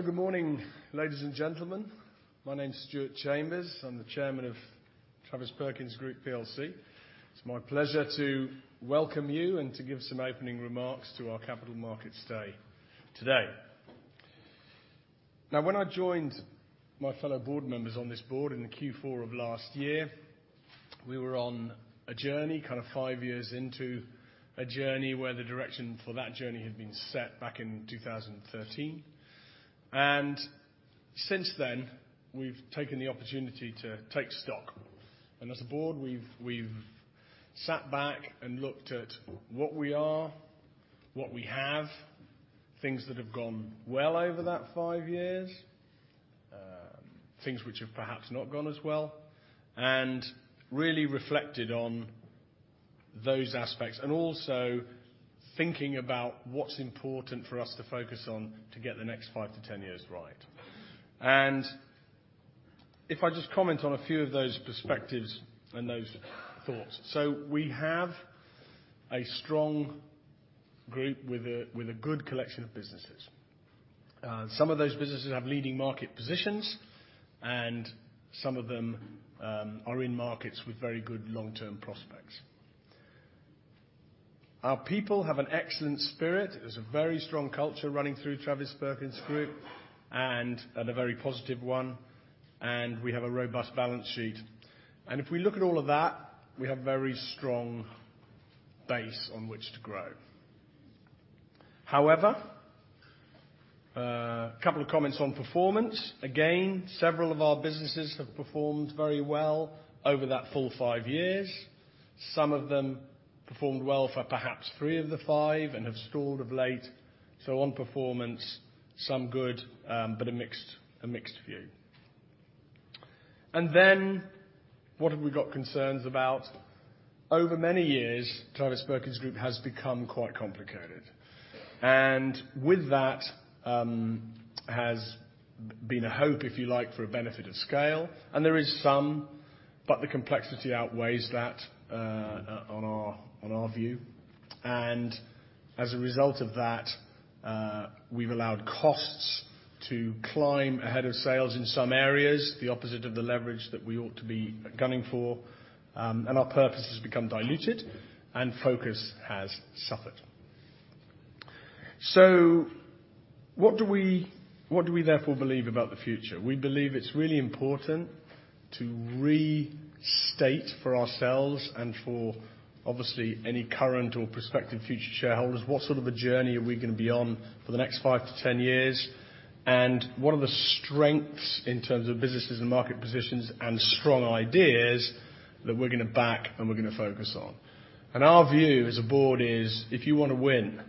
Good morning, ladies and gentlemen. My name is Stuart Chambers. I'm the Chairman of Travis Perkins Group PLC. It's my pleasure to welcome you and to give some opening remarks to our capital markets day today. When I joined my fellow board members on this board in the Q4 of last year, we were on a journey, kind of five years into a journey where the direction for that journey had been set back in 2013. Since then, we've taken the opportunity to take stock. As a board, we've sat back and looked at what we are, what we have, things that have gone well over that five years, things which have perhaps not gone as well, and really reflected on those aspects. Also thinking about what's important for us to focus on to get the next five to 10 years right. If I just comment on a few of those perspectives and those thoughts. We have a strong group with a good collection of businesses. Some of those businesses have leading market positions and some of them are in markets with very good long-term prospects. Our people have an excellent spirit. There's a very strong culture running through Travis Perkins Group and a very positive one, and we have a robust balance sheet. If we look at all of that, we have a very strong base on which to grow. However, a couple of comments on performance. Again, several of our businesses have performed very well over that full five years. Some of them performed well for perhaps three of the five and have stalled of late. On performance, some good, but a mixed few. Then what have we got concerns about? Over many years, Travis Perkins Group has become quite complicated. With that, has been a hope, if you like, for a benefit of scale. There is some, but the complexity outweighs that on our view. As a result of that, we've allowed costs to climb ahead of sales in some areas, the opposite of the leverage that we ought to be gunning for, and our purpose has become diluted and focus has suffered. What do we therefore believe about the future? We believe it's really important to restate for ourselves and for obviously any current or prospective future shareholders, what sort of a journey are we going to be on for the next five to 10 years? What are the strengths in terms of businesses and market positions and strong ideas that we're going to back and we're going to focus on? Our view as a board is, if you want to win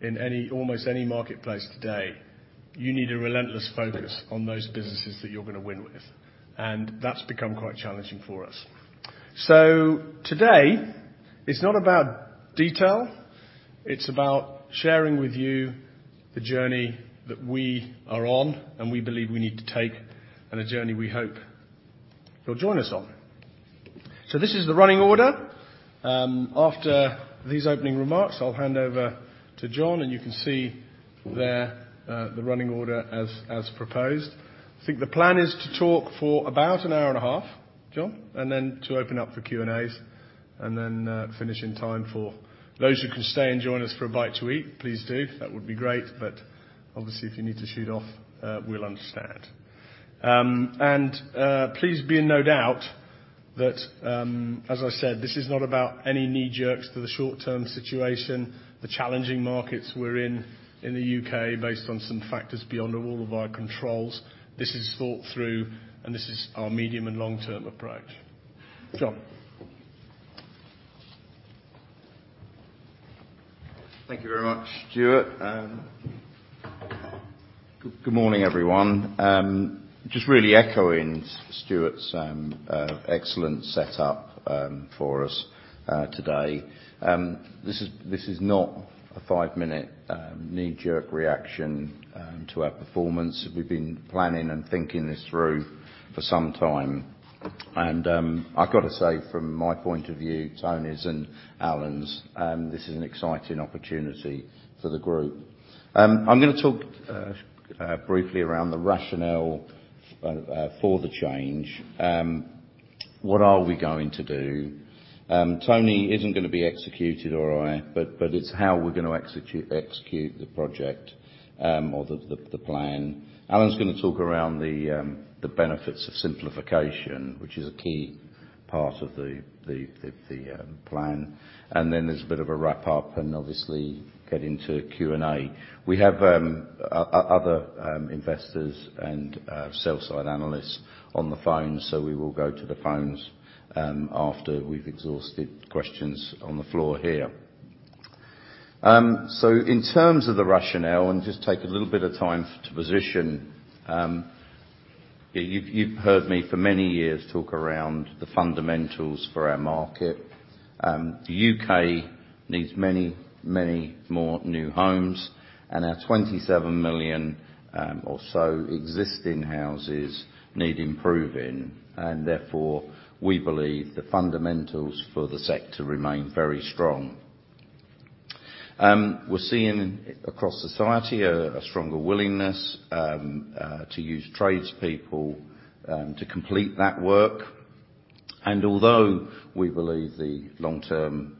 in almost any marketplace today, you need a relentless focus on those businesses that you're going to win with. That's become quite challenging for us. Today, it's not about detail, it's about sharing with you the journey that we are on and we believe we need to take, and a journey we hope you'll join us on. This is the running order. After these opening remarks, I'll hand over to John, and you can see there, the running order as proposed. I think the plan is to talk for about an hour and a half, John, and then to open up for Q&As and then finish in time for those who can stay and join us for a bite to eat. Please do. That would be great. Obviously, if you need to shoot off, we'll understand. Please be in no doubt that, as I said, this is not about any knee-jerks to the short-term situation, the challenging markets we're in the U.K., based on some factors beyond all of our controls. This is thought through, and this is our medium and long-term approach. John. Thank you very much, Stuart. Good morning, everyone. Just really echoing Stuart's excellent setup for us today. This is not a five-minute knee-jerk reaction to our performance. We've been planning and thinking this through for some time. I've got to say from my point of view, Tony's and Alan's, this is an exciting opportunity for the group. I'm going to talk briefly around the rationale for the change. What are we going to do? Tony isn't going to be executed or I, but it's how we're going to execute the project, or the plan. Alan's going to talk around the benefits of simplification, which is a key part of the plan. Then there's a bit of a wrap-up and obviously get into Q&A. We have other investors and sell side analysts on the phone, we will go to the phones after we've exhausted questions on the floor here. In terms of the rationale, just take a little bit of time to position. You've heard me for many years talk around the fundamentals for our market. The U.K. needs many, many more new homes, and our 27 million or so existing houses need improving. Therefore, we believe the fundamentals for the sector remain very strong. We're seeing across society a stronger willingness to use tradespeople to complete that work. Although we believe the long-term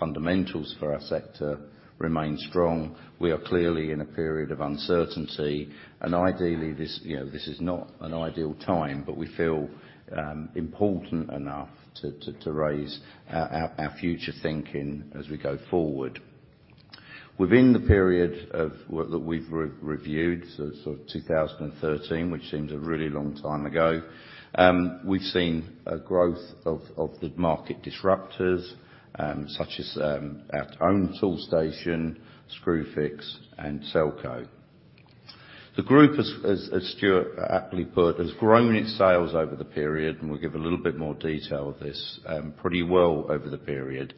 fundamentals for our sector remain strong, we are clearly in a period of uncertainty. Ideally, this is not an ideal time, but we feel important enough to raise our future thinking as we go forward. Within the period that we've reviewed, 2013, which seems a really long time ago, we've seen a growth of the market disruptors, such as our own Toolstation, Screwfix, and Selco. The group, as Stuart aptly put, has grown its sales over the period, we'll give a little bit more detail of this pretty well over the period.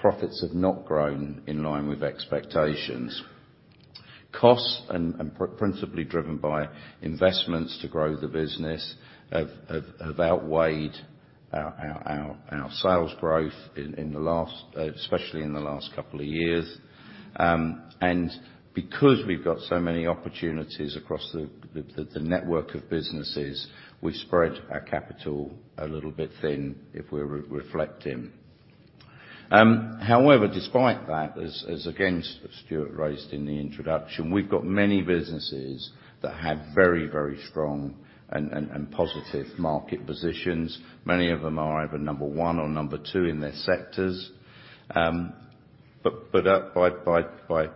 Profits have not grown in line with expectations. Costs, principally driven by investments to grow the business, have outweighed our sales growth, especially in the last couple of years. Because we've got so many opportunities across the network of businesses, we've spread our capital a little bit thin, if we're reflecting. However, despite that, as again Stuart raised in the introduction, we've got many businesses that have very strong and positive market positions. Many of them are either number one or number two in their sectors. By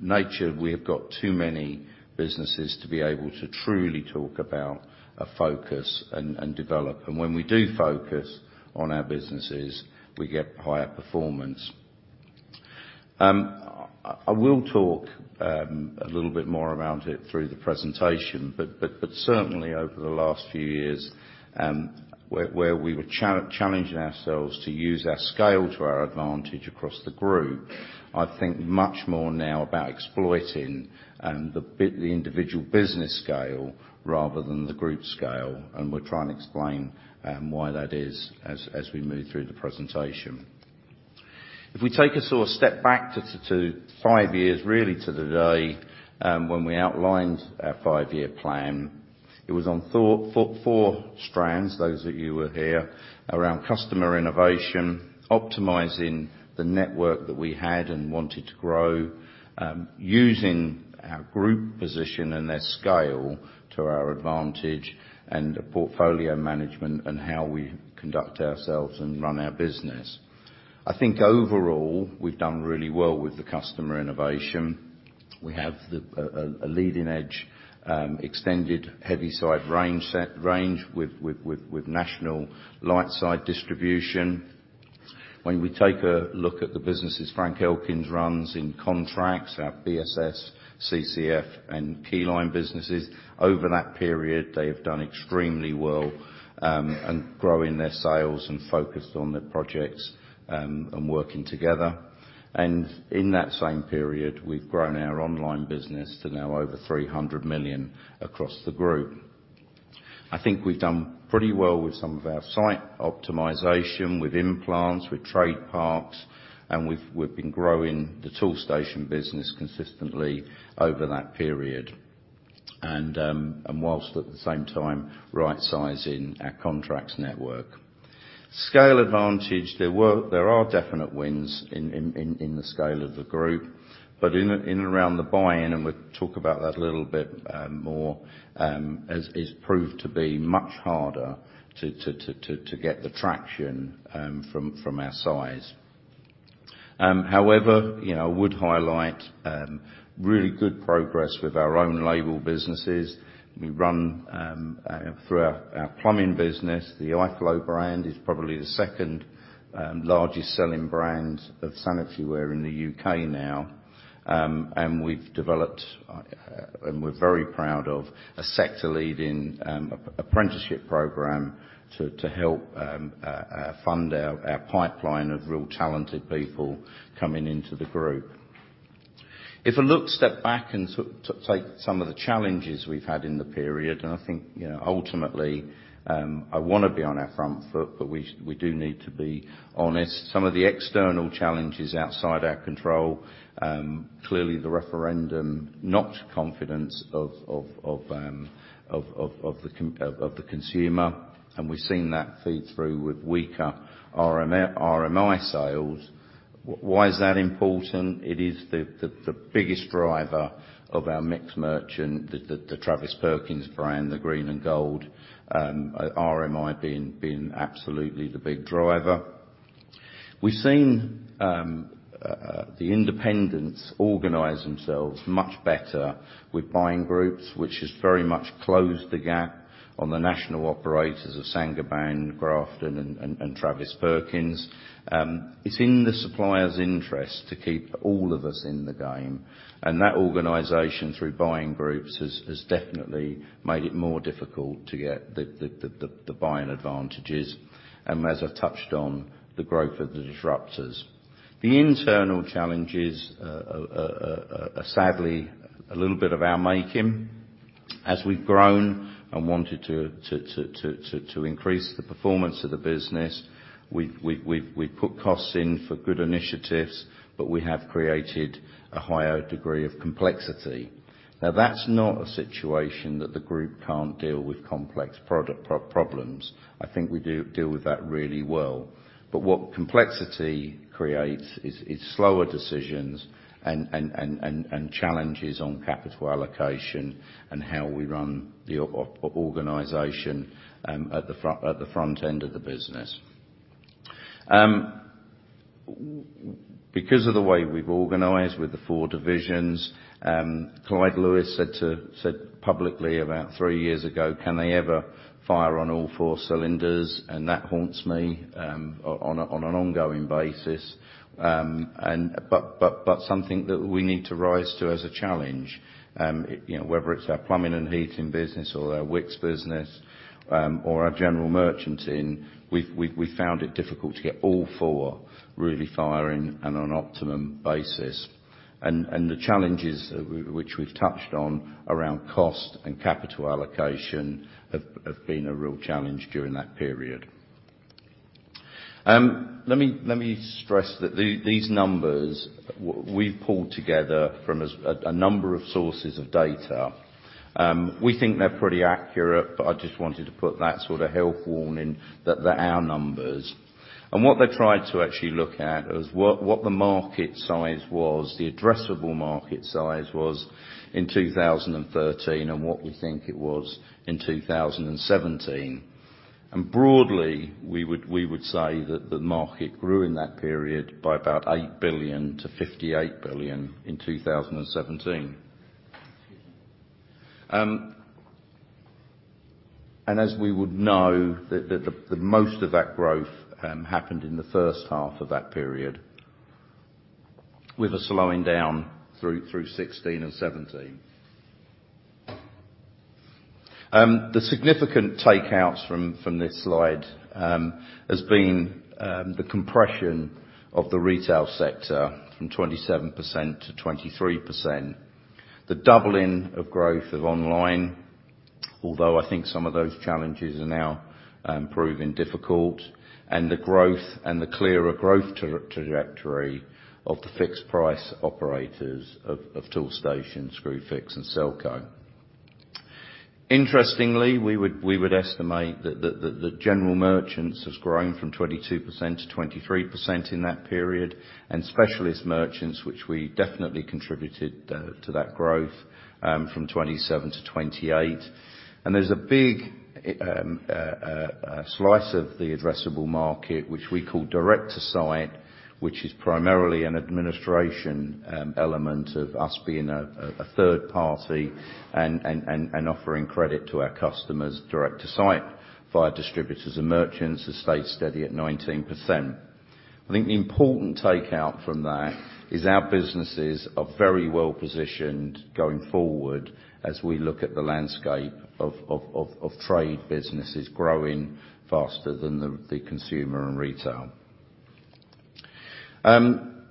nature, we have got too many businesses to be able to truly talk about a focus and develop. When we do focus on our businesses, we get higher performance. I will talk a little bit more around it through the presentation, certainly over the last few years, where we were challenging ourselves to use our scale to our advantage across the group, I think much more now about exploiting the individual business scale rather than the group scale, and we'll try and explain why that is as we move through the presentation. If we take a step back to five years, really to the day, when we outlined our five-year plan, it was on four strands, those of you who were here, around customer innovation, optimizing the network that we had and wanted to grow, using our group position and their scale to our advantage, and portfolio management and how we conduct ourselves and run our business. I think overall, we've done really well with the customer innovation. We have a leading edge extended heavy side range with national light side distribution. When we take a look at the businesses Frank Elkins runs in contracts, our BSS, CCF, and Keyline businesses, over that period, they have done extremely well in growing their sales and focused on their projects and working together. In that same period, we've grown our online business to now over 300 million across the group. I think we've done pretty well with some of our site optimization with implants, with trade parks, we've been growing the Toolstation business consistently over that period, and whilst at the same time, rightsizing our contracts network. Scale advantage, there are definite wins in the scale of the group, in and around the buy-in, and we'll talk about that a little bit more, has proved to be much harder to get the traction from our size. However, I would highlight really good progress with our own label businesses. We run through our plumbing business. The Iflo brand is probably the second largest selling brand of sanitaryware in the U.K. now. We've developed, and we're very proud of, a sector-leading apprenticeship program to help fund our pipeline of real talented people coming into the group. If I look step back and take some of the challenges we've had in the period, I think ultimately, I want to be on our front foot, we do need to be honest. Some of the external challenges outside our control, clearly the referendum, knocked confidence of the consumer, we've seen that feed through with weaker RMI sales. Why is that important? It is the biggest driver of our mixed merchant, the Travis Perkins brand, the Green and Gold, RMI being absolutely the big driver. We've seen the independents organize themselves much better with buying groups, which has very much closed the gap on the national operators of Saint-Gobain, Grafton, and Travis Perkins. It's in the supplier's interest to keep all of us in the game, that organization through buying groups has definitely made it more difficult to get the buying advantages and, as I've touched on, the growth of the disruptors. The internal challenges are sadly a little bit of our making. As we've grown and wanted to increase the performance of the business, we put costs in for good initiatives, but we have created a higher degree of complexity. Now, that's not a situation that the group can't deal with complex product problems. I think we deal with that really well. What complexity creates is slower decisions and challenges on capital allocation and how we run the organization at the front end of the business. Because of the way we've organized with the four divisions, Clyde Lewis said publicly about three years ago, can they ever fire on all four cylinders? That haunts me on an ongoing basis. Something that we need to rise to as a challenge, whether it's our plumbing and heating business or our Wickes business, or our general merchanting, we've found it difficult to get all four really firing and on optimum basis. The challenges which we've touched on around cost and capital allocation have been a real challenge during that period. Let me stress that these numbers. We've pulled together from a number of sources of data. We think they're pretty accurate, but I just wanted to put that sort of health warning that they're our numbers. What they tried to actually look at is what the market size was, the addressable market size was in 2013 and what we think it was in 2017. Broadly, we would say that the market grew in that period by about 8 billion to 58 billion in 2017. As we would know, that the most of that growth happened in the first half of that period, with a slowing down through 2016 and 2017. The significant takeouts from this slide has been the compression of the retail sector from 27%-23%, the doubling of growth of online, although I think some of those challenges are now proving difficult, the growth and the clearer growth trajectory of the fixed price operators of Toolstation, Screwfix, and Selco. Interestingly, we would estimate that the general merchants has grown from 22%-23% in that period, and specialist merchants, which we definitely contributed to that growth, from 27%-28%. There's a big slice of the addressable market, which we call direct to site, which is primarily an administration element of us being a third-party and offering credit to our customers direct to site via distributors and merchants has stayed steady at 19%. I think the important takeout from that is our businesses are very well positioned going forward as we look at the landscape of trade businesses growing faster than the consumer and retail. On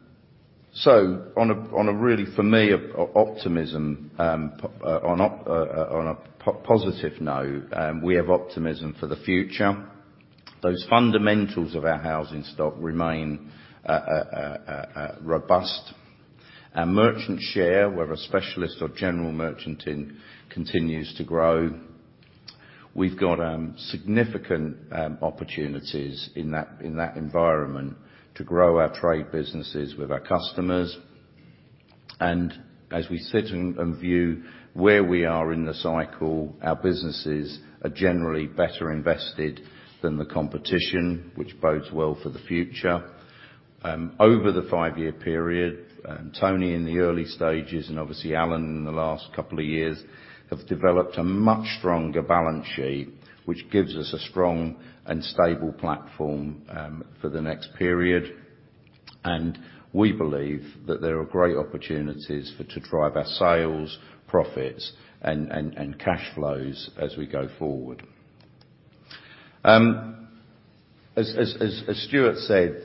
a really, for me, optimism on a positive note, we have optimism for the future. Those fundamentals of our housing stock remain robust. Our merchant share, we're a specialist of general merchanting, continues to grow. We've got significant opportunities in that environment to grow our trade businesses with our customers. As we sit and view where we are in the cycle, our businesses are generally better invested than the competition, which bodes well for the future. Over the five-year period, Tony in the early stages, and obviously Alan in the last couple of years, have developed a much stronger balance sheet, which gives us a strong and stable platform for the next period. We believe that there are great opportunities to drive our sales, profits, and cash flows as we go forward. As Stuart said,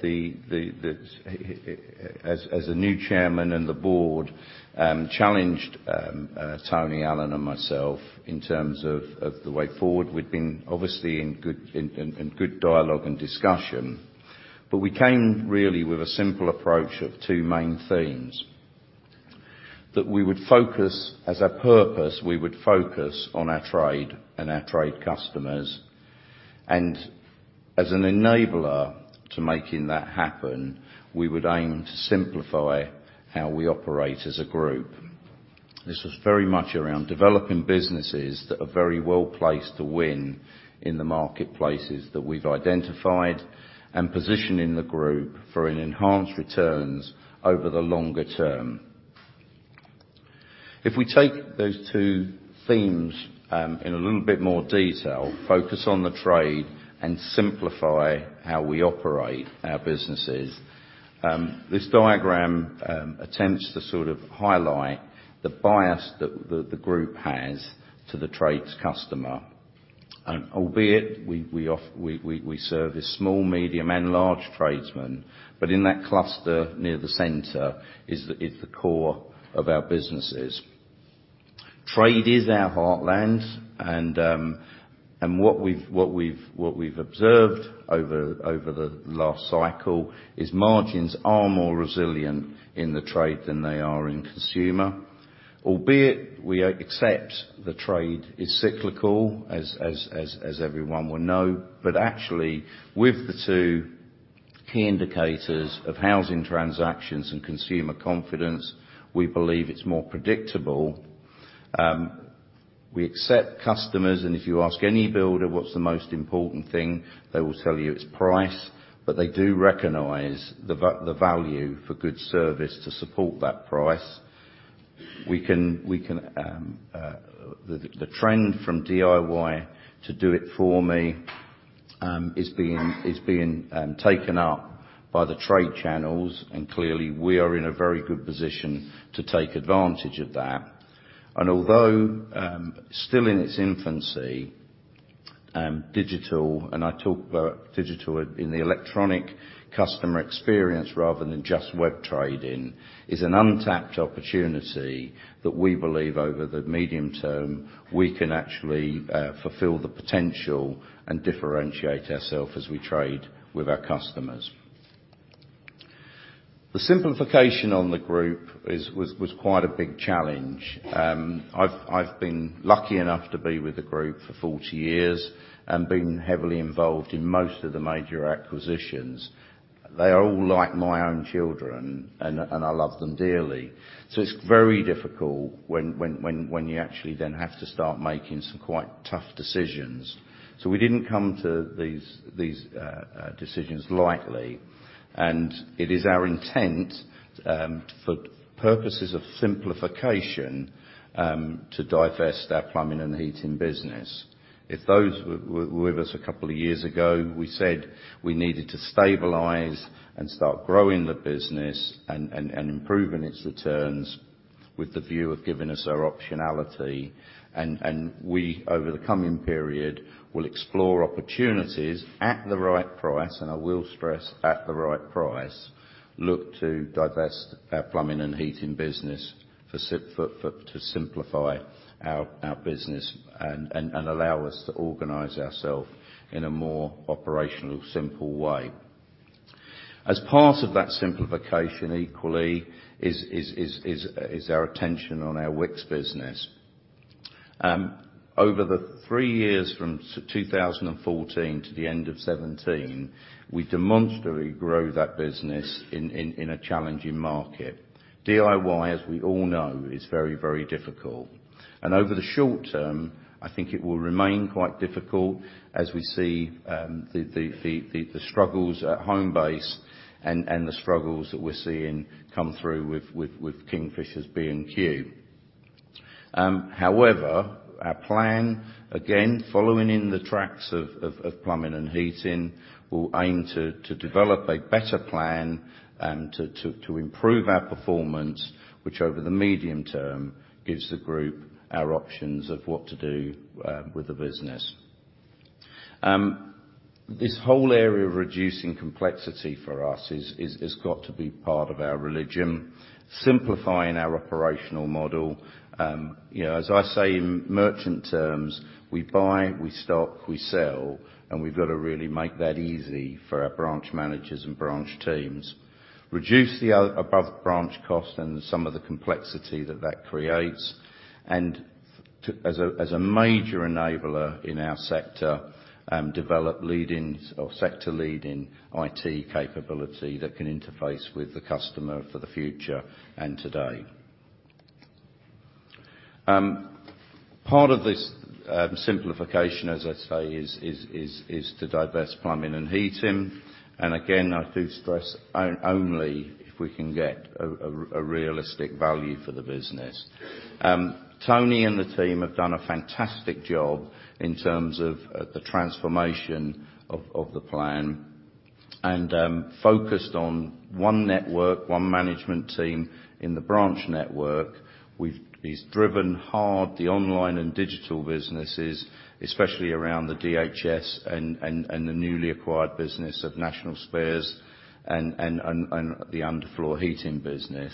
as the new chairman and the board challenged Tony, Alan, and myself in terms of the way forward, we've been obviously in good dialogue and discussion. We came really with a simple approach of two main themes. That we would focus as a purpose, we would focus on our trade and our trade customers. As an enabler to making that happen, we would aim to simplify how we operate as a group. This was very much around developing businesses that are very well-placed to win in the marketplaces that we've identified and positioning the group for an enhanced returns over the longer term. If we take those two themes in a little bit more detail, focus on the trade and simplify how we operate our businesses, this diagram attempts to sort of highlight the bias that the group has to the trades customer. Albeit we service small, medium, and large tradesmen, but in that cluster near the center is the core of our businesses. Trade is our heartland. What we've observed over the last cycle is margins are more resilient in the trade than they are in consumer. Albeit we accept the trade is cyclical, as everyone will know, but actually, with the two key indicators of housing transactions and consumer confidence, we believe it's more predictable. We accept customers. If you ask any builder what's the most important thing, they will tell you it's price, but they do recognize the value for good service to support that price. The trend from DIY to do-it-for-me is being taken up by the trade channels. Clearly, we are in a very good position to take advantage of that. Although still in its infancy, digital, and I talk about digital in the electronic customer experience rather than just web trading, is an untapped opportunity that we believe over the medium term, we can actually fulfill the potential and differentiate ourselves as we trade with our customers. The simplification on the group was quite a big challenge. I've been lucky enough to be with the group for 40 years and been heavily involved in most of the major acquisitions. They are all like my own children. I love them dearly. It's very difficult when you actually then have to start making some quite tough decisions. We didn't come to these decisions lightly. It is our intent, for purposes of simplification, to divest our plumbing and heating business. If those were with us a couple of years ago, we said we needed to stabilize and start growing the business and improving its returns with the view of giving us our optionality. We, over the coming period, will explore opportunities at the right price, and I will stress at the right price, look to divest our plumbing and heating business to simplify our business and allow us to organize ourselves in a more operational, simple way. As part of that simplification, equally, is our attention on our Wickes business. Over the three years from 2014 to the end of 2017, we demonstrably grow that business in a challenging market. DIY, as we all know, is very difficult. Over the short term, I think it will remain quite difficult as we see the struggles at Homebase and the struggles that we're seeing come through with Kingfisher's B&Q. However, our plan, again, following in the tracks of plumbing and heating, will aim to develop a better plan and to improve our performance, which over the medium term, gives the group our options of what to do with the business. This whole area of reducing complexity for us has got to be part of our religion. Simplifying our operational model. As I say in merchant terms, we buy, we stock, we sell, and we've got to really make that easy for our branch managers and branch teams. Reduce the above branch cost and some of the complexity that that creates. As a major enabler in our sector, develop sector leading IT capability that can interface with the customer for the future and today. Part of this simplification, as I say, is to divest plumbing and heating, again, I do stress only if we can get a realistic value for the business. Tony and the team have done a fantastic job in terms of the transformation of the plan and focused on one network, one management team in the branch network. He's driven hard the online and digital businesses, especially around the DHS and the newly acquired business of National Spares and the under-floor heating business.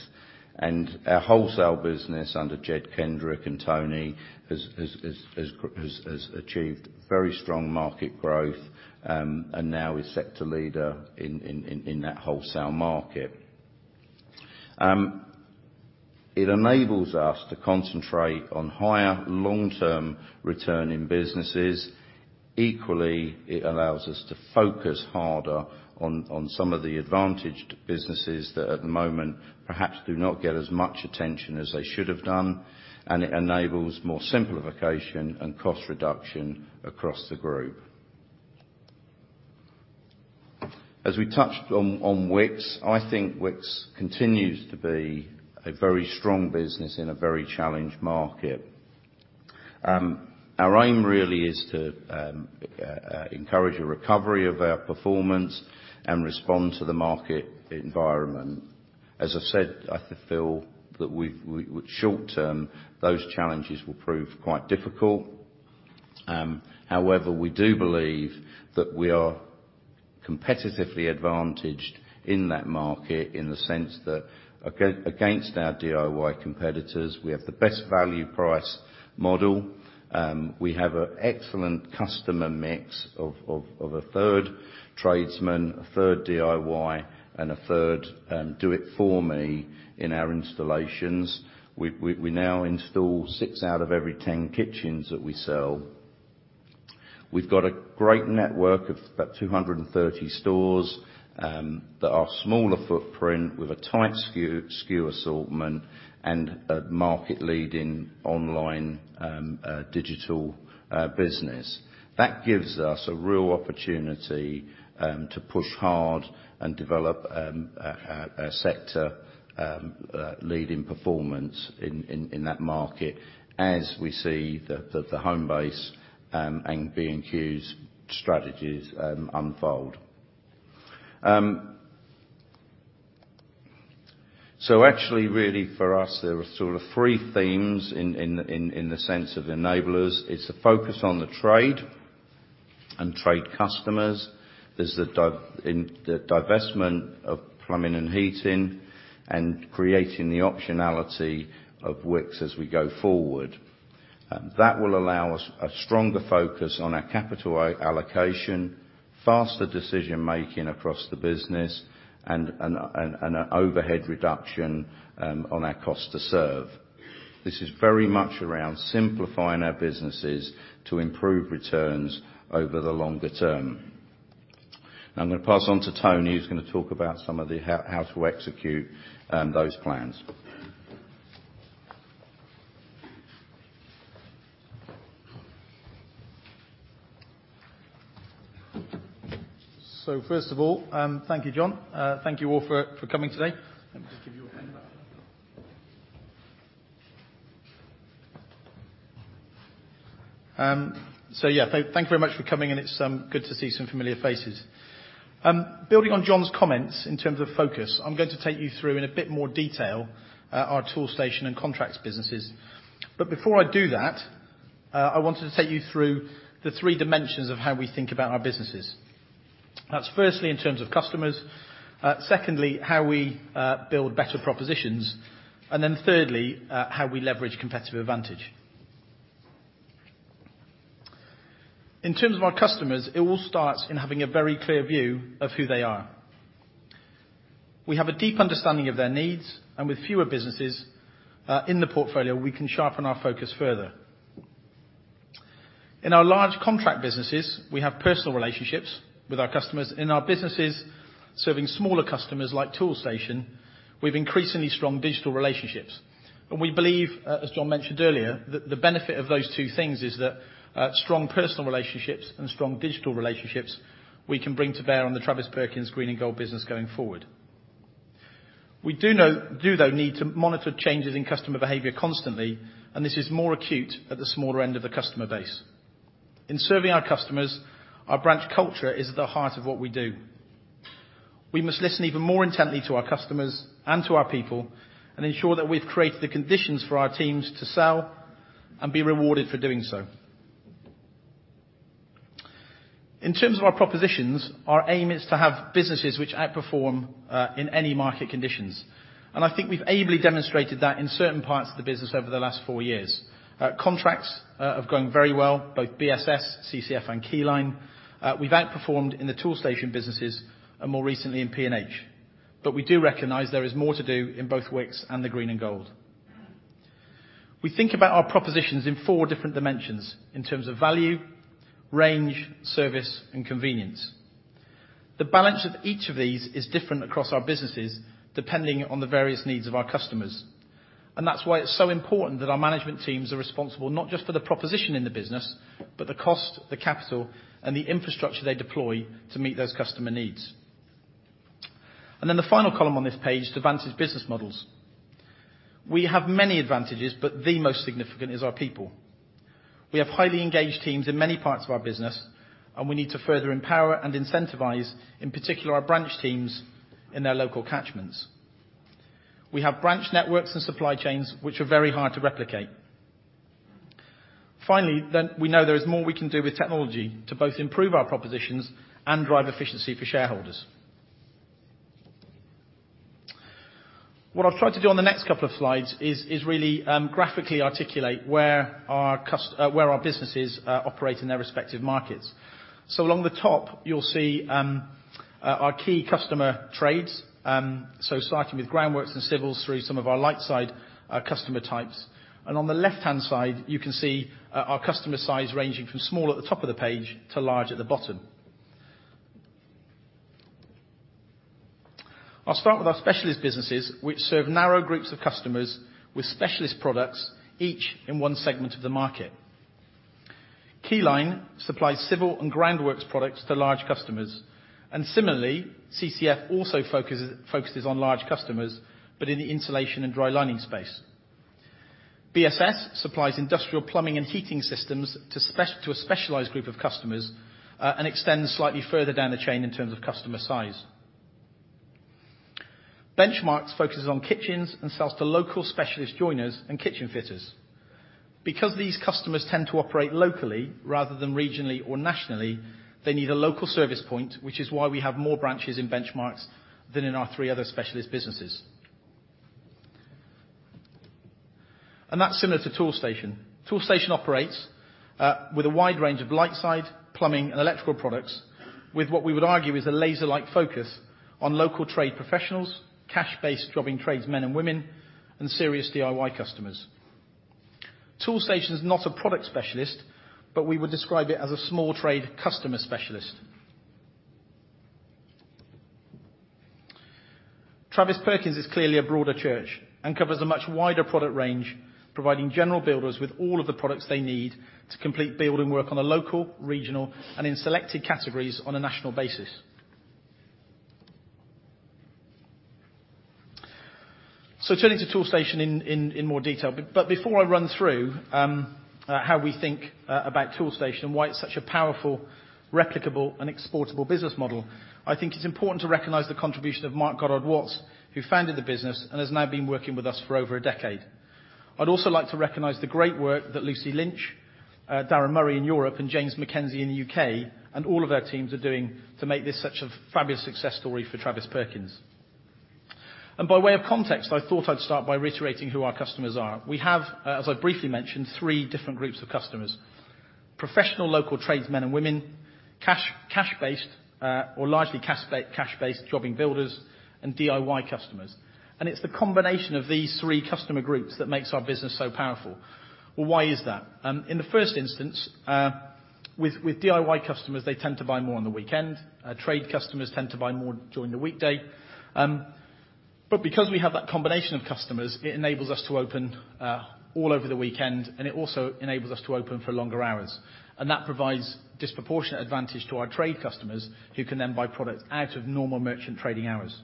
Our wholesale business under Jed Kendrick and Tony has achieved very strong market growth, and now is sector leader in that wholesale market. It enables us to concentrate on higher long-term returning businesses. Equally, it allows us to focus harder on some of the advantaged businesses that at the moment perhaps do not get as much attention as they should have done. It enables more simplification and cost reduction across the group. As we touched on Wickes, I think Wickes continues to be a very strong business in a very challenged market. Our aim really is to encourage a recovery of our performance and respond to the market environment. As I said, I feel that short term, those challenges will prove quite difficult. However, we do believe that we are competitively advantaged in that market in the sense that against our DIY competitors, we have the best value price model. We have an excellent customer mix of a third tradesman, a third DIY, and a third do-it-for-me in our installations. We now install six out of every 10 kitchens that we sell. We've got a great network of about 230 stores that are smaller footprint with a tight SKU assortment and a market leading online digital business. That gives us a real opportunity to push hard and develop a sector leading performance in that market as we see the Homebase and B&Q's strategies unfold. Actually, really for us, there are sort of three themes in the sense of enablers. It's a focus on the trade and trade customers. There's the divestment of plumbing and heating and creating the optionality of Wickes as we go forward. That will allow us a stronger focus on our capital allocation, faster decision making across the business, and an overhead reduction on our cost to serve. This is very much around simplifying our businesses to improve returns over the longer term. I'm going to pass on to Tony, who's going to talk about some of the how to execute those plans. First of all, thank you, John. Thank you all for coming today. Let me just give you all a handout. Thank you very much for coming and it's good to see some familiar faces. Building on John's comments in terms of focus, I'm going to take you through in a bit more detail our Toolstation and Contracts businesses. Before I do that, I wanted to take you through the three dimensions of how we think about our businesses. That's firstly in terms of customers, secondly, how we build better propositions, and then thirdly, how we leverage competitive advantage. In terms of our customers, it all starts in having a very clear view of who they are. We have a deep understanding of their needs, and with fewer businesses in the portfolio, we can sharpen our focus further. In our large contract businesses, we have personal relationships with our customers. In our businesses serving smaller customers like Toolstation, we have increasingly strong digital relationships. We believe, as John mentioned earlier, that the benefit of those two things is that strong personal relationships and strong digital relationships we can bring to bear on the Travis Perkins Green and Gold business going forward. We do though need to monitor changes in customer behavior constantly, and this is more acute at the smaller end of the customer base. In serving our customers, our branch culture is at the heart of what we do. We must listen even more intently to our customers and to our people and ensure that we've created the conditions for our teams to sell and be rewarded for doing so. In terms of our propositions, our aim is to have businesses which outperform in any market conditions. I think we've ably demonstrated that in certain parts of the business over the last four years. Contracts are going very well, both BSS, CCF and Keyline. We've outperformed in the Toolstation businesses and more recently in P&H. We do recognize there is more to do in both Wickes and the Green and Gold. We think about our propositions in four different dimensions in terms of value, range, service, and convenience. The balance of each of these is different across our businesses, depending on the various needs of our customers. That's why it's so important that our management teams are responsible not just for the proposition in the business, but the cost, the capital, and the infrastructure they deploy to meet those customer needs. Then the final column on this page, advantaged business models. We have many advantages, but the most significant is our people. We have highly engaged teams in many parts of our business, and we need to further empower and incentivize, in particular, our branch teams in their local catchments. We have branch networks and supply chains which are very hard to replicate. Finally, we know there is more we can do with technology to both improve our propositions and drive efficiency for shareholders. What I'll try to do on the next couple of slides is really graphically articulate where our businesses operate in their respective markets. Along the top, you'll see our key customer trades. Starting with groundworks and civils through some of our light side customer types. On the left-hand side, you can see our customer size ranging from small at the top of the page to large at the bottom. I'll start with our specialist businesses, which serve narrow groups of customers with specialist products, each in one segment of the market. Keyline supplies civil and groundworks products to large customers. Similarly, CCF also focuses on large customers, but in the insulation and dry lining space. BSS supplies industrial plumbing and heating systems to a specialized group of customers, and extends slightly further down the chain in terms of customer size. Benchmarx focuses on kitchens and sells to local specialist joiners and kitchen fitters. Because these customers tend to operate locally rather than regionally or nationally, they need a local service point, which is why we have more branches in Benchmarx than in our three other specialist businesses. That's similar to Toolstation. Toolstation operates with a wide range of light side plumbing and electrical products with what we would argue is a laser-like focus on local trade professionals, cash-based jobbing tradesmen and women, and serious DIY customers. Toolstation's not a product specialist, but we would describe it as a small trade customer specialist. Travis Perkins is clearly a broader church and covers a much wider product range, providing general builders with all of the products they need to complete building work on a local, regional, and in selected categories on a national basis. Turning to Toolstation in more detail. Before I run through how we think about Toolstation and why it's such a powerful, replicable, and exportable business model, I think it's important to recognize the contribution of Mark Goddard-Watts, who founded the business and has now been working with us for over a decade. I'd also like to recognize the great work that Lucy Lynch, Darren Murray in Europe, James Mackenzie in the U.K., and all of their teams are doing to make this such a fabulous success story for Travis Perkins. By way of context, I thought I'd start by reiterating who our customers are. We have, as I briefly mentioned, three different groups of customers, professional local tradesmen and women, cash-based, or largely cash-based jobbing builders, and DIY customers. It's the combination of these three customer groups that makes our business so powerful. Why is that? In the first instance, with DIY customers, they tend to buy more on the weekend. Trade customers tend to buy more during the weekday. Because we have that combination of customers, it enables us to open all over the weekend, and it also enables us to open for longer hours. That provides disproportionate advantage to our trade customers who can then buy products out of normal merchant trading hours.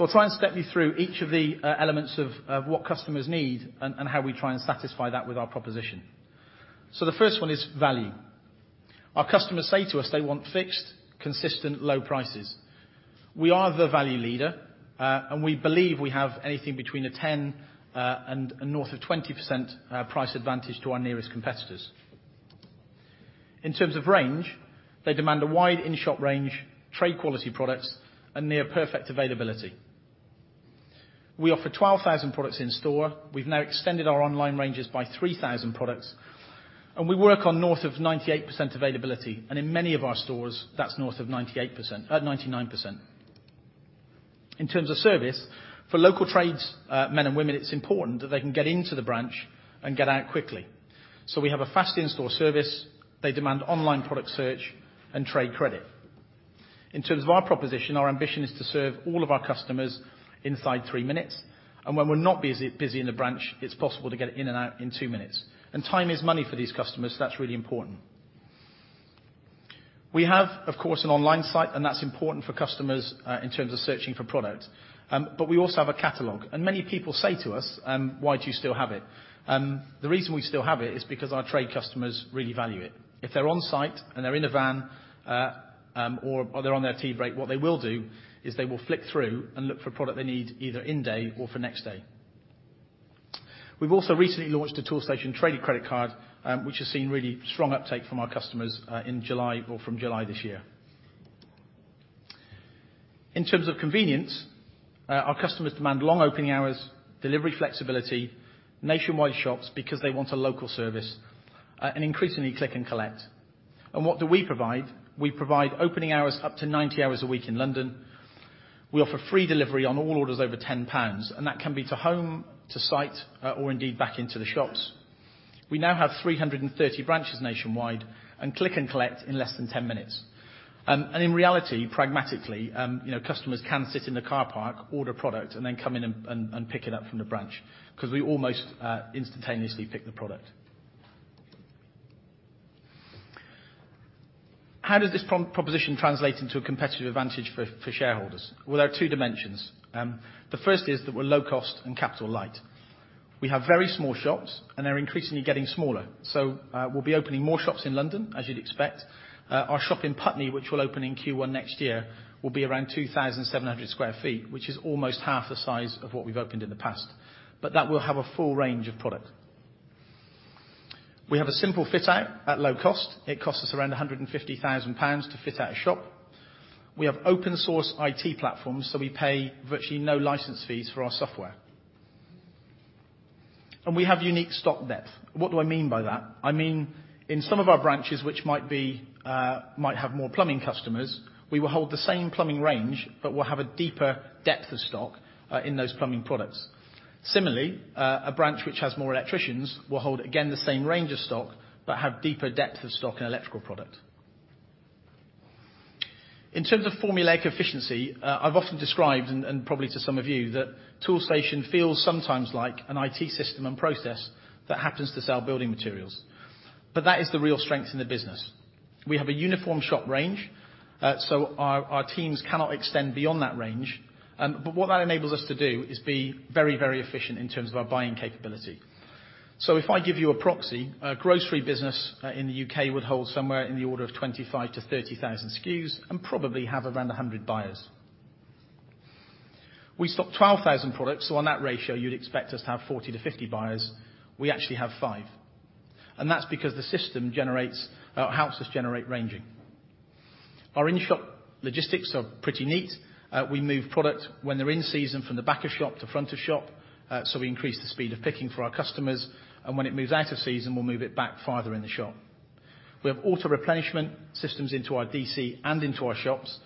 I'll try and step you through each of the elements of what customers need and how we try and satisfy that with our proposition. The first one is value. Our customers say to us they want fixed, consistent, low prices. We are the value leader, and we believe we have anything between a 10, and north of 20%, price advantage to our nearest competitors. In terms of range, they demand a wide in-shop range, trade quality products, and near perfect availability. We offer 12,000 products in store. We've now extended our online ranges by 3,000 products, and we work on north of 98% availability. In many of our stores, that's north of 98%, 99%. In terms of service, for local tradesmen and women, it's important that they can get into the branch and get out quickly. We have a fast in-store service. They demand online product search and trade credit. In terms of our proposition, our ambition is to serve all of our customers inside three minutes. When we're not busy in the branch, it's possible to get in and out in two minutes. Time is money for these customers, so that's really important. We have, of course, an online site, and that's important for customers in terms of searching for product. We also have a catalog. Many people say to us, "Why do you still have it?" The reason we still have it is because our trade customers really value it. If they're on site and they're in a van, or they're on their tea break, what they will do is they will flick through and look for a product they need either in day or for next day. We've also recently launched a Toolstation trade credit card, which has seen really strong uptake from our customers in July or from July this year. In terms of convenience, our customers demand long opening hours, delivery flexibility, nationwide shops because they want a local service, and increasingly click and collect. What do we provide? We provide opening hours up to 90 hours a week in London. We offer free delivery on all orders over 10 pounds, that can be to home, to site, or indeed back into the shops. We now have 330 branches nationwide and click and collect in less than 10 minutes. In reality, pragmatically, you know, customers can sit in the car park, order product, and then come in and pick it up from the branch because we almost instantaneously pick the product. How does this proposition translate into a competitive advantage for shareholders? Well, there are two dimensions. The first is that we're low cost and capital light. We have very small shops, and they're increasingly getting smaller. We'll be opening more shops in London, as you'd expect. Our shop in Putney, which will open in Q1 next year, will be around 2,700 sq ft, which is almost half the size of what we've opened in the past. That will have a full range of product. We have a simple fit out at low cost. It costs us around 150,000 pounds to fit out a shop. We have open source IT platforms, so we pay virtually no license fees for our software. We have unique stock depth. What do I mean by that? I mean, in some of our branches, which might have more plumbing customers, we will hold the same plumbing range, but we'll have a deeper depth of stock in those plumbing products. Similarly, a branch which has more electricians will hold, again, the same range of stock, but have deeper depth of stock in electrical product. In terms of formulaic efficiency, I've often described, and probably to some of you, that Toolstation feels sometimes like an IT system and process that happens to sell building materials. That is the real strength in the business. We have a uniform shop range, so our teams cannot extend beyond that range. What that enables us to do is be very, very efficient in terms of our buying capability. If I give you a proxy, a grocery business in the U.K. would hold somewhere in the order of 25,000-30,000 SKUs and probably have around 100 buyers. We stock 12,000 products, so on that ratio, you'd expect us to have 40-50 buyers. We actually have five, That's because the system helps us generate ranging. Our in-shop logistics are pretty neat. We move product when they're in season from the back of shop to front of shop, so we increase the speed of picking for our customers, and when it moves out of season, we'll move it back farther in the shop. We have auto-replenishment systems into our DC and into our shops.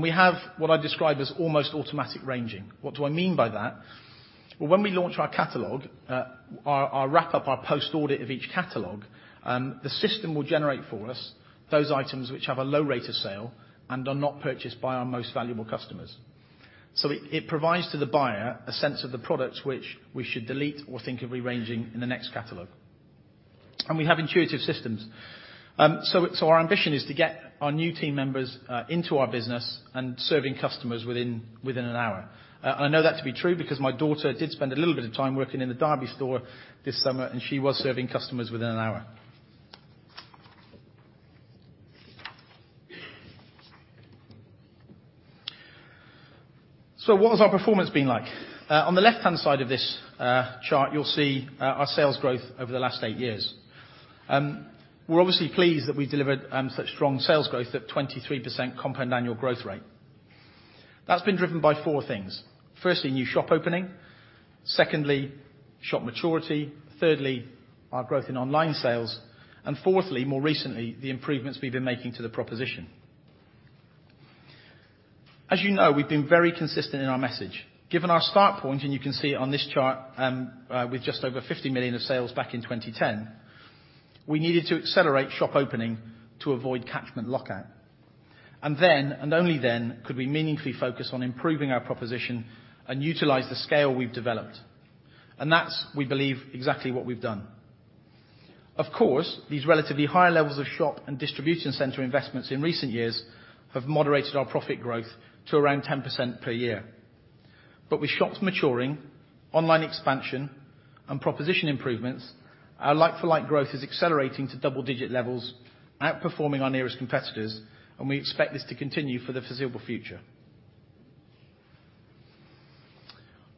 We have what I describe as almost automatic ranging. What do I mean by that? Well, when we launch our catalog, our wrap up, our post audit of each catalog, the system will generate for us those items which have a low rate of sale and are not purchased by our most valuable customers. It provides to the buyer a sense of the products which we should delete or think of re-ranging in the next catalog. We have intuitive systems. Our ambition is to get our new team members into our business and serving customers within an hour. I know that to be true because my daughter did spend a little bit of time working in the Derby store this summer, and she was serving customers within an hour. What has our performance been like? On the left-hand side of this chart, you'll see our sales growth over the last eight years. We're obviously pleased that we've delivered such strong sales growth at 23% compound annual growth rate. That's been driven by four things. Firstly, new shop opening. Secondly, shop maturity. Thirdly, our growth in online sales. Fourthly, more recently, the improvements we've been making to the proposition. As you know, we've been very consistent in our message. Given our start point, you can see it on this chart, with just over 50 million of sales back in 2010, we needed to accelerate shop opening to avoid catchment lockout. Then, only then, could we meaningfully focus on improving our proposition and utilize the scale we've developed. That's, we believe, exactly what we've done. Of course, these relatively higher levels of shop and distribution center investments in recent years have moderated our profit growth to around 10% per year. With shops maturing, online expansion, and proposition improvements, our like-for-like growth is accelerating to double-digit levels, outperforming our nearest competitors, and we expect this to continue for the foreseeable future.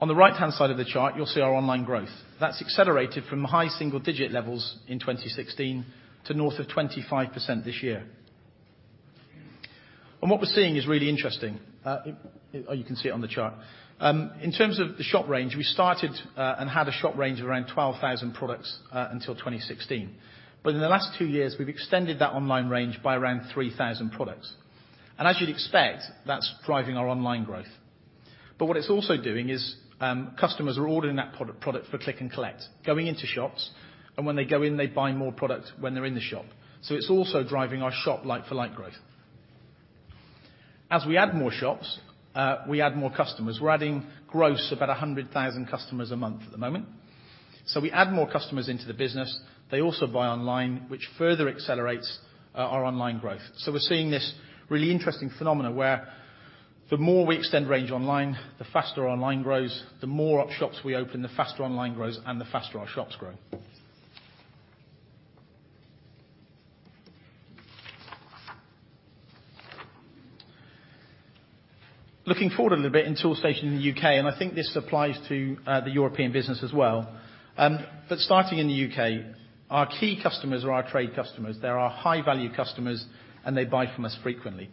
On the right-hand side of the chart, you'll see our online growth. That's accelerated from high single-digit levels in 2016 to north of 25% this year. What we're seeing is really interesting. You can see it on the chart. In terms of the shop range, we started and had a shop range of around 12,000 products until 2016. In the last two years, we've extended that online range by around 3,000 products. As you'd expect, that's driving our online growth. What it's also doing is, customers are ordering that product for click and collect, going into shops, and when they go in, they buy more product when they're in the shop. It's also driving our shop like-for-like growth. As we add more shops, we add more customers. We're adding gross about 100,000 customers a month at the moment. We add more customers into the business. They also buy online, which further accelerates our online growth. We're seeing this really interesting phenomena where the more we extend range online, the faster online grows, the more shops we open, the faster online grows and the faster our shops grow. Looking forward a little bit in Toolstation U.K., I think this applies to the European business as well. Starting in the U.K., our key customers are our trade customers. They're our high-value customers, they buy from us frequently.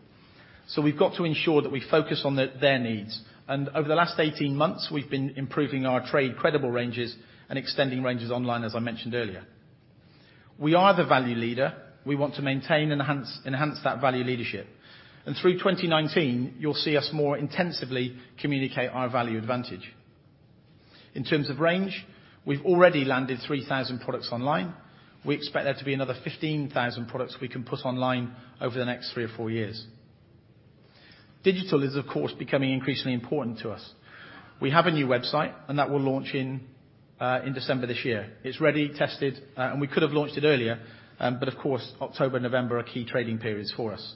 We've got to ensure that we focus on their needs. Over the last 18 months, we've been improving our trade credible ranges and extending ranges online, as I mentioned earlier. We are the value leader. We want to maintain and enhance that value leadership. Through 2019, you'll see us more intensively communicate our value advantage. In terms of range, we've already landed 3,000 products online. We expect there to be another 15,000 products we can put online over the next three or four years. Digital is, of course, becoming increasingly important to us. We have a new website and that will launch in December this year. It's ready, tested, and we could have launched it earlier, but of course, October, November are key trading periods for us.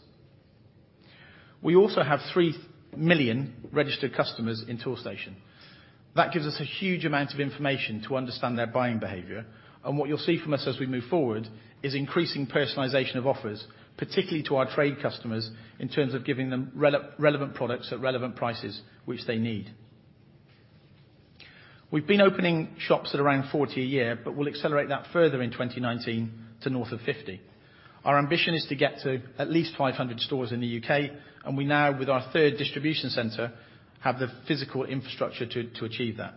We also have 3 million registered customers in Toolstation. That gives us a huge amount of information to understand their buying behavior. What you'll see from us as we move forward is increasing personalization of offers, particularly to our trade customers, in terms of giving them relevant products at relevant prices which they need. We've been opening shops at around 40 a year, but we'll accelerate that further in 2019 to north of 50. Our ambition is to get to at least 500 stores in the U.K., and we now, with our third distribution center, have the physical infrastructure to achieve that.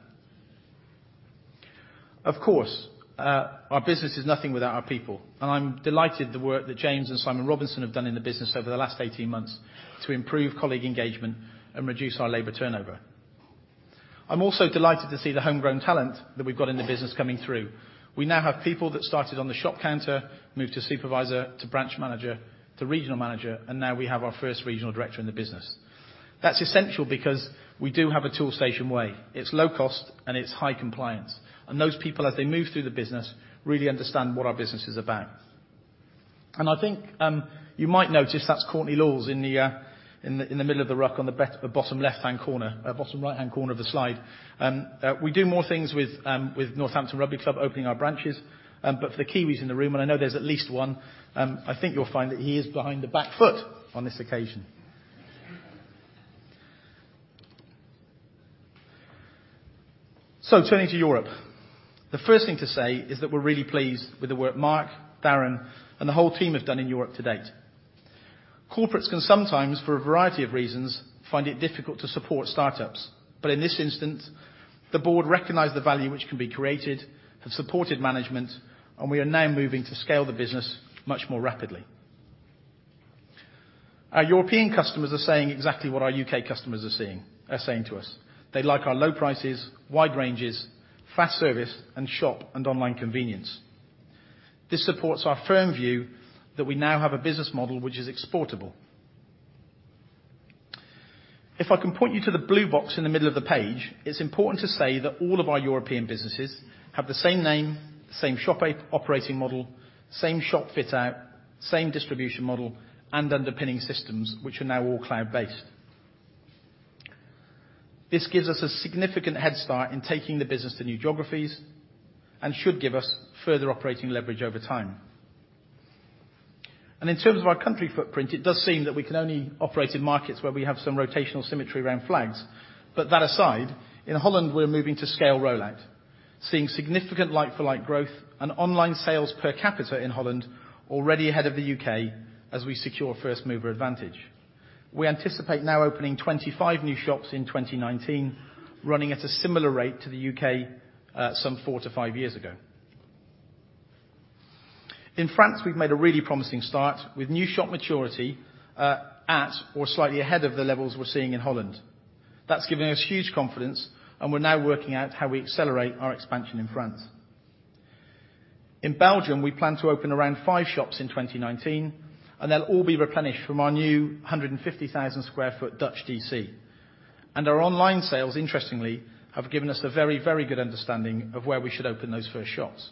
Of course, our business is nothing without our people. I'm delighted the work that James and Simon Robinson have done in the business over the last 18 months to improve colleague engagement and reduce our labor turnover. I'm also delighted to see the homegrown talent that we've got in the business coming through. We now have people that started on the shop counter, moved to supervisor, to branch manager, to regional manager, and now we have our first regional director in the business. That's essential because we do have a Toolstation way. It's low cost and it's high compliance. Those people, as they move through the business, really understand what our business is about. I think you might notice that's Courtney Lawes in the middle of the ruck on the bottom right-hand corner of the slide. We do more things with Northampton Rugby Club opening our branches. For the Kiwis in the room, and I know there's at least one, I think you'll find that he is behind the back foot on this occasion. Turning to Europe, the first thing to say is that we're really pleased with the work Mark, Darren, and the whole team have done in Europe to date. Corporates can sometimes, for a variety of reasons, find it difficult to support startups. In this instance, the board recognized the value which can be created, have supported management, and we are now moving to scale the business much more rapidly. Our European customers are saying exactly what our U.K. customers are saying to us. They like our low prices, wide ranges, fast service, and shop and online convenience. This supports our firm view that we now have a business model which is exportable. If I can point you to the blue box in the middle of the page, it's important to say that all of our European businesses have the same name, same shop operating model, same shop fit out, same distribution model, and underpinning systems, which are now all cloud-based. This gives us a significant head start in taking the business to new geographies and should give us further operating leverage over time. In terms of our country footprint, it does seem that we can only operate in markets where we have some rotational symmetry around flags. That aside, in Holland, we're moving to scale rollout, seeing significant like-for-like growth and online sales per capita in Holland already ahead of the U.K. as we secure first-mover advantage. We anticipate now opening 25 new shops in 2019, running at a similar rate to the U.K. some four to five years ago. In France, we've made a really promising start with new shop maturity at or slightly ahead of the levels we're seeing in Holland. That's given us huge confidence, and we're now working out how we accelerate our expansion in France. In Belgium, we plan to open around five shops in 2019, and they'll all be replenished from our new 150,000 sq ft Dutch DC. Our online sales, interestingly, have given us a very good understanding of where we should open those first shops.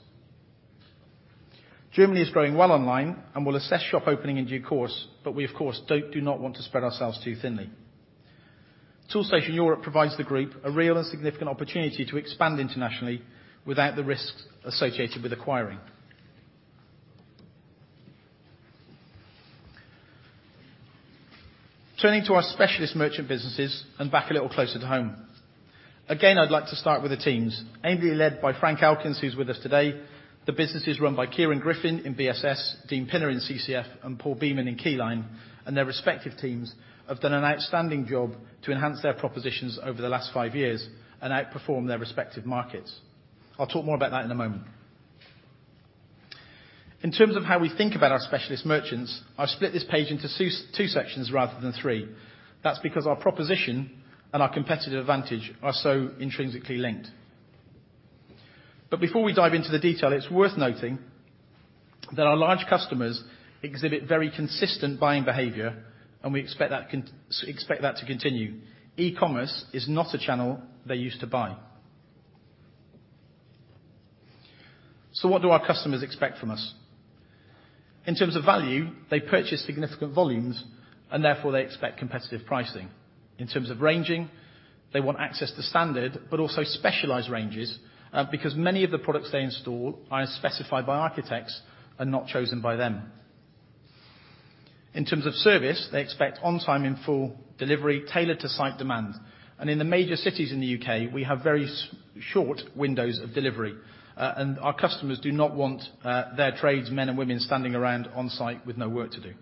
Germany is growing well online and we'll assess shop opening in due course, we of course do not want to spread ourselves too thinly. Toolstation Europe provides the group a real and significant opportunity to expand internationally without the risks associated with acquiring. Turning to our specialist merchant businesses and back a little closer to home. Again, I'd like to start with the teams. Amely led by Frank Elkins, who's with us today. The business is run by Kieran Griffin in BSS, Dean Pinner in CCF, and Paul Beaman in Keyline and their respective teams have done an outstanding job to enhance their propositions over the last five years and outperform their respective markets. I'll talk more about that in a moment. In terms of how we think about our specialist merchants, I've split this page into two sections rather than three. That's because our proposition and our competitive advantage are so intrinsically linked. Before we dive into the detail, it's worth noting that our large customers exhibit very consistent buying behavior, and we expect that to continue. E-commerce is not a channel they use to buy. What do our customers expect from us? In terms of value, they purchase significant volumes and therefore they expect competitive pricing. In terms of ranging, they want access to standard but also specialized ranges, because many of the products they install are specified by architects and not chosen by them. In terms of service, they expect on time, in full delivery tailored to site demand. In the major cities in the U.K., we have very short windows of delivery. Our customers do not want their tradesmen and women standing around on site with no work to do.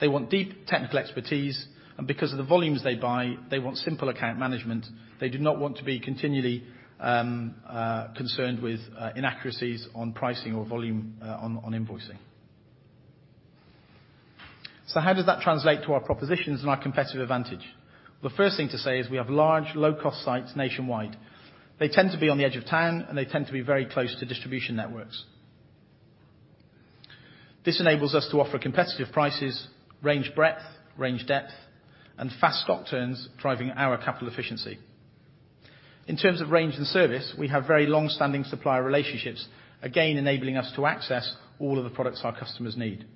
They want deep technical expertise and because of the volumes they buy, they want simple account management. They do not want to be continually concerned with inaccuracies on pricing or volume on invoicing. How does that translate to our propositions and our competitive advantage? The first thing to say is we have large low-cost sites nationwide. They tend to be on the edge of town and they tend to be very close to distribution networks. This enables us to offer competitive prices, range breadth, range depth, and fast stock turns driving our capital efficiency. In terms of range and service, we have very long-standing supplier relationships, again enabling us to access all of the products our customers need.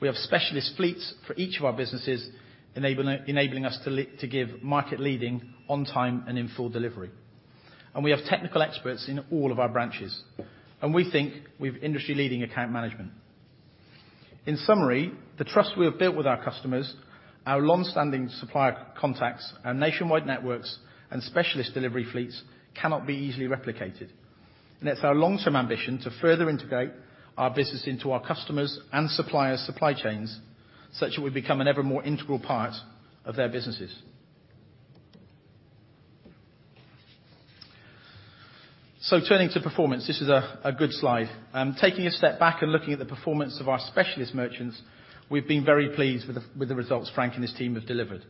We have specialist fleets for each of our businesses enabling us to give market leading on time and in full delivery. We have technical experts in all of our branches. We think we have industry leading account management. In summary, the trust we have built with our customers, our long-standing supplier contacts, our nationwide networks and specialist delivery fleets cannot be easily replicated. It is our long-term ambition to further integrate our business into our customers and suppliers supply chains such that we become an ever more integral part of their businesses. Turning to performance, this is a good slide. Taking a step back and looking at the performance of our specialist merchants, we have been very pleased with the results Frank and his team have delivered.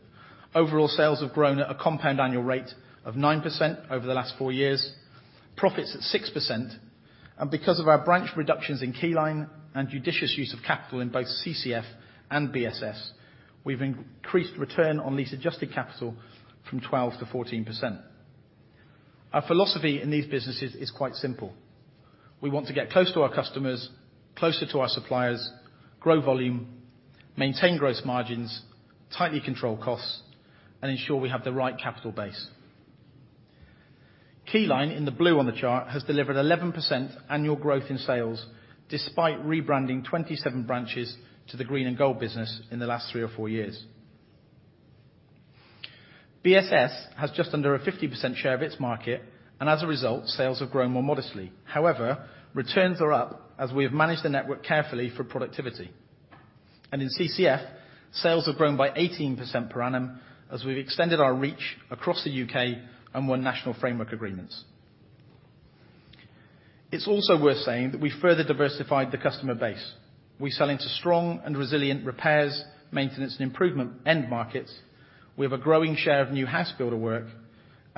Overall sales have grown at a compound annual rate of 9% over the last four years, profits at 6%. Because of our branch reductions in Keyline and judicious use of capital in both CCF and BSS, we have increased return on lease adjusted capital from 12%-14%. Our philosophy in these businesses is quite simple. We want to get close to our customers, closer to our suppliers, grow volume, maintain gross margins, tightly control costs, and ensure we have the right capital base. Keyline, in the blue on the chart, has delivered 11% annual growth in sales despite rebranding 27 branches to the Green and Gold business in the last three or four years. BSS has just under a 50% share of its market. As a result, sales have grown more modestly. However, returns are up as we have managed the network carefully for productivity. In CCF, sales have grown by 18% per annum as we have extended our reach across the U.K. and won national framework agreements. It is also worth saying that we further diversified the customer base. We sell into strong and resilient repairs, maintenance, and improvement end markets. We have a growing share of new house builder work.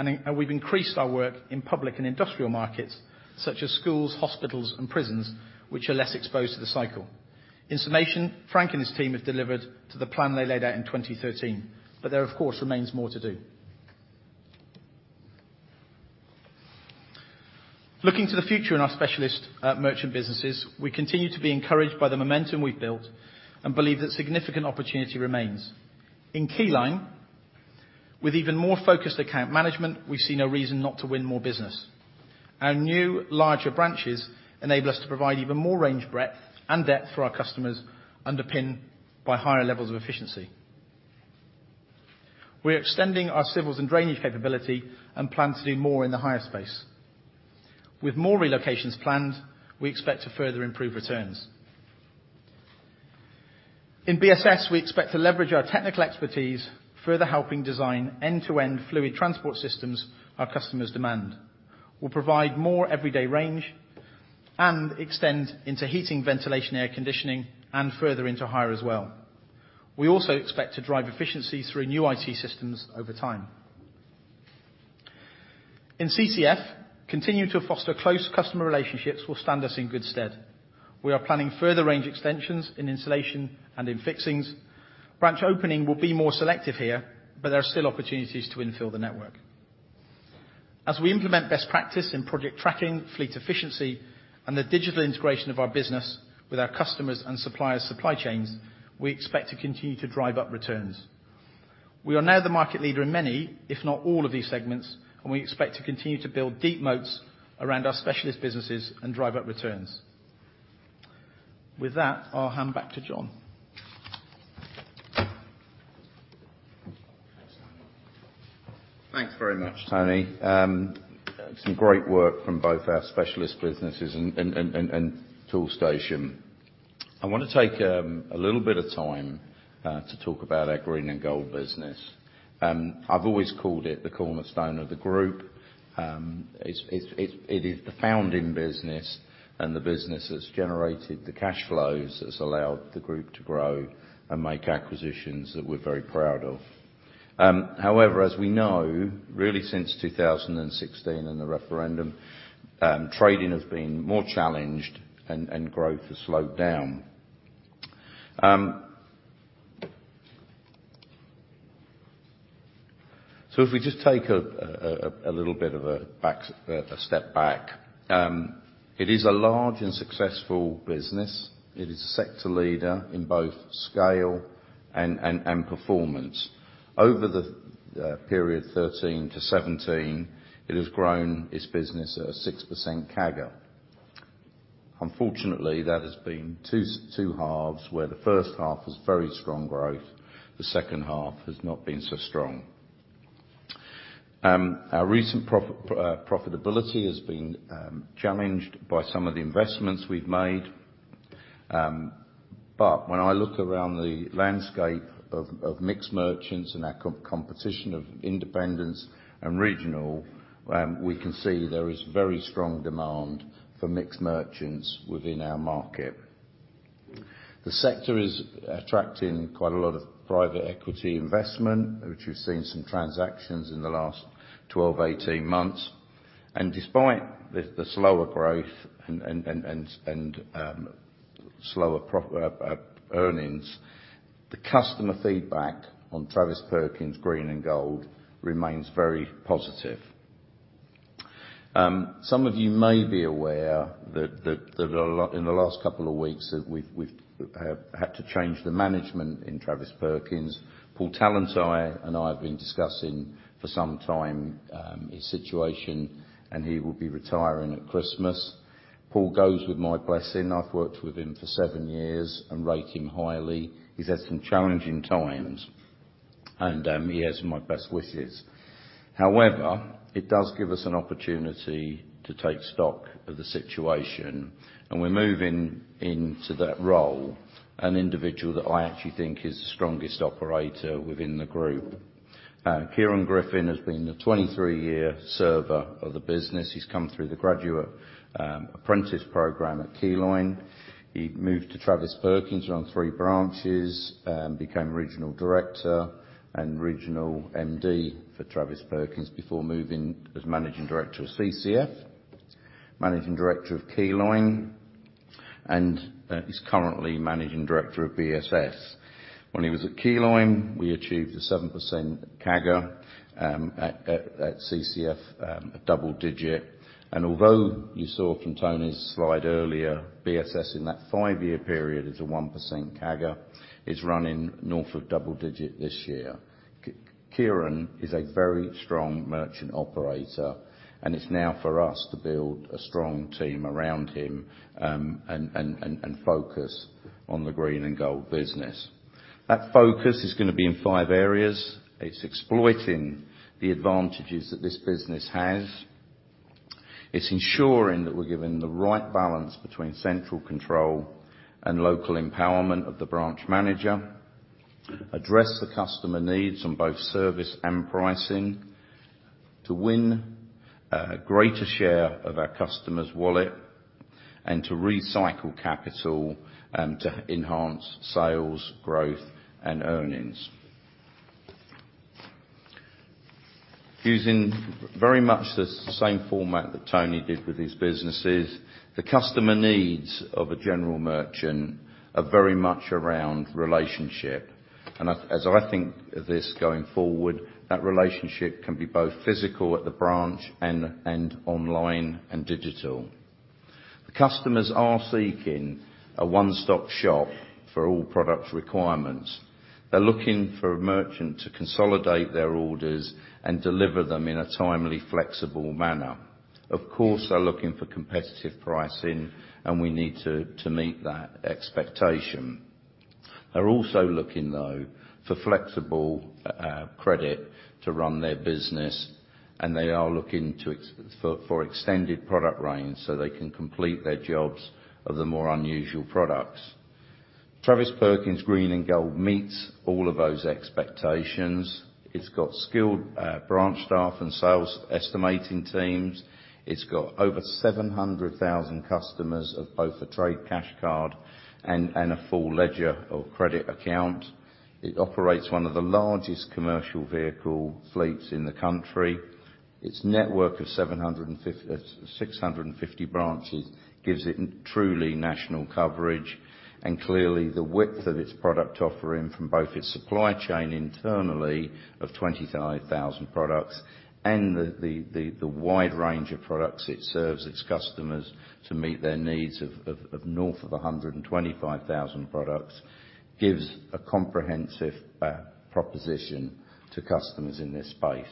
We have increased our work in public and industrial markets such as schools, hospitals, and prisons, which are less exposed to the cycle. In summation, Frank and his team have delivered to the plan they laid out in 2013. There, of course, remains more to do. Looking to the future in our specialist merchant businesses, we continue to be encouraged by the momentum we have built and believe that significant opportunity remains. In Keyline, with even more focused account management, we see no reason not to win more business. Our new larger branches enable us to provide even more range breadth and depth for our customers underpinned by higher levels of efficiency. We are extending our civils and drainage capability and plan to do more in the hire space. With more relocations planned, we expect to further improve returns. In BSS, we expect to leverage our technical expertise, further helping design end-to-end fluid transport systems our customers demand. We will provide more everyday range and extend into heating, ventilation, air conditioning, and further into hire as well. We also expect to drive efficiency through new IT systems over time. In CCF, continuing to foster close customer relationships will stand us in good stead. We are planning further range extensions in insulation and in fixings. Branch opening will be more selective here. There are still opportunities to infill the network. As we implement best practice in project tracking, fleet efficiency, and the digital integration of our business with our customers' and suppliers' supply chains, we expect to continue to drive up returns. We are now the market leader in many, if not all, of these segments, and we expect to continue to build deep moats around our specialist businesses and drive up returns. With that, I'll hand back to John. Thanks very much, Tony. Some great work from both our specialist businesses and Toolstation. I want to take a little bit of time to talk about our Green and Gold business. I've always called it the cornerstone of the group. It is the founding business and the business that's generated the cash flows that's allowed the group to grow and make acquisitions that we're very proud of. However, as we know, really since 2016 and the referendum, trading has been more challenged and growth has slowed down. If we just take a little bit of a step back, it is a large and successful business. It is a sector leader in both scale and performance. Over the period 2013 to 2017, it has grown its business at a 6% CAGR. Unfortunately, that has been two halves where the first half was very strong growth, the second half has not been so strong. Our recent profitability has been challenged by some of the investments we've made. When I look around the landscape of mixed merchants and our competition of independents and regional, we can see there is very strong demand for mixed merchants within our market. The sector is attracting quite a lot of private equity investment, which we've seen some transactions in the last 12, 18 months. Despite the slower growth and slower earnings, the customer feedback on Travis Perkins, Green and Gold remains very positive. Some of you may be aware that in the last couple of weeks that we've had to change the management in Travis Perkins. Paul Talantire and I have been discussing for some time his situation, and he will be retiring at Christmas. Paul goes with my blessing. I've worked with him for seven years and rate him highly. He's had some challenging times, and he has my best wishes. However, it does give us an opportunity to take stock of the situation, and we're moving into that role an individual that I actually think is the strongest operator within the group. Kieran Griffin has been a 23-year server of the business. He's come through the graduate apprentice program at Keyline. He moved to Travis Perkins, ran three branches, became regional director and regional MD for Travis Perkins before moving as managing director of CCF, managing director of Keyline. He's currently managing director of BSS. When he was at Keyline, we achieved a 7% CAGR, at CCF, double digit. Although you saw from Tony's slide earlier, BSS in that five-year period is a 1% CAGR, it's running north of double-digit this year. Kieran is a very strong merchant operator, and it's now for us to build a strong team around him, and focus on the Green and Gold business. That focus is going to be in five areas. It's exploiting the advantages that this business has. It's ensuring that we're giving the right balance between central control and local empowerment of the branch manager. Address the customer needs on both service and pricing to win a greater share of our customer's wallet and to recycle capital to enhance sales growth and earnings. Using very much the same format that Tony did with his businesses, the customer needs of a general merchant are very much around relationship. As I think of this going forward, that relationship can be both physical at the branch and online and digital. The customers are seeking a one-stop shop for all product requirements. They're looking for a merchant to consolidate their orders and deliver them in a timely, flexible manner. Of course, they're looking for competitive pricing, and we need to meet that expectation. They're also looking, though, for flexible credit to run their business, and they are looking for extended product range, so they can complete their jobs of the more unusual products. Travis Perkins Green and Gold meets all of those expectations. It's got skilled branch staff and sales estimating teams. It's got over 700,000 customers of both the trade cash card and a full ledger or credit account. It operates one of the largest commercial vehicle fleets in the country. Its network of 650 branches gives it truly national coverage, and clearly the width of its product offering from both its supply chain internally of 25,000 products and the wide range of products it serves its customers to meet their needs of north of 125,000 products gives a comprehensive proposition to customers in this space.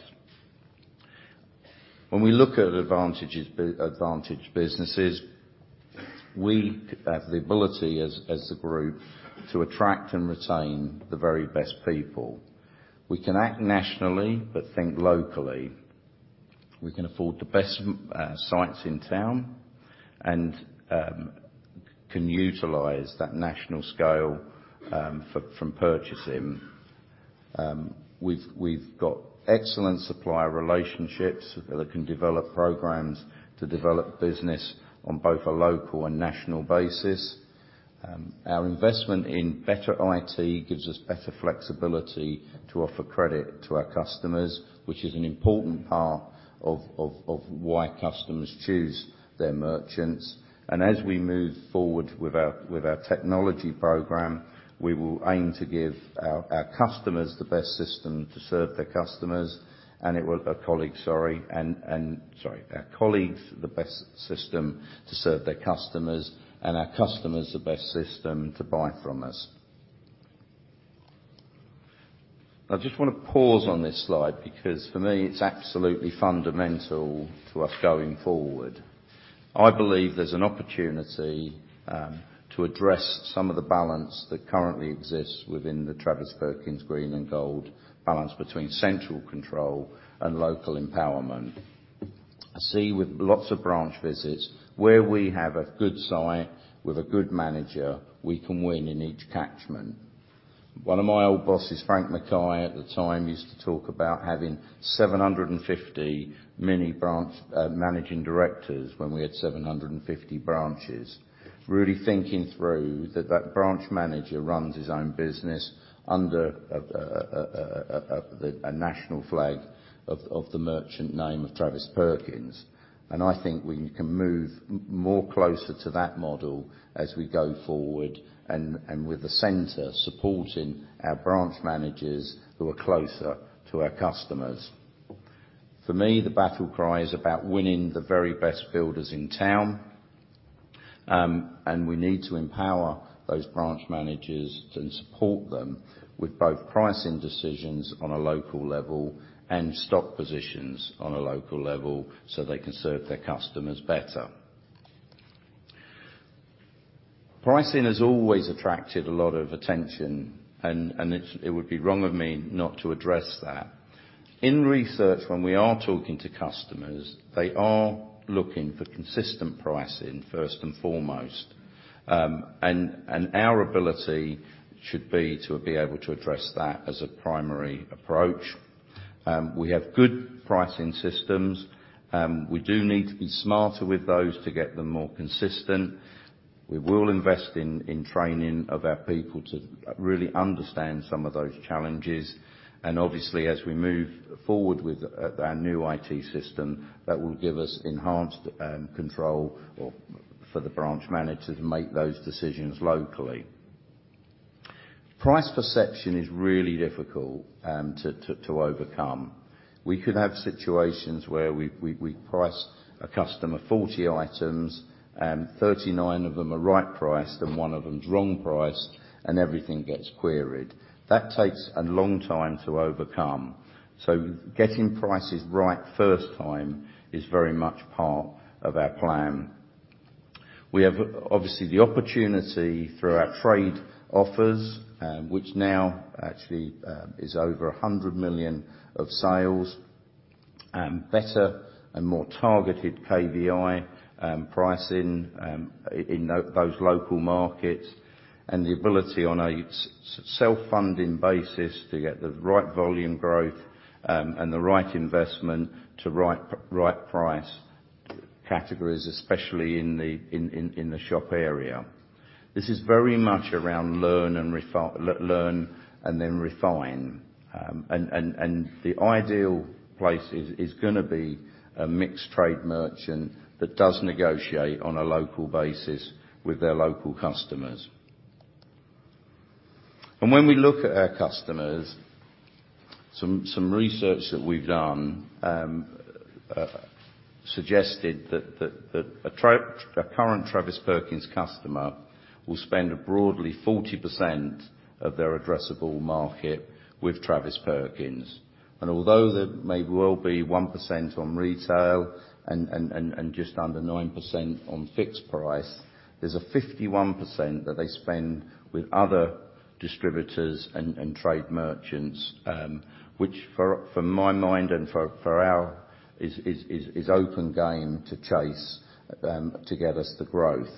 When we look at advantage businesses, we have the ability as a group to attract and retain the very best people. We can act nationally but think locally. We can afford the best sites in town and can utilize that national scale from purchasing. We've got excellent supplier relationships that can develop programs to develop business on both a local and national basis. Our investment in better IT gives us better flexibility to offer credit to our customers, which is an important part of why customers choose their merchants. As we move forward with our technology program, we will aim to give our customers the best system to serve their customers and it will, sorry. Our colleagues the best system to serve their customers and our customers the best system to buy from us. I just want to pause on this slide because for me, it's absolutely fundamental to us going forward. I believe there's an opportunity to address some of the balance that currently exists within the Travis Perkins Green and Gold balance between central control and local empowerment. I see with lots of branch visits where we have a good site with a good manager, we can win in each catchment. One of my old bosses, Frank McKay, at the time, used to talk about having 750 mini branch managing directors when we had 750 branches. Really thinking through that that branch manager runs his own business under a national flag of the merchant name of Travis Perkins. I think we can move more closer to that model as we go forward and with the center supporting our branch managers who are closer to our customers. For me, the battle cry is about winning the very best builders in town, we need to empower those branch managers and support them with both pricing decisions on a local level and stock positions on a local level so they can serve their customers better. Pricing has always attracted a lot of attention, it would be wrong of me not to address that. In research, when we are talking to customers, they are looking for consistent pricing first and foremost. Our ability should be to be able to address that as a primary approach. We have good pricing systems. We do need to be smarter with those to get them more consistent. We will invest in training of our people to really understand some of those challenges. Obviously, as we move forward with our new IT system, that will give us enhanced control for the branch manager to make those decisions locally. Price perception is really difficult to overcome. We could have situations where we price a customer 40 items, and 39 of them are right priced, and 1 of them is wrong priced, and everything gets queried. That takes a long time to overcome. Getting prices right first time is very much part of our plan. We have, obviously, the opportunity through our trade offers, which now actually is over 100 million of sales, better and more targeted KVI pricing in those local markets, the ability on a self-funding basis to get the right volume growth, the right investment to right price categories, especially in the shop area. This is very much around learn and then refine. The ideal place is going to be a mixed trade merchant that does negotiate on a local basis with their local customers. When we look at our customers, some research that we've done suggested that a current Travis Perkins customer will spend broadly 40% of their addressable market with Travis Perkins. Although they may well be 1% on retail and just under 9% on fixed price, there's a 51% that they spend with other distributors and trade merchants, which for my mind and for our, is open game to chase to get us the growth.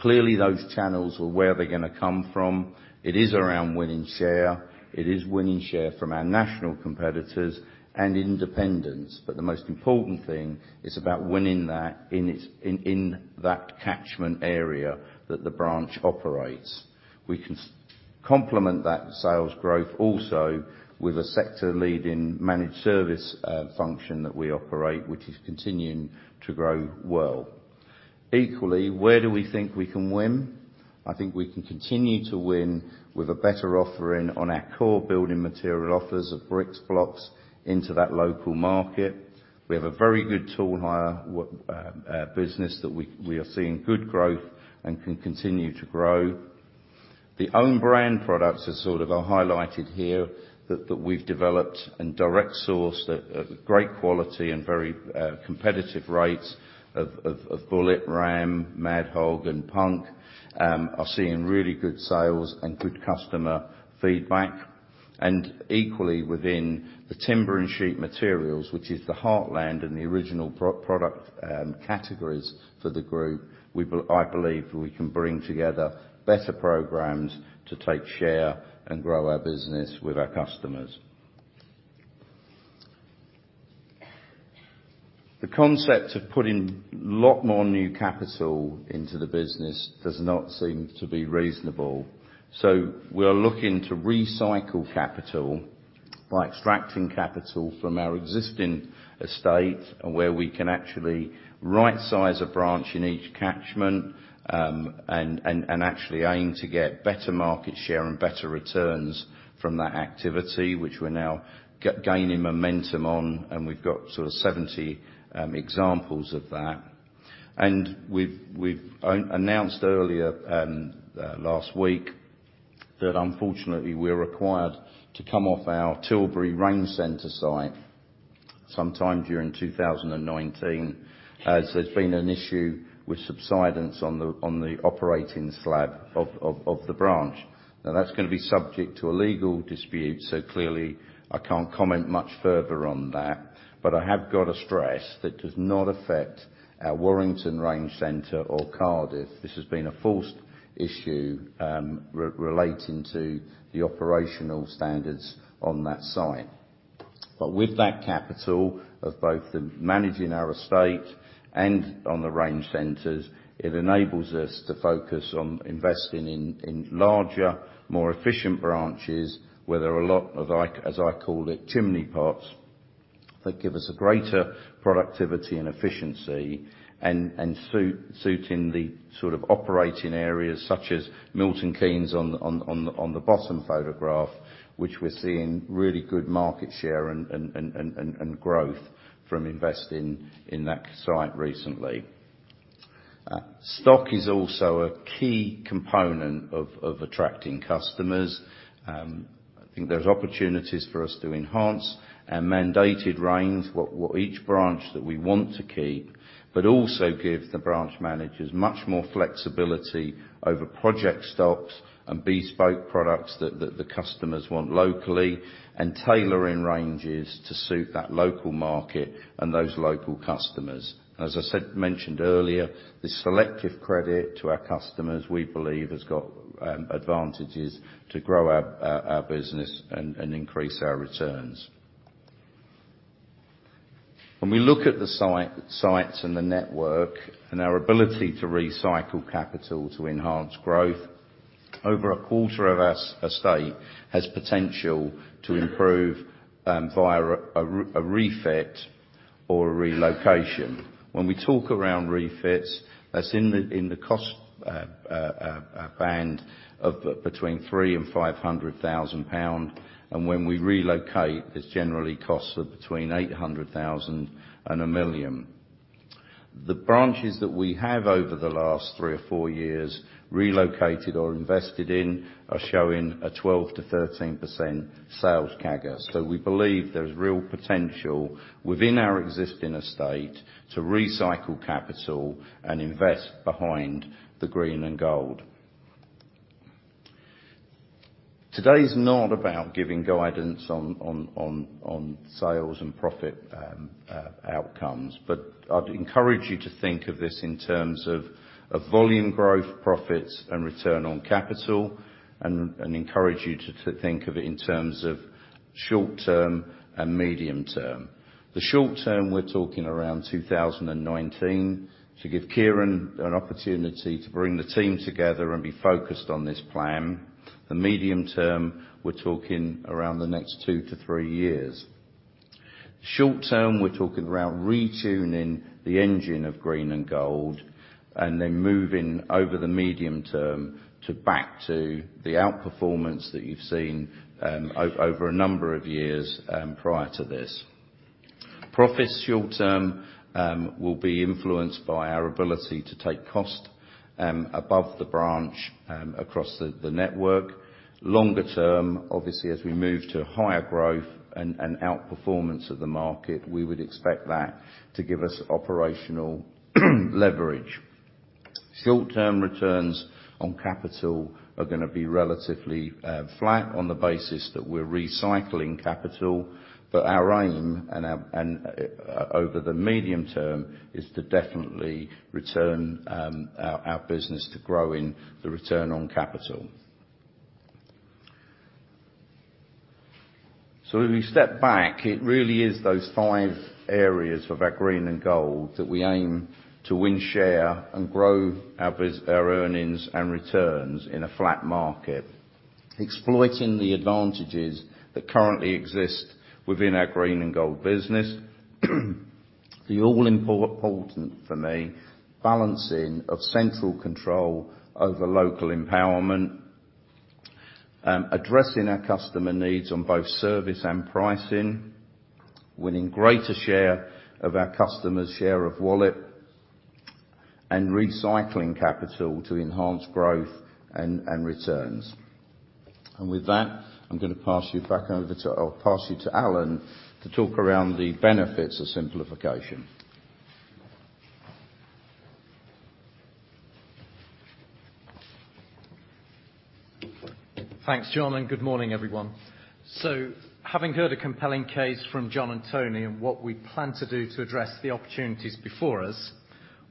Clearly, those channels are where they're going to come from. It is around winning share. It is winning share from our national competitors and independents. The most important thing is about winning that in that catchment area that the branch operates. We can complement that sales growth also with a sector leading managed service function that we operate, which is continuing to grow well. Equally, where do we think we can win? I think we can continue to win with a better offering on our core building material offers of bricks, blocks into that local market. We have a very good tool hire business that we are seeing good growth and can continue to grow. The own brand products are highlighted here that we've developed and direct source that are great quality and very competitive rates of Bullet, Ram, MaDHoG, and Punk are seeing really good sales and good customer feedback. Equally, within the timber and sheet materials, which is the heartland and the original product categories for the group, I believe we can bring together better programs to take share and grow our business with our customers. The concept of putting a lot more new capital into the business does not seem to be reasonable. We are looking to recycle capital by extracting capital from our existing estate and where we can actually right size a branch in each catchment, and actually aim to get better market share and better returns from that activity, which we're now gaining momentum on, and we've got 70 examples of that. We've announced earlier last week that unfortunately, we're required to come off our Tilbury range center site sometime during 2019, as there's been an issue with subsidence on the operating slab of the branch. That's going to be subject to a legal dispute, clearly, I can't comment much further on that, but I have got to stress that does not affect our Warrington range center or Cardiff. This has been a forced issue relating to the operational standards on that site. With that capital of both the managing our estate and on the range centers, it enables us to focus on investing in larger, more efficient branches where there are a lot of, as I call it, chimney pots that give us a greater productivity and efficiency and suiting the operating areas such as Milton Keynes on the bottom photograph, which we're seeing really good market share and growth from investing in that site recently. Stock is also a key component of attracting customers. I think there's opportunities for us to enhance our mandated range, what each branch that we want to keep, but also give the branch managers much more flexibility over project stocks and bespoke products that the customers want locally and tailoring ranges to suit that local market and those local customers. As I mentioned earlier, the selective credit to our customers, we believe, has got advantages to grow our business and increase our returns. When we look at the sites and the network and our ability to recycle capital to enhance growth, over a quarter of our estate has potential to improve via a refit or a relocation. When we talk around refits, that's in the cost band of between 3 and 500,000 pound. When we relocate, it's generally costs of between 800,000 and 1 million. The branches that we have over the last three or four years relocated or invested in are showing a 12%-13% sales CAGR. We believe there's real potential within our existing estate to recycle capital and invest behind the Green and Gold. Today is not about giving guidance on sales and profit outcomes. I'd encourage you to think of this in terms of volume growth, profits, and return on capital, and encourage you to think of it in terms of short-term and medium-term. The short-term, we're talking around 2019, to give Kieran an opportunity to bring the team together and be focused on this plan. The medium-term, we're talking around the next two to three years. Short-term, we're talking around retuning the engine of Green and Gold and then moving over the medium-term to back to the outperformance that you've seen over a number of years prior to this. Profits short-term will be influenced by our ability to take cost above the branch, across the network. Longer term, obviously, as we move to higher growth and outperformance of the market, we would expect that to give us operational leverage. Short-term returns on capital are going to be relatively flat on the basis that we're recycling capital. Our aim over the medium-term is to definitely return our business to growing the return on capital. As we step back, it really is those five areas of our Green and Gold that we aim to win, share, and grow our earnings and returns in a flat market. Exploiting the advantages that currently exist within our Green and Gold business. The all important for me, balancing of central control over local empowerment. Addressing our customer needs on both service and pricing. Winning greater share of our customers' share of wallet. Recycling capital to enhance growth and returns. With that, I'm going to pass you to Alan, to talk around the benefits of simplification. Thanks, John, and good morning, everyone. Having heard a compelling case from John and Tony on what we plan to do to address the opportunities before us,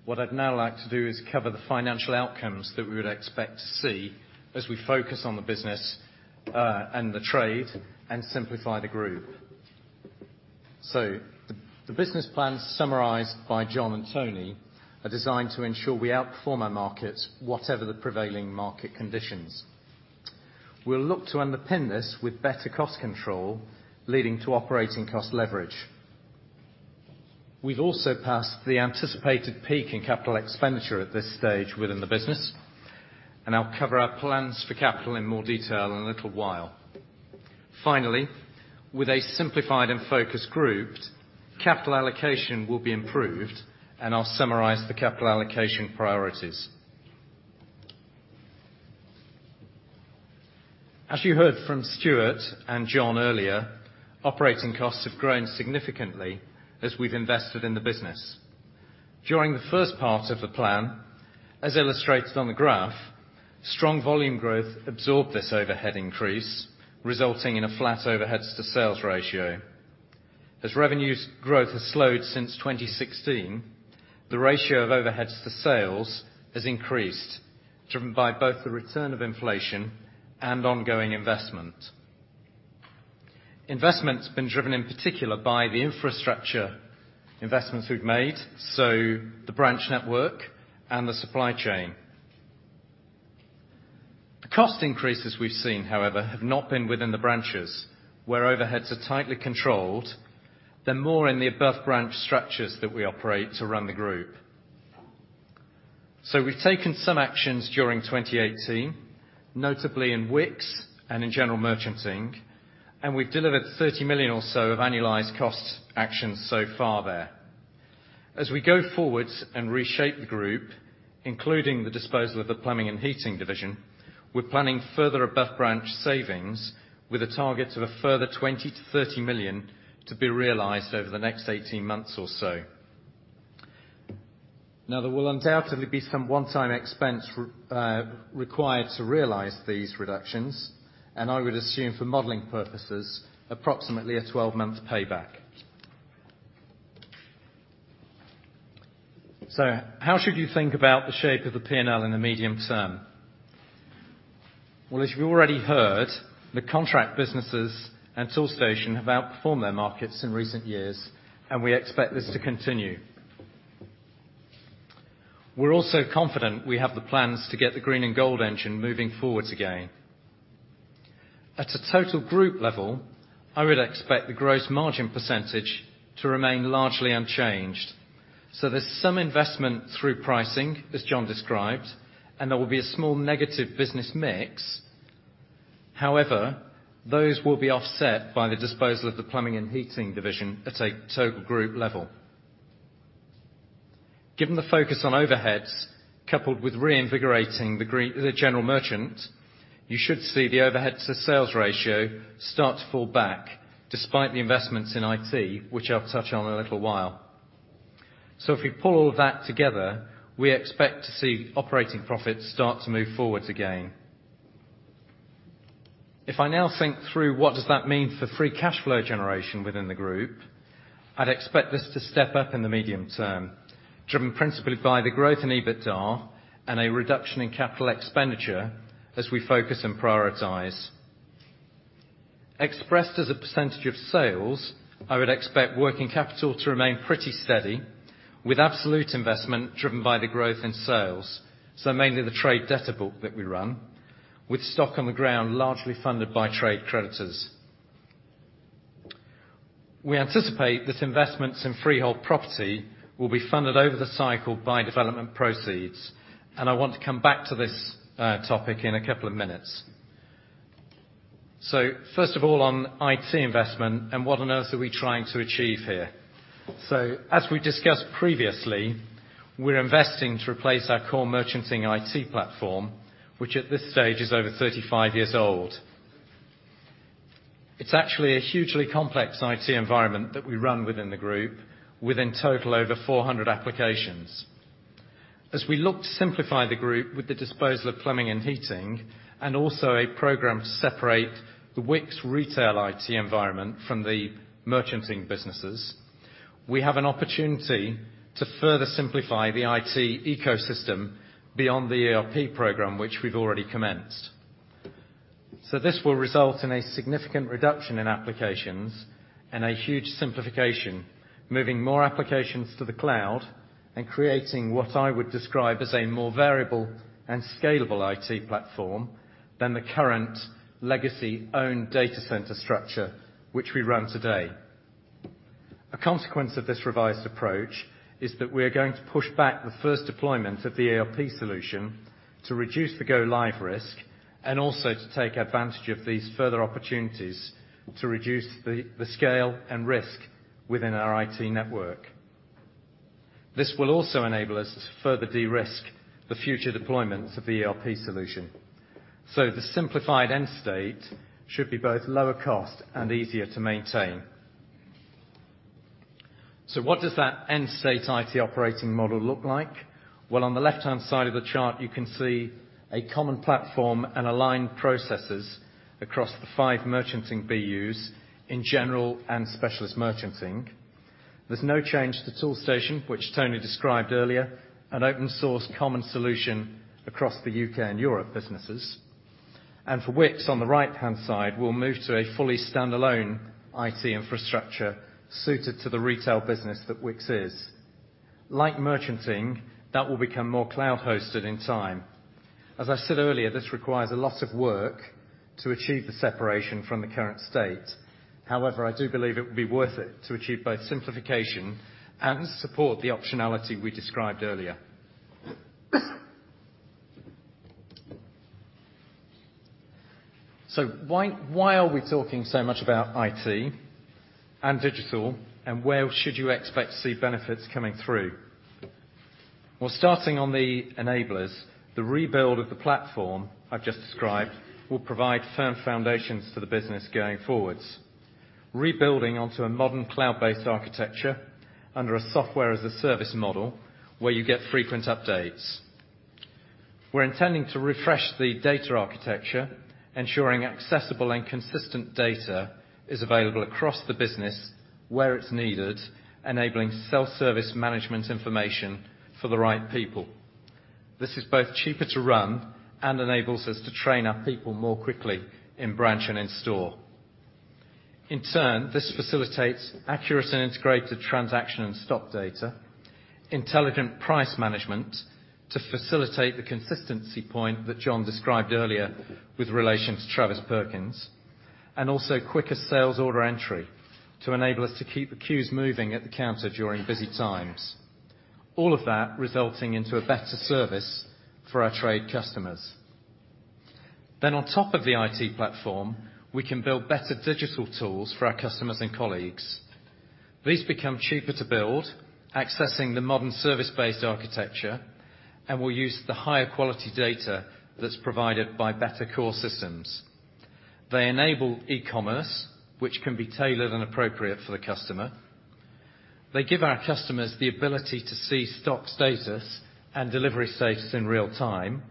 what I'd now like to do is cover the financial outcomes that we would expect to see as we focus on the business, and the trade, and simplify the group. The business plans summarized by John and Tony are designed to ensure we outperform our markets, whatever the prevailing market conditions. We'll look to underpin this with better cost control, leading to operating cost leverage. We've also passed the anticipated peak in capital expenditure at this stage within the business, and I'll cover our plans for capital in more detail in a little while. Finally, with a simplified and focused group, capital allocation will be improved, and I'll summarize the capital allocation priorities. As you heard from Stuart and John earlier, operating costs have grown significantly as we've invested in the business. During the first part of the plan, as illustrated on the graph, strong volume growth absorbed this overhead increase, resulting in a flat overheads to sales ratio. As revenues growth has slowed since 2016, the ratio of overheads to sales has increased, driven by both the return of inflation and ongoing investment. Investment's been driven in particular by the infrastructure investments we've made, so the branch network and the supply chain. The cost increases we've seen, however, have not been within the branches, where overheads are tightly controlled. They're more in the above branch structures that we operate to run the group. We've taken some actions during 2018, notably in Wickes and in general merchanting, and we've delivered 30 million or so of annualized cost actions so far there. As we go forwards and reshape the group, including the disposal of the plumbing and heating division, we're planning further above-branch savings with a target of a further 20 million-30 million to be realized over the next 18 months or so. There will undoubtedly be some one-time expense required to realize these reductions, and I would assume for modeling purposes, approximately a 12-month payback. How should you think about the shape of the P&L in the medium term? Well, as you've already heard, the contract businesses and Toolstation have outperformed their markets in recent years, and we expect this to continue. We're also confident we have the plans to get the Green and Gold engine moving forwards again. At a total group level, I would expect the gross margin % to remain largely unchanged. There's some investment through pricing, as John described, and there will be a small negative business mix. However, those will be offset by the disposal of the plumbing and heating division at a total group level. Given the focus on overheads, coupled with reinvigorating the general merchant, you should see the overhead to sales ratio start to fall back despite the investments in IT, which I'll touch on in a little while. If we pull all of that together, we expect to see operating profits start to move forwards again. If I now think through what does that mean for free cash flow generation within the group, I'd expect this to step up in the medium term, driven principally by the growth in EBITDA and a reduction in capital expenditure as we focus and prioritize. Expressed as a percent of sales, I would expect working capital to remain pretty steady, with absolute investment driven by the growth in sales, so mainly the trade debtor book that we run, with stock on the ground largely funded by trade creditors. We anticipate that investments in freehold property will be funded over the cycle by development proceeds, and I want to come back to this topic in a couple of minutes. First of all on IT investment and what on earth are we trying to achieve here? As we discussed previously, we're investing to replace our core merchanting IT platform, which at this stage is over 35 years old. It's actually a hugely complex IT environment that we run within the group, with in total over 400 applications. As we look to simplify the group with the disposal of plumbing and heating, and also a program to separate the Wickes retail IT environment from the merchanting businesses, we have an opportunity to further simplify the IT ecosystem beyond the ERP program, which we've already commenced. This will result in a significant reduction in applications and a huge simplification, moving more applications to the cloud and creating what I would describe as a more variable and scalable IT platform than the current legacy owned data center structure which we run today. A consequence of this revised approach is that we are going to push back the first deployment of the ERP solution to reduce the go live risk and also to take advantage of these further opportunities to reduce the scale and risk within our IT network. This will also enable us to further de-risk the future deployments of the ERP solution. The simplified end state should be both lower cost and easier to maintain. What does that end state IT operating model look like? On the left-hand side of the chart, you can see a common platform and aligned processes across the five merchanting BUs in general and specialist merchanting. There's no change to Toolstation, which Tony described earlier, an open source common solution across the U.K. and Europe businesses. For Wickes on the right-hand side, we'll move to a fully standalone IT infrastructure suited to the retail business that Wickes is. Like merchanting, that will become more cloud hosted in time. As I said earlier, this requires a lot of work to achieve the separation from the current state. However, I do believe it will be worth it to achieve both simplification and support the optionality we described earlier. Why are we talking so much about IT and digital, and where should you expect to see benefits coming through? Starting on the enablers, the rebuild of the platform I've just described will provide firm foundations for the business going forwards. Rebuilding onto a modern cloud-based architecture under a software-as-a-service model where you get frequent updates. We're intending to refresh the data architecture, ensuring accessible and consistent data is available across the business where it's needed, enabling self-service management information for the right people. This is both cheaper to run and enables us to train our people more quickly in branch and in store. In turn, this facilitates accurate and integrated transaction and stock data, intelligent price management to facilitate the consistency point that John described earlier with relation to Travis Perkins, and also quicker sales order entry to enable us to keep the queues moving at the counter during busy times. All of that resulting into a better service for our trade customers. On top of the IT platform, we can build better digital tools for our customers and colleagues. These become cheaper to build, accessing the modern service-based architecture, and will use the higher quality data that's provided by better core systems. They enable e-commerce, which can be tailored and appropriate for the customer. They give our customers the ability to see stock status and delivery status in real time,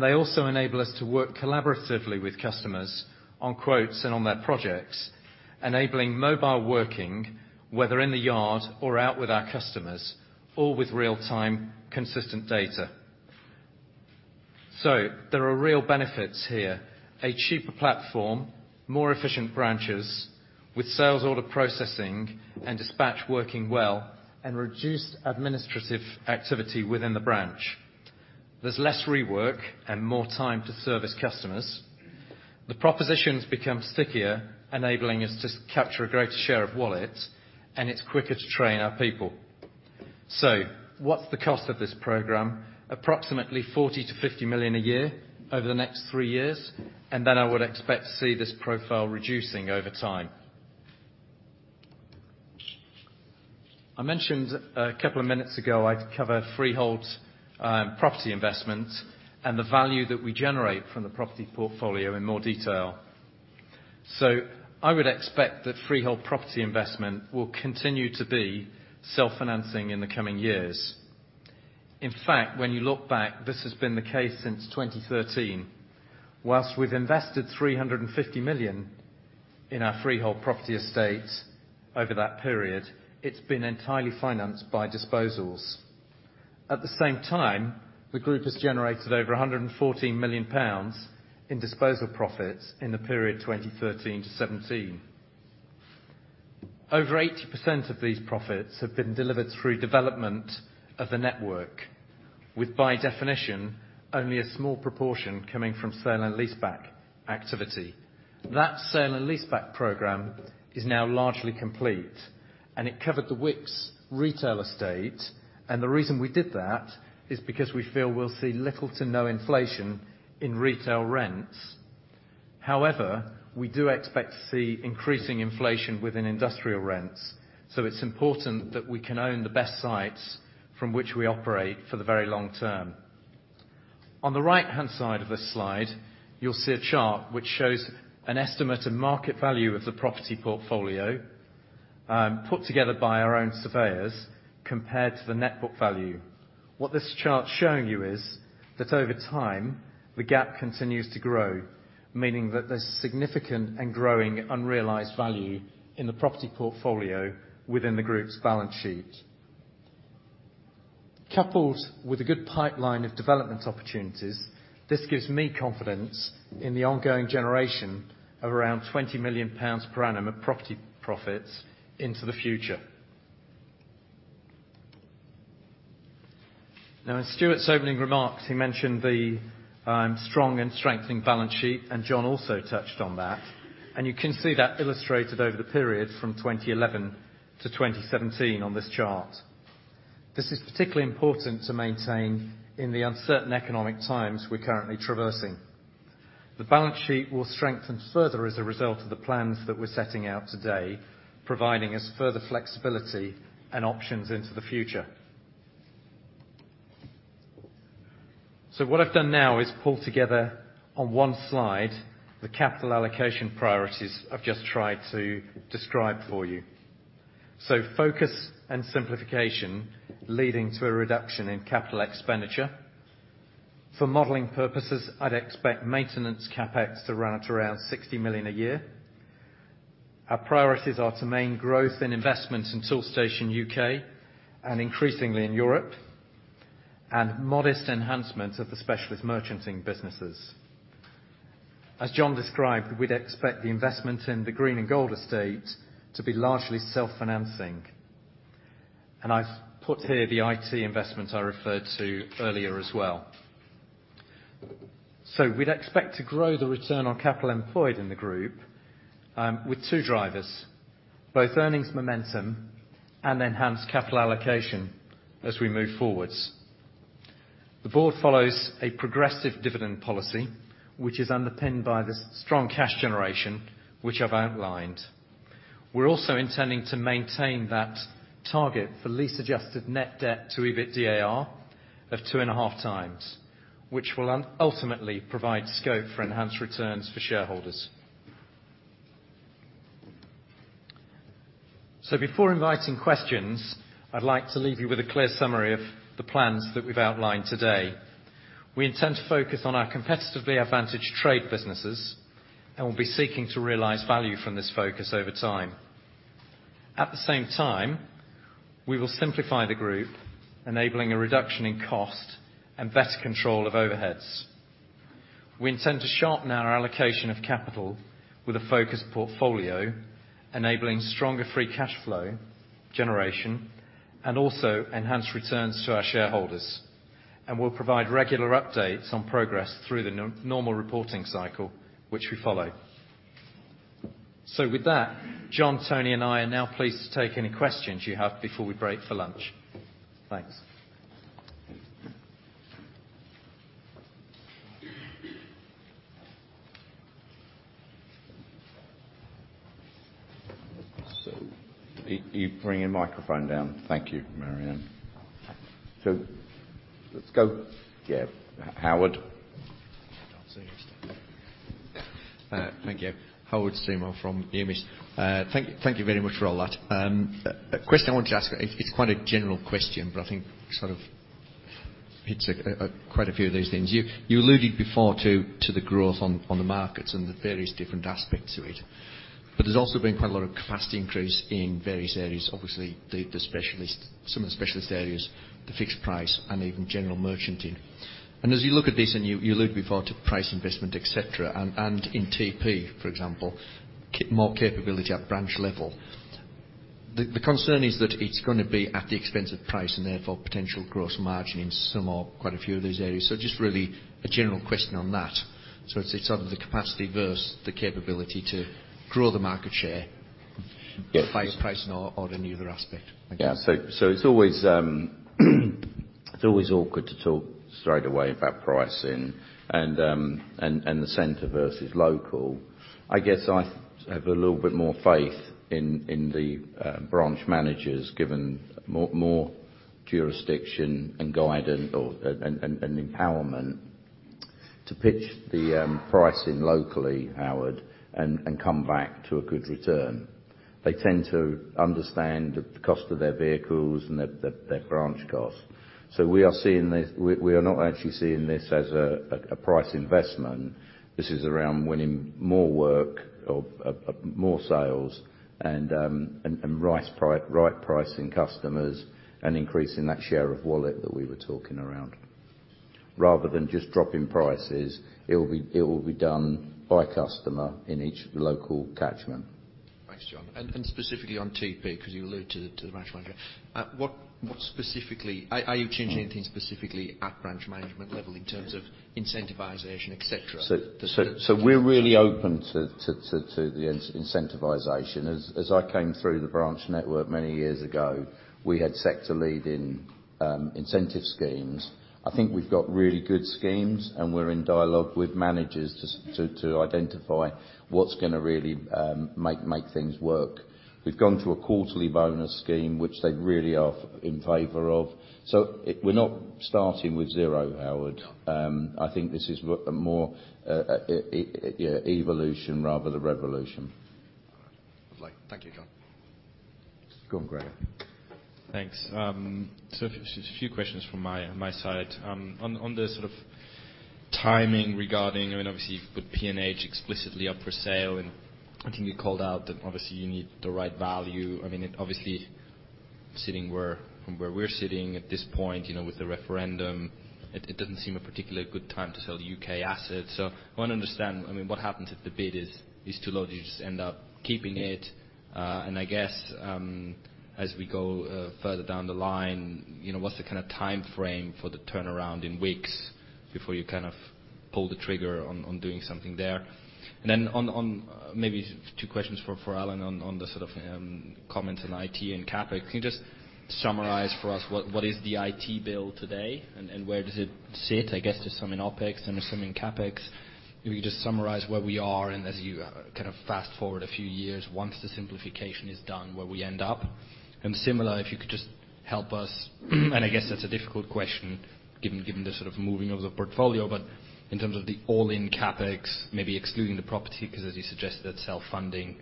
they also enable us to work collaboratively with customers on quotes and on their projects, enabling mobile working, whether in the yard or out with our customers, all with real-time consistent data. There are real benefits here. A cheaper platform, more efficient branches, with sales order processing and dispatch working well, reduced administrative activity within the branch. There's less rework and more time to service customers. The propositions become stickier, enabling us to capture a greater share of wallet, it's quicker to train our people. What's the cost of this program? Approximately 40 million-50 million a year over the next three years, I would expect to see this profile reducing over time. I mentioned a couple of minutes ago I'd cover freehold property investment and the value that we generate from the property portfolio in more detail. I would expect that freehold property investment will continue to be self-financing in the coming years. In fact, when you look back, this has been the case since 2013. Whilst we've invested 350 million in our freehold property estate over that period, it's been entirely financed by disposals. At the same time, the group has generated over 114 million pounds in disposal profits in the period 2013 to 2017. Over 80% of these profits have been delivered through development of the network with, by definition, only a small proportion coming from sale and leaseback activity. That sale and leaseback program is now largely complete. It covered the Wickes retail estate. The reason we did that is because we feel we'll see little to no inflation in retail rents. However, we do expect to see increasing inflation within industrial rents. It's important that we can own the best sites from which we operate for the very long term. On the right-hand side of this slide, you'll see a chart which shows an estimate of market value of the property portfolio, put together by our own surveyors, compared to the net book value. What this chart's showing you is that, over time, the gap continues to grow, meaning that there's significant and growing unrealized value in the property portfolio within the group's balance sheet. Coupled with a good pipeline of development opportunities, this gives me confidence in the ongoing generation of around 20 million pounds per annum of property profits into the future. Now, in Stuart's opening remarks, he mentioned the strong and strengthening balance sheet. John also touched on that. You can see that illustrated over the period from 2011 to 2017 on this chart. This is particularly important to maintain in the uncertain economic times we're currently traversing. The balance sheet will strengthen further as a result of the plans that we're setting out today, providing us further flexibility and options into the future. What I've done now is pull together on one slide the capital allocation priorities I've just tried to describe for you. Focus and simplification leading to a reduction in capital expenditure. For modeling purposes, I'd expect maintenance CapEx to run at around 60 million a year. Our priorities are to main growth in investments in Toolstation UK, and increasingly in Europe, and modest enhancements of the specialist merchanting businesses. As John described, we'd expect the investment in the Green and Gold estate to be largely self-financing. I've put here the IT investment I referred to earlier as well. We'd expect to grow the return on capital employed in the group, with two drivers, both earnings momentum and enhanced capital allocation as we move forwards. The board follows a progressive dividend policy, which is underpinned by the strong cash generation, which I've outlined. We're also intending to maintain that target for lease adjusted net debt to EBITDA of two and a half times, which will ultimately provide scope for enhanced returns for shareholders. Before inviting questions, I'd like to leave you with a clear summary of the plans that we've outlined today. We intend to focus on our competitively advantaged trade businesses and will be seeking to realize value from this focus over time. At the same time, we will simplify the group, enabling a reduction in cost and better control of overheads. We intend to sharpen our allocation of capital with a focused portfolio, enabling stronger free cash flow generation, and also enhance returns to our shareholders. We'll provide regular updates on progress through the normal reporting cycle, which we follow. With that, John, Tony, and I are now pleased to take any questions you have before we break for lunch. Thanks. You bring your microphone down. Thank you, Marianne. Let's go, yeah, Howard. Thank you. Howard Simo from Hermes. Thank you very much for all that. Question I wanted to ask, it's quite a general question, but I think it's quite a few of these things. You alluded before to the growth on the markets and the various different aspects to it, but there's also been quite a lot of capacity increase in various areas. Obviously, some of the specialist areas, the fixed price, and even general merchanting. As you look at this, and you alluded before to price investment, et cetera. In TP, for example, more capability at branch level. The concern is that it's going to be at the expense of price and therefore potential gross margin in some or quite a few of those areas. Just really a general question on that. It's sort of the capacity versus the capability to grow the market share price or any other aspect. Thank you. Yeah. It's always awkward to talk straight away about pricing and the center versus local. I guess I have a little bit more faith in the branch managers, given more jurisdiction and empowerment to pitch the pricing locally, Howard, and come back to a good return. They tend to understand the cost of their vehicles and their branch costs. We are not actually seeing this as a price investment. This is around winning more work or more sales and right pricing customers and increasing that share of wallet that we were talking around. Rather than just dropping prices, it will be done by customer in each local catchment. Thanks, John. Specifically on TP, because you alluded to the branch manager. Are you changing anything specifically at branch management level in terms of incentivization, et cetera? We're really open to the incentivization. As I came through the branch network many years ago, we had sector-leading incentive schemes. I think we've got really good schemes, and we're in dialogue with managers to identify what's going to really make things work. We've gone to a quarterly bonus scheme, which they really are in favor of. We're not starting with zero, Howard. I think this is more evolution rather than revolution. All right. Thank you, John. Go on, Gregor. Thanks. A few questions from my side. On the sort of timing regarding, I mean, obviously you've got P&H explicitly up for sale, and I think you called out that obviously you need the right value. Obviously from where we're sitting at this point with the referendum, it doesn't seem a particularly good time to sell U.K. assets. I want to understand what happens if the bid is too low? Do you just end up keeping it? And I guess, as we go further down the line, what's the kind of timeframe for the turnaround in weeks before you kind of pull the trigger on doing something there? And then maybe two questions for Alan on the sort of comments on IT and CapEx. Can you just summarize for us what is the IT bill today and where does it sit? I guess there's some in OpEx and there's some in CapEx. If you could just summarize where we are and as you kind of fast forward a few years once the simplification is done, where we end up? Similar, if you could just help us, and I guess that's a difficult question given the sort of moving of the portfolio. But in terms of the all-in CapEx, maybe excluding the property, because as you suggested, it's self-funding,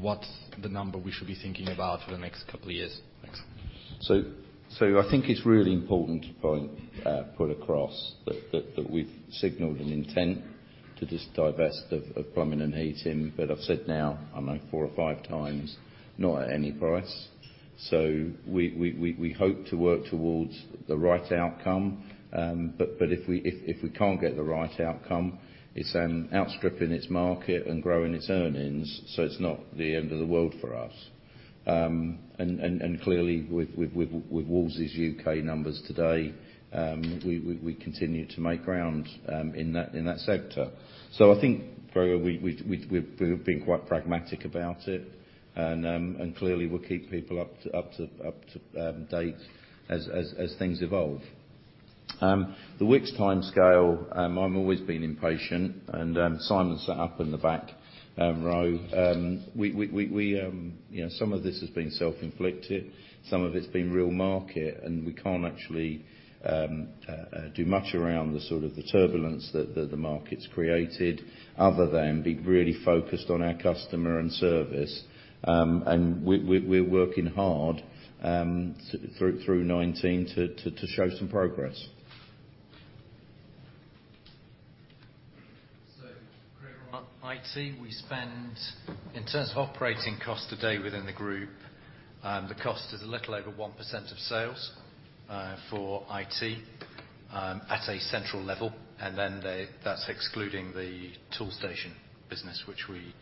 what's the number we should be thinking about for the next couple of years? Thanks. I think it's really important to put across that we've signaled an intent to divest of plumbing and heating. I've said now, I don't know, four or five times, not at any price. We hope to work towards the right outcome. If we can't get the right outcome, it's outstripping its market and growing its earnings, so it's not the end of the world for us. Clearly with Wolseley's U.K. numbers today, we continue to make ground in that sector. I think, Gregor, we've been quite pragmatic about it, and clearly we'll keep people up to date as things evolve. The Wickes timescale, I've always been impatient, and Simon's sat up in the back row. Some of this has been self-inflicted. Some of it's been real market, we can't actually do much around the sort of the turbulence that the market's created other than be really focused on our customer and service. We're working hard through 2019 to show some progress. On IT, we spend, in terms of operating cost today within the group, the cost is a little over 1% of sales for IT at a central level. That's excluding the Toolstation business, which we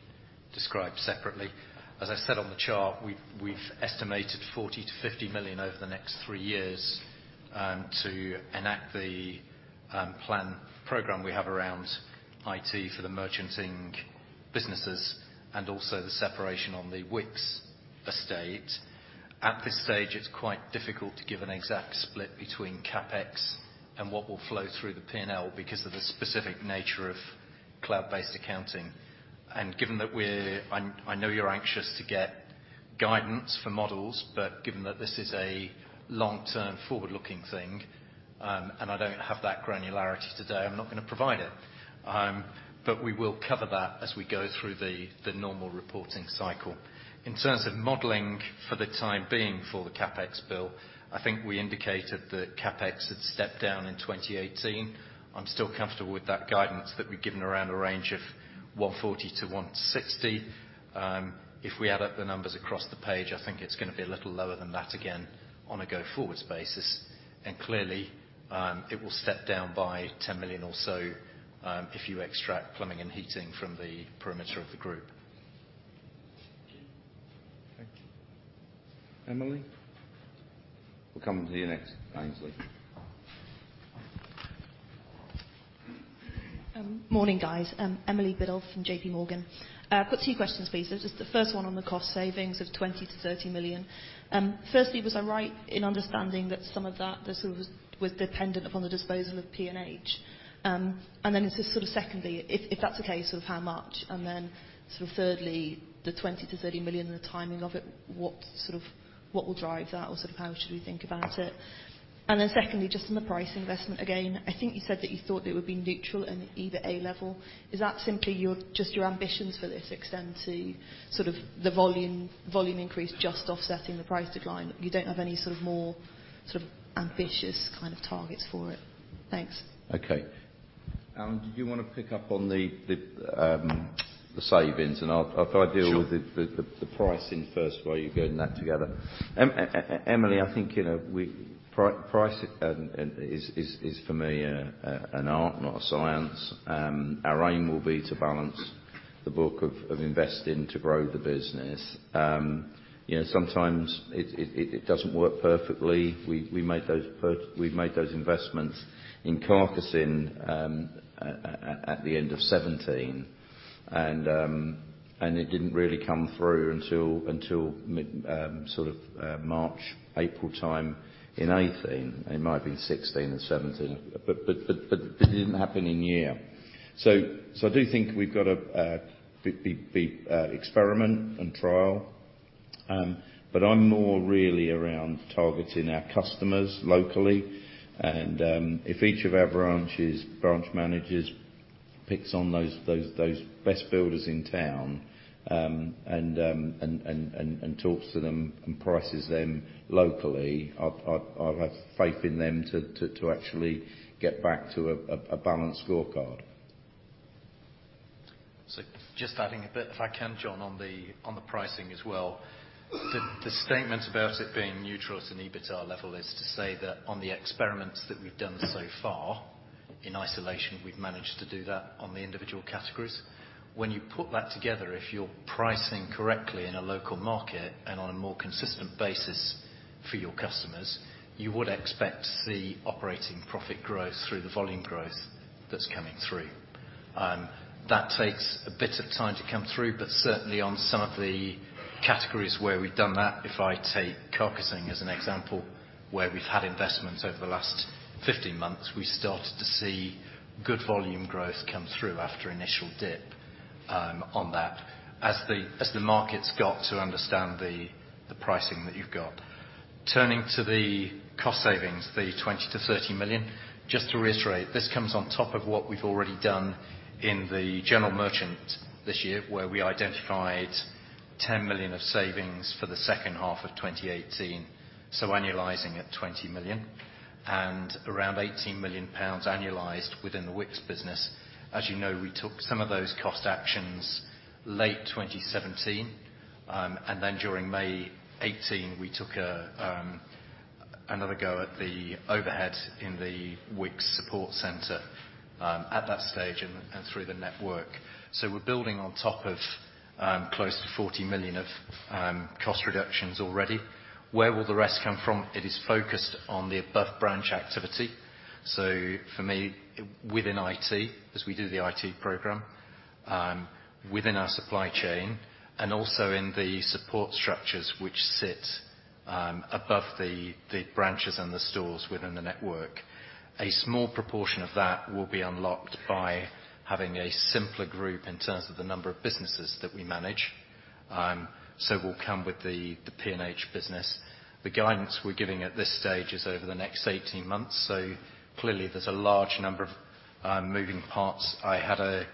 describe separately. As I said on the chart, we've estimated 40 million-50 million over the next three years to enact the plan program we have around IT for the merchanting businesses and also the separation on the Wickes estate. At this stage, it's quite difficult to give an exact split between CapEx and what will flow through the P&L because of the specific nature of cloud-based accounting. Given that I know you're anxious to get guidance for models, given that this is a long-term forward-looking thing, and I don't have that granularity today, I'm not going to provide it. We will cover that as we go through the normal reporting cycle. In terms of modeling for the time being for the CapEx bill, I think we indicated that CapEx had stepped down in 2018. I'm still comfortable with that guidance that we'd given around a range of 140-160. If we add up the numbers across the page, I think it's going to be a little lower than that again on a go-forwards basis. Clearly, it will step down by 10 million or so, if you extract plumbing and heating from the perimeter of the group. Thank you. Emily? We'll come to you next, Aynsley. Morning, guys. Emily Biddulph from JPMorgan. I've got two questions, please. There's the first one on the cost savings of 20 million-30 million. Was I right in understanding that some of that was dependent upon the disposal of P&H? Sort of secondly, if that's the case, of how much, and then the 20 million-30 million and the timing of it, what will drive that or how should we think about it? Secondly, just on the price investment again, I think you said that you thought it would be neutral and EBITDA level. Is that simply just your ambitions for this extend to sort of the volume increase just offsetting the price decline? You don't have any sort of more ambitious kind of targets for it. Thanks. Okay. Alan, did you want to pick up on the savings? If I deal with the pricing first while you go in that together. Emily, I think pricing is for me an art, not a science. Our aim will be to balance the book of investing to grow the business. Sometimes it doesn't work perfectly. We've made those investments in carcassing at the end of 2017. It didn't really come through until sort of March, April time in 2018. It might be 2016 or 2017, but it didn't happen in year. I do think we've got to experiment and trial. I'm more really around targeting our customers locally, and if each of our branch managers picks on those best builders in town and talks to them and prices them locally, I've faith in them to actually get back to a balanced scorecard. Just adding a bit, if I can, John, on the pricing as well. The statement about it being neutral at an EBITDA level is to say that on the experiments that we've done so far, in isolation, we've managed to do that on the individual categories. When you put that together, if you're pricing correctly in a local market and on a more consistent basis for your customers, you would expect to see operating profit growth through the volume growth that's coming through. That takes a bit of time to come through, but certainly on some of the categories where we've done that, if I take carcassing as an example, where we've had investments over the last 15 months, we started to see good volume growth come through after initial dip on that, as the market's got to understand the pricing that you've got. Turning to the cost savings, the 20 million-30 million, just to reiterate, this comes on top of what we've already done in the general merchant this year, where we identified 10 million of savings for the second half of 2018, so annualizing at 20 million. Around 18 million pounds annualized within the Wickes business. As you know, we took some of those cost actions late 2017, and then during May 2018, we took another go at the overhead in the Wickes support center at that stage and through the network. We're building on top of close to 40 million of cost reductions already. Where will the rest come from? It is focused on the above-branch activity. For me, within IT, as we do the IT program, within our supply chain, and also in the support structures which sit above the branches and the stores within the network. A small proportion of that will be unlocked by having a simpler group in terms of the number of businesses that we manage. Will come with the P&H business. The guidance we're giving at this stage is over the next 18 months. Clearly there's a large number of moving parts. I had a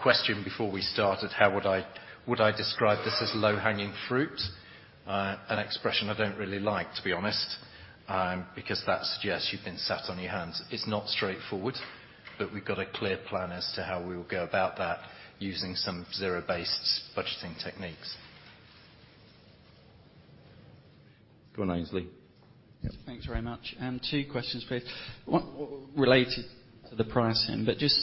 question before we started, would I describe this as low-hanging fruit? An expression I don't really like, to be honest, because that suggests you've been sat on your hands. It's not straightforward, but we've got a clear plan as to how we will go about that using some zero-based budgeting techniques. Go on, Aynsley. Thanks very much. Two questions, please. One related to the pricing, just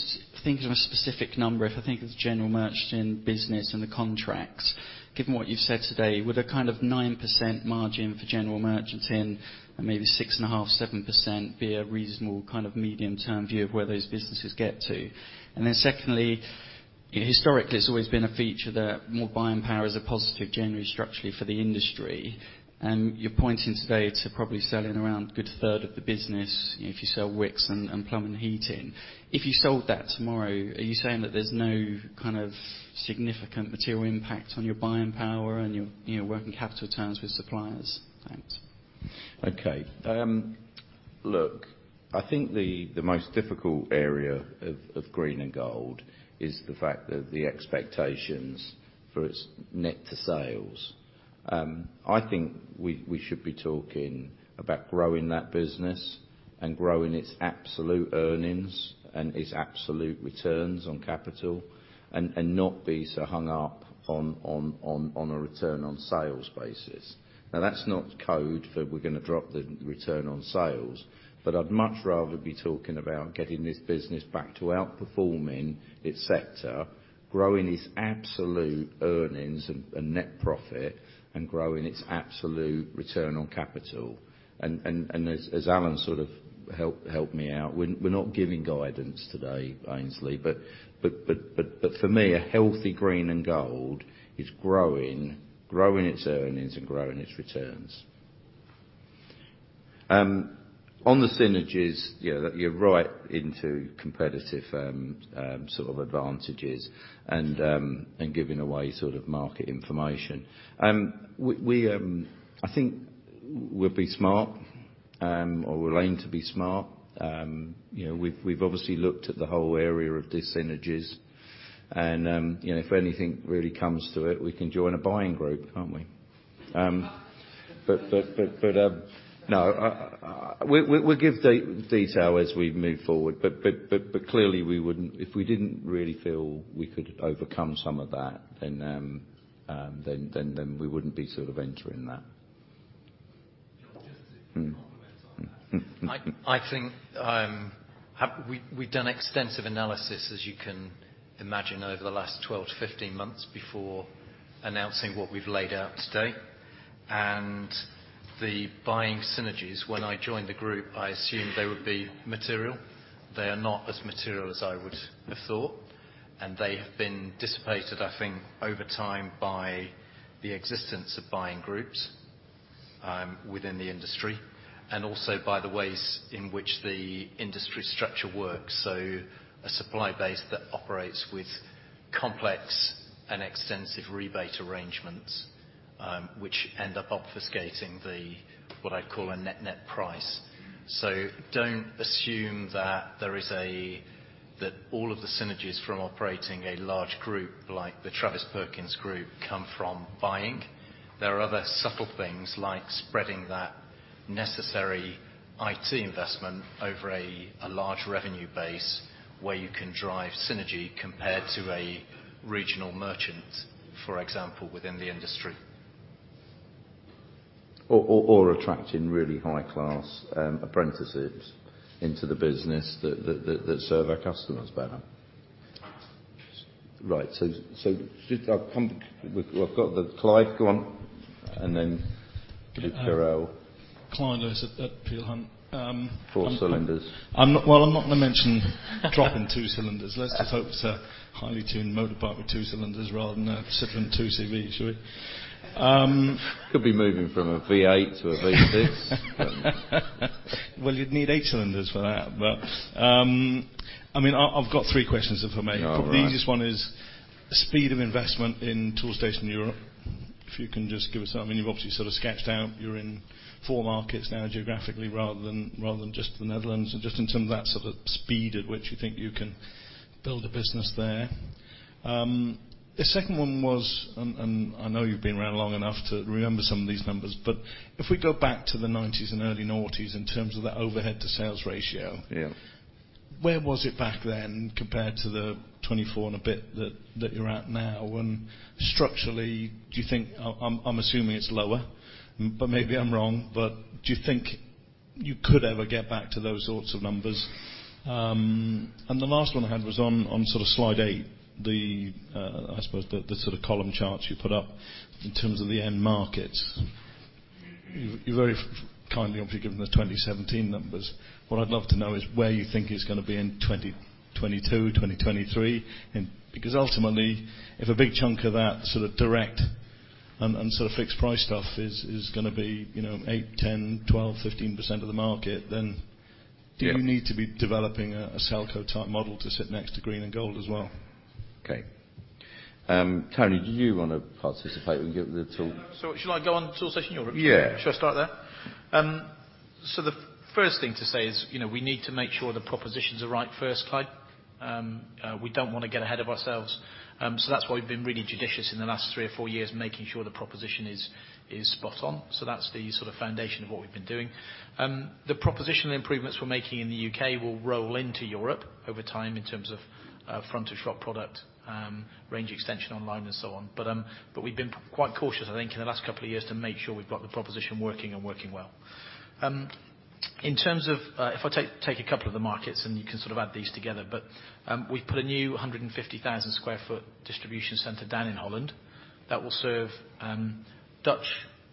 thinking of a specific number, if I think of the general merchant business and the contracts, given what you've said today, would a kind of 9% margin for general merchanting and maybe six and a half, 7% be a reasonable kind of medium-term view of where those businesses get to? Secondly, historically, it's always been a feature that more buying power is a positive generally structurally for the industry. You're pointing today to probably selling around a good third of the business if you sell Wickes and plumbing and heating. If you sold that tomorrow, are you saying that there's no kind of significant material impact on your buying power and your working capital terms with suppliers? Thanks. Okay. Look, I think the most difficult area of Green and Gold is the fact that the expectations for its net to sales. I think we should be talking about growing that business and growing its absolute earnings and its absolute returns on capital, not be so hung up on a return on sales basis. Now, that's not code for we're going to drop the return on sales. I'd much rather be talking about getting this business back to outperforming its sector, growing its absolute earnings and net profit, and growing its absolute return on capital. As Alan sort of helped me out, we're not giving guidance today, Aynsley. For me, a healthy Green and Gold is growing its earnings and growing its returns. On the synergies, you're right into competitive sort of advantages and giving away sort of market information. I think we'll be smart, or we'll aim to be smart. We've obviously looked at the whole area of dis-synergies. If anything really comes to it, we can join a buying group, can't we? No. We'll give detail as we move forward. Clearly, if we didn't really feel we could overcome some of that, then we wouldn't be sort of entering that. Just to complement on that. I think we've done extensive analysis, as you can imagine, over the last 12-15 months before announcing what we've laid out today. The buying synergies, when I joined the group, I assumed they would be material. They are not as material as I would have thought, and they have been dissipated, I think, over time, by the existence of buying groups within the industry, and also by the ways in which the industry structure works. A supply base that operates with complex and extensive rebate arrangements, which end up obfuscating what I call a net price. Don't assume that all of the synergies from operating a large group like the Travis Perkins Group come from buying. There are other subtle things like spreading that necessary IT investment over a large revenue base where you can drive synergy compared to a regional merchant, for example, within the industry. Attracting really high-class apprenticeships into the business that serve our customers better. Right. I've got Clyde, go on, and then Priyal. Clyde Lewis at Peel Hunt. Four cylinders. Well, I'm not going to mention dropping two cylinders. Let's just hope it's a highly tuned motor bike with two cylinders rather than a Citroën 2CV, shall we? Could be moving from a V8 to a V6. Well, you'd need eight cylinders for that. I've got three questions, if I may. All right. The easiest one is speed of investment in Toolstation Europe. If you can just give us, I mean, you've obviously sort of sketched out, you're in four markets now geographically rather than just the Netherlands, just in terms of that sort of speed at which you think you can build a business there. The second one was, I know you've been around long enough to remember some of these numbers, but if we go back to the '90s and early noughties in terms of that overhead to sales ratio. Yeah. Where was it back then compared to the 24 and a bit that you're at now? Structurally, I'm assuming it's lower, but maybe I'm wrong. Do you think you could ever get back to those sorts of numbers? The last one I had was on sort of slide eight, I suppose the sort of column charts you put up in terms of the end markets. You very kindly, obviously, given the 2017 numbers. What I'd love to know is where you think it's going to be in 2022, 2023. Ultimately, if a big chunk of that sort of direct and sort of fixed price stuff is going to be eight, 10, 12, 15% of the market, then do you need to be developing a Selco type model to sit next to Green and Gold as well? Okay. Tony, do you want to participate and give the tool? Should I go on Toolstation Europe? Yeah. Should I start there? The first thing to say is we need to make sure the propositions are right first, Clyde. We don't want to get ahead of ourselves. That's why we've been really judicious in the last three or four years, making sure the proposition is spot on. That's the sort of foundation of what we've been doing. The propositional improvements we're making in the U.K. will roll into Europe over time in terms of front of shop product, range extension online and so on. We've been quite cautious, I think, in the last couple of years to make sure we've got the proposition working and working well. In terms of, if I take a couple of the markets, you can sort of add these together, we've put a new 150,000 square foot distribution center down in Holland that will serve Dutch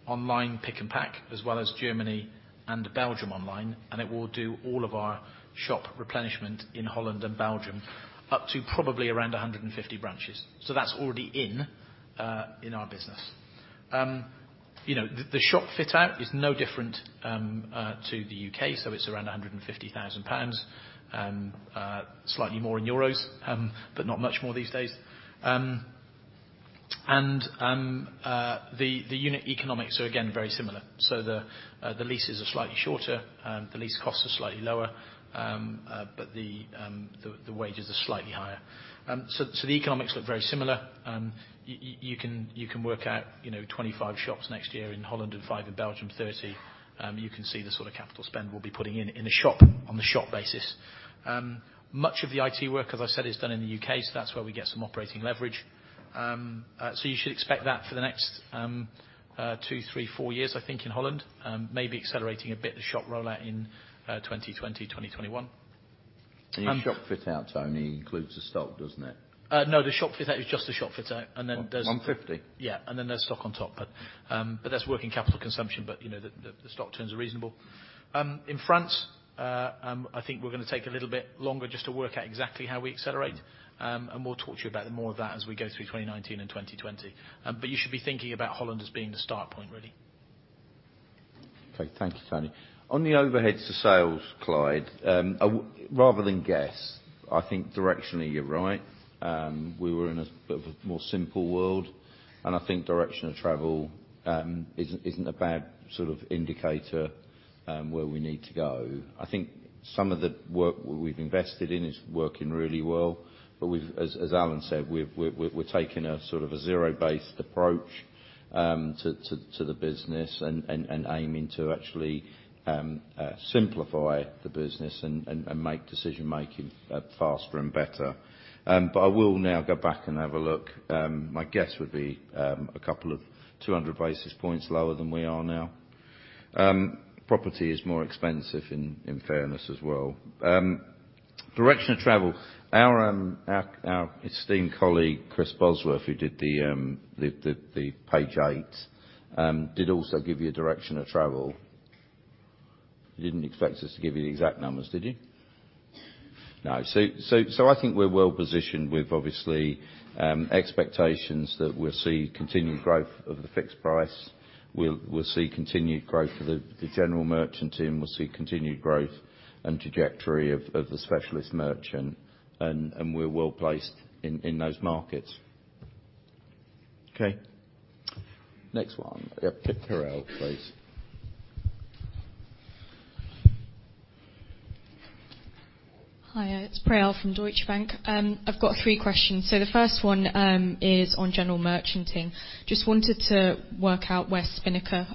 online pick and pack, as well as Germany and Belgium online, it will do all of our shop replenishment in Holland and Belgium up to probably around 150 branches. That's already in our business. The shop fit out is no different to the U.K., it's around 150,000 pounds. Slightly more in EUR, but not much more these days. The unit economics are, again, very similar. The leases are slightly shorter, the lease costs are slightly lower, the wages are slightly higher. The economics look very similar. You can work out 25 shops next year in Holland and five in Belgium, 30. You can see the sort of capital spend we'll be putting in the shop, on the shop basis. Much of the IT work, as I said, is done in the U.K., that's where we get some operating leverage. You should expect that for the next two, three, four years, I think, in Holland. Maybe accelerating a bit the shop rollout in 2020, 2021. Your shop fit-out, Tony, includes the stock, doesn't it? No, the shop fit-out is just the shop fit-out. Then there's. 150? Yeah. Then there's stock on top, but that's working capital consumption, but the stock turns are reasonable. In France, I think we're going to take a little bit longer just to work out exactly how we accelerate. We'll talk to you about more of that as we go through 2019 and 2020. You should be thinking about Holland as being the start point, really. Okay. Thank you, Tony. On the overheads to sales, Clyde, rather than guess, I think directionally you're right. We were in a bit of a more simple world, and I think direction of travel isn't a bad indicator where we need to go. I think some of the work we've invested in is working really well. As Alan said, we're taking a zero-based approach to the business and aiming to actually simplify the business and make decision-making faster and better. I will now go back and have a look. My guess would be, a couple of 200 basis points lower than we are now. Property is more expensive, in fairness as well. Direction of travel. Our esteemed colleague, Chris Bosworth, who did the page eight, did also give you a direction of travel. You didn't expect us to give you the exact numbers, did you? No. I think we're well positioned with, obviously, expectations that we'll see continued growth of the fixed price. We'll see continued growth of the general merchant team. We'll see continued growth and trajectory of the specialist merchant, and we're well-placed in those markets. Okay. Next one. Yeah, Priyal, please. Hiya. It's Priyal from Deutsche Bank. I've got three questions. The first one is on general merchanting. Just wanted to work out where Spinnaker,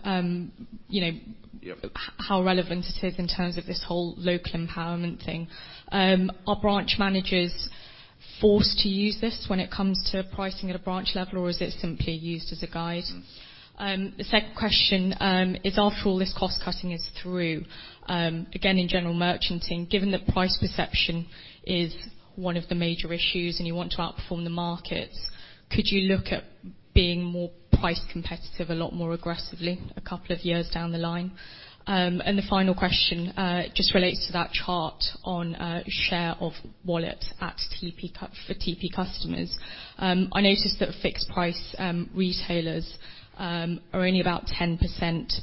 how relevant it is in terms of this whole local empowerment thing. Are branch managers forced to use this when it comes to pricing at a branch level, or is it simply used as a guide? The second question is, after all this cost-cutting is through, again, in general merchanting, given that price perception is one of the major issues and you want to outperform the markets, could you look at being more price competitive a lot more aggressively a couple of years down the line? The final question just relates to that chart on share of wallet for TP customers. I noticed that fixed price retailers are only about 10%,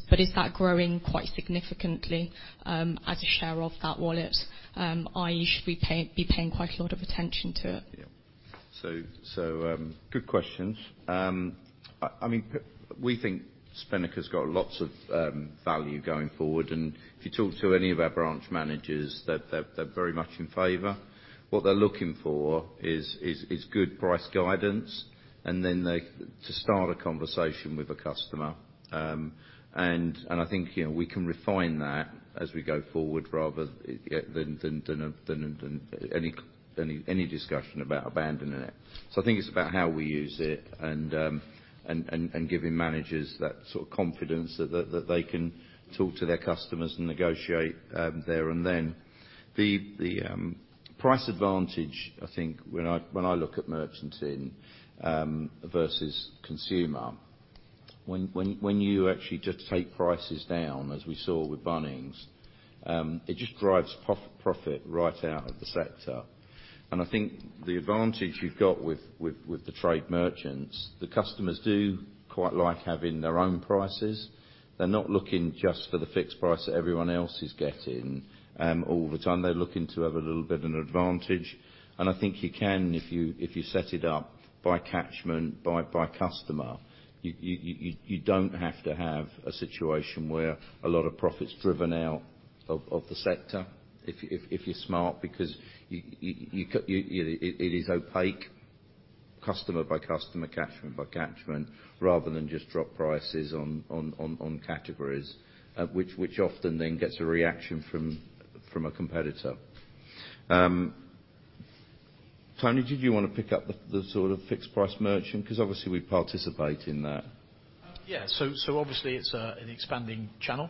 but is that growing quite significantly as a share of that wallet, i.e., should we be paying quite a lot of attention to it? Yeah. Good questions. We think Spinnaker's got lots of value going forward. If you talk to any of our branch managers, they're very much in favor. What they're looking for is good price guidance, and then to start a conversation with a customer. I think we can refine that as we go forward rather than any discussion about abandoning it. I think it's about how we use it and giving managers that confidence that they can talk to their customers and negotiate there and then. The price advantage, I think when I look at merchanting versus consumer, when you actually just take prices down, as we saw with Bunnings, it just drives profit right out of the sector. I think the advantage you've got with the trade merchants, the customers do quite like having their own prices. They're not looking just for the fixed price that everyone else is getting all the time. They're looking to have a little bit of an advantage. I think you can if you set it up by catchment, by customer. You don't have to have a situation where a lot of profit's driven out of the sector if you're smart, because it is opaque, customer by customer, catchment by catchment, rather than just drop prices on categories, which often then gets a reaction from a competitor. Tony, did you want to pick up the fixed price merchant? Obviously we participate in that. Yeah. Obviously it's an expanding channel.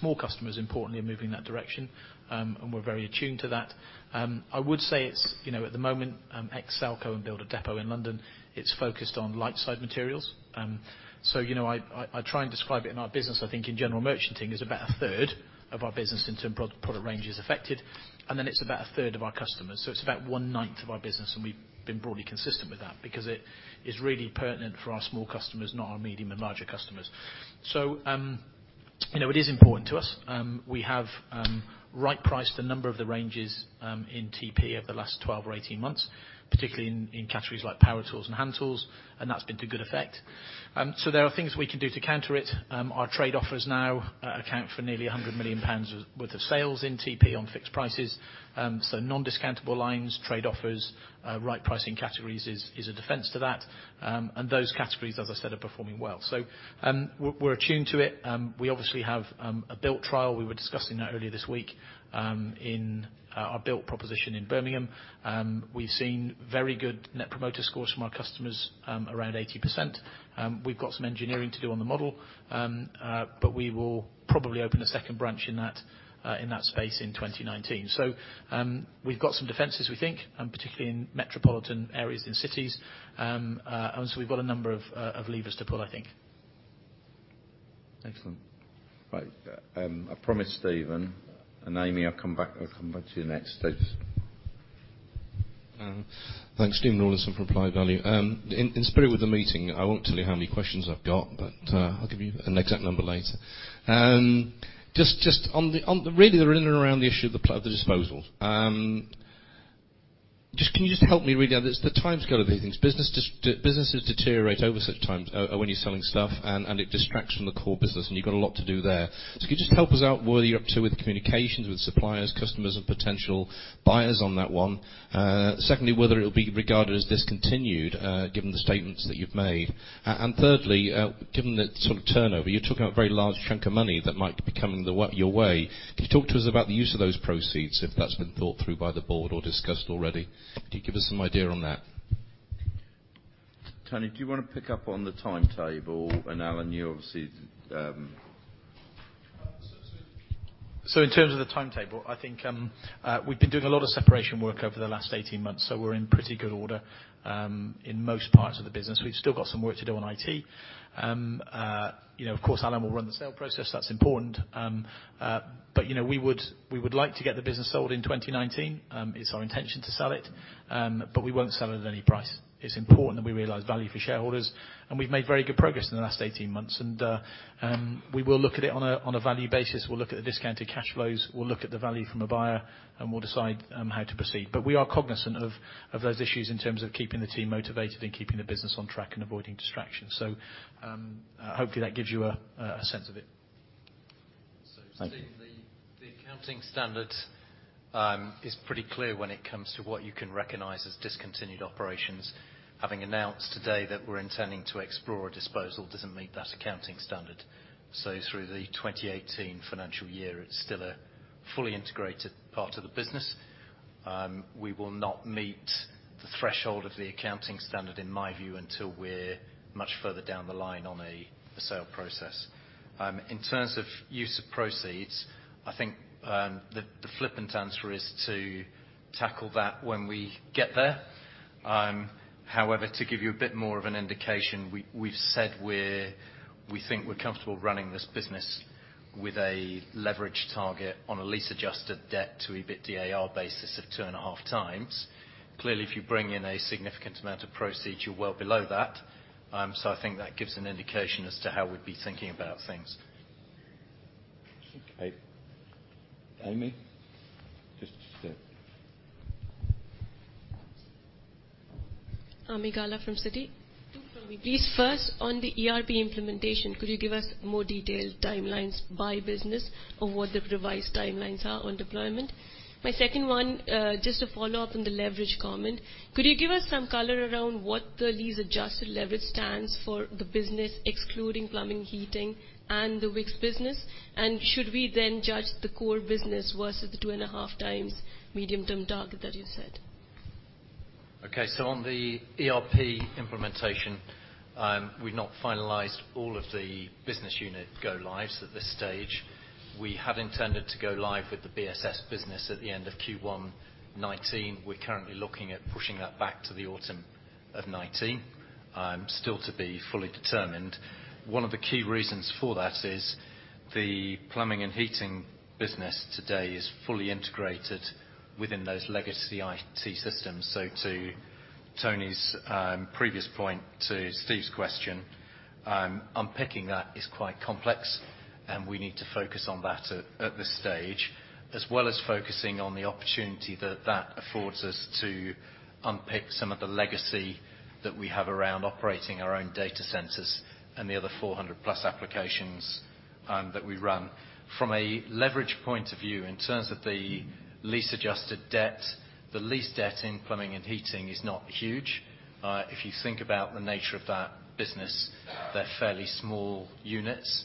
Small customers importantly are moving in that direction. We're very attuned to that. I would say it's at the moment, ex Selco and Builder Depot in London, it's focused on light side materials. I try and describe it in our business, I think in general merchanting is about a third of our business in term product range is affected, then it's about a third of our customers. It's about one ninth of our business, and we've been broadly consistent with that because it is really pertinent for our small customers, not our medium and larger customers. It is important to us. We have right priced a number of the ranges in TP over the last 12 or 18 months, particularly in categories like power tools and hand tools, and that's been to good effect. There are things we can do to counter it. Our trade offers now account for nearly 100 million pounds worth of sales in TP on fixed prices. Non-discountable lines, trade offers, right pricing categories is a defense to that. Those categories, as I said, are performing well. We're attuned to it. We obviously have a built trial. We were discussing that earlier this week, our built proposition in Birmingham. We've seen very good Net Promoter Scores from our customers, around 80%. We've got some engineering to do on the model, we will probably open a second branch in that space in 2019. We've got some defenses, we think, particularly in metropolitan areas in cities. We've got a number of levers to pull, I think. Excellent. Right. I promised Stephen, Ami, I'll come back to you next. Stephen? Thanks. Stephen Rawlinson from Applied Value. In spirit with the meeting, I won't tell you how many questions I've got, but I'll give you an exact number later. Just on the in and around the issue of the disposals. Can you just help me read the timescale of these things? Businesses deteriorate over such times, when you're selling stuff, and it distracts from the core business, and you've got a lot to do there. Can you just help us out where you're up to with communications with suppliers, customers, and potential buyers on that one? Secondly, whether it'll be regarded as discontinued, given the statements that you've made. Thirdly, given the sort of turnover, you're talking about a very large chunk of money that might be coming your way. Can you talk to us about the use of those proceeds, if that's been thought through by the board or discussed already? Could you give us some idea on that? Tony, do you want to pick up on the timetable? Alan, you're on In terms of the timetable, I think we've been doing a lot of separation work over the last 18 months, so we're in pretty good order in most parts of the business. We've still got some work to do on IT. Of course, Alan will run the sale process. That's important. We would like to get the business sold in 2019. It's our intention to sell it, but we won't sell it at any price. It's important that we realize value for shareholders, and we've made very good progress in the last 18 months. We will look at it on a value basis. We'll look at the discounted cash flows. We'll look at the value from a buyer, and we'll decide how to proceed. We are cognizant of those issues in terms of keeping the team motivated and keeping the business on track and avoiding distractions. Hopefully, that gives you a sense of it. Thank you. Stephen, the accounting standard is pretty clear when it comes to what you can recognize as discontinued operations. Having announced today that we're intending to explore a disposal doesn't meet that accounting standard. Through the 2018 financial year, it's still a fully integrated part of the business. We will not meet the threshold of the accounting standard, in my view, until we're much further down the line on a sale process. In terms of use of proceeds, I think the flippant answer is to tackle that when we get there. However, to give you a bit more of an indication, we've said we think we're comfortable running this business with a leverage target on a lease adjusted debt to EBITDA basis of 2.5x. Clearly, if you bring in a significant amount of proceeds, you're well below that. I think that gives an indication as to how we'd be thinking about things. Okay. Ami? Ami Galla from Citi. Two for me, please. First, on the ERP implementation, could you give us more detailed timelines by business on what the revised timelines are on deployment? My second one, just a follow-up on the leverage comment. Could you give us some color around what the lease adjusted leverage stands for the business excluding plumbing, heating, and the Wickes business? Should we then judge the core business versus the two and a half times medium-term target that you said? Okay. On the ERP implementation, we've not finalized all of the business unit go lives at this stage. We had intended to go live with the BSS business at the end of Q1 2019. We're currently looking at pushing that back to the autumn of 2019. Still to be fully determined. One of the key reasons for that is the plumbing and heating business today is fully integrated within those legacy IT systems. To Tony's previous point to Steve's question, unpicking that is quite complex and we need to focus on that at this stage, as well as focusing on the opportunity that that affords us to unpick some of the legacy that we have around operating our own data centers and the other 400 plus applications that we run. From a leverage point of view, in terms of the lease adjusted debt, the lease debt in plumbing and heating is not huge. If you think about the nature of that business, they're fairly small units,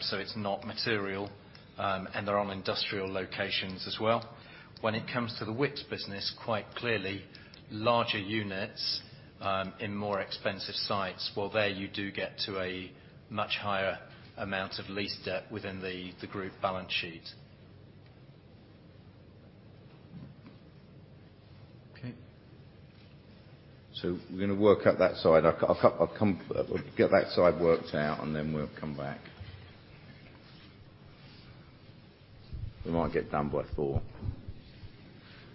so it's not material, and they're on industrial locations as well. When it comes to the Wickes business, quite clearly larger units in more expensive sites, well, there you do get to a much higher amount of lease debt within the group balance sheet. Okay. We're going to work out that side. We'll get that side worked out, and then we'll come back. We might get done by 4:00.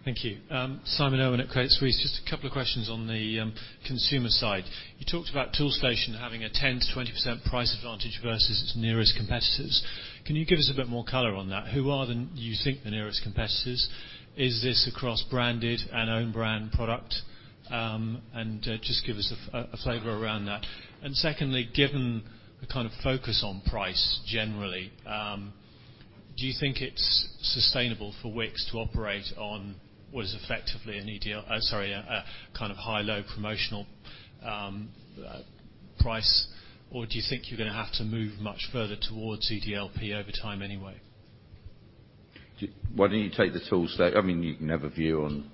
Thank you. Simon Irwin at Credit Suisse. Just a couple of questions on the consumer side. You talked about Toolstation having a 10%-20% price advantage versus its nearest competitors. Can you give us a bit more color on that? Who are you think the nearest competitors? Is this across branded and own brand product? Just give us a flavor around that. Secondly, given the kind of focus on price generally, do you think it's sustainable for Wickes to operate on what is effectively a kind of high-low promotional price? Or do you think you're going to have to move much further towards EDLP over time anyway? Why don't you take the tools? You can have a view on.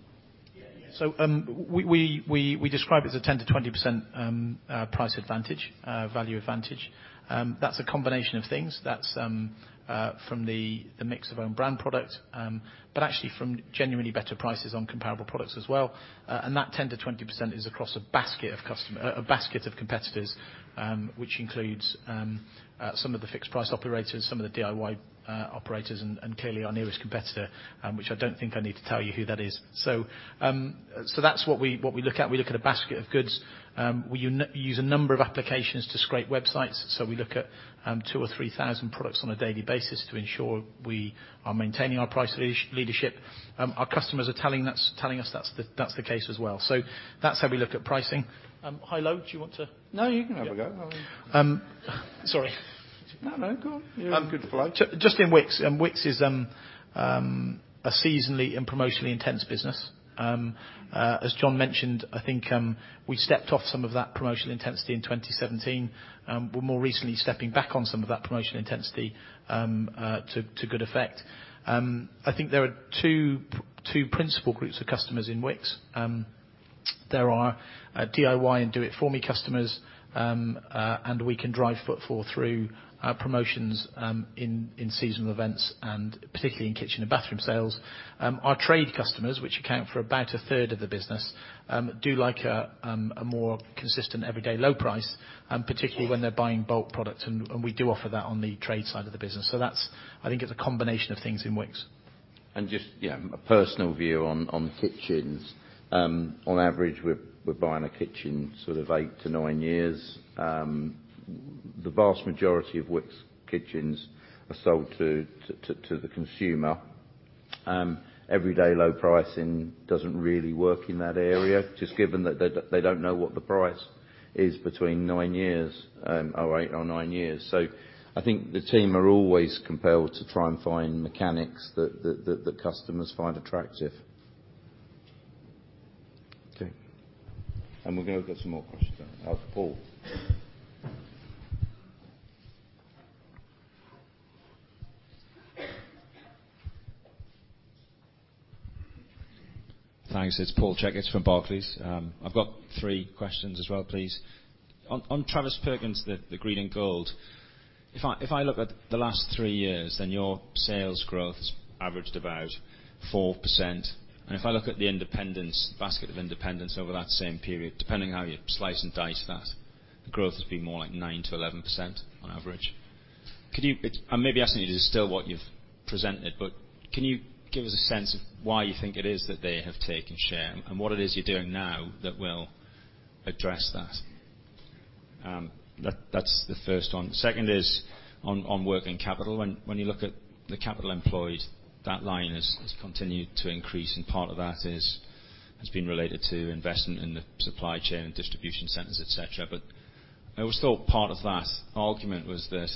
We describe it as a 10%-20% price advantage, value advantage. That's a combination of things. That's from the mix of own brand product, but actually from genuinely better prices on comparable products as well. That 10%-20% is across a basket of competitors, which includes some of the fixed price operators, some of the DIY operators, and clearly our nearest competitor, which I don't think I need to tell you who that is. That's what we look at. We look at a basket of goods. We use a number of applications to scrape websites. We look at 2,000 or 3,000 products on a daily basis to ensure we are maintaining our price leadership. Our customers are telling us that's the case as well. That's how we look at pricing. High low, do you want to? No, you can have a go. Sorry. No, go on. I'm good for life. Just in Wickes. Wickes is a seasonally and promotionally intense business. As John mentioned, I think we stepped off some of that promotional intensity in 2017. We're more recently stepping back on some of that promotional intensity to good effect. I think there are two principal groups of customers in Wickes. There are DIY and do-it-for-me customers, and we can drive footfall through promotions in seasonal events, and particularly in kitchen and bathroom sales. Our trade customers, which account for about a third of the business, do like a more consistent everyday low price, particularly when they're buying bulk products, and we do offer that on the trade side of the business. That's, I think it's a combination of things in Wickes. Just, yeah, a personal view on kitchens. On average, we're buying a kitchen sort of eight to nine years. The vast majority of Wickes kitchens are sold to the consumer. Everyday low pricing doesn't really work in that area, just given that they don't know what the price is between nine years, or eight or nine years. I think the team are always compelled to try and find mechanics that the customers find attractive. Okay. We're going to get some more questions now, Paul. Thanks. It's Paul Checketts from Barclays. I've got three questions as well, please. On Travis Perkins, the Green and Gold, if I look at the last three years, your sales growth has averaged about 4%. If I look at the independents, basket of independents over that same period, depending on how you slice and dice that, the growth has been more like nine to 11% on average. I'm maybe asking you to distill what you've presented, but can you give us a sense of why you think it is that they have taken share and what it is you're doing now that will address that? That's the first one. Second is on working capital. When you look at the capital employed, that line has continued to increase, and part of that has been related to investment in the supply chain and distribution centers, et cetera. I always thought part of that argument was that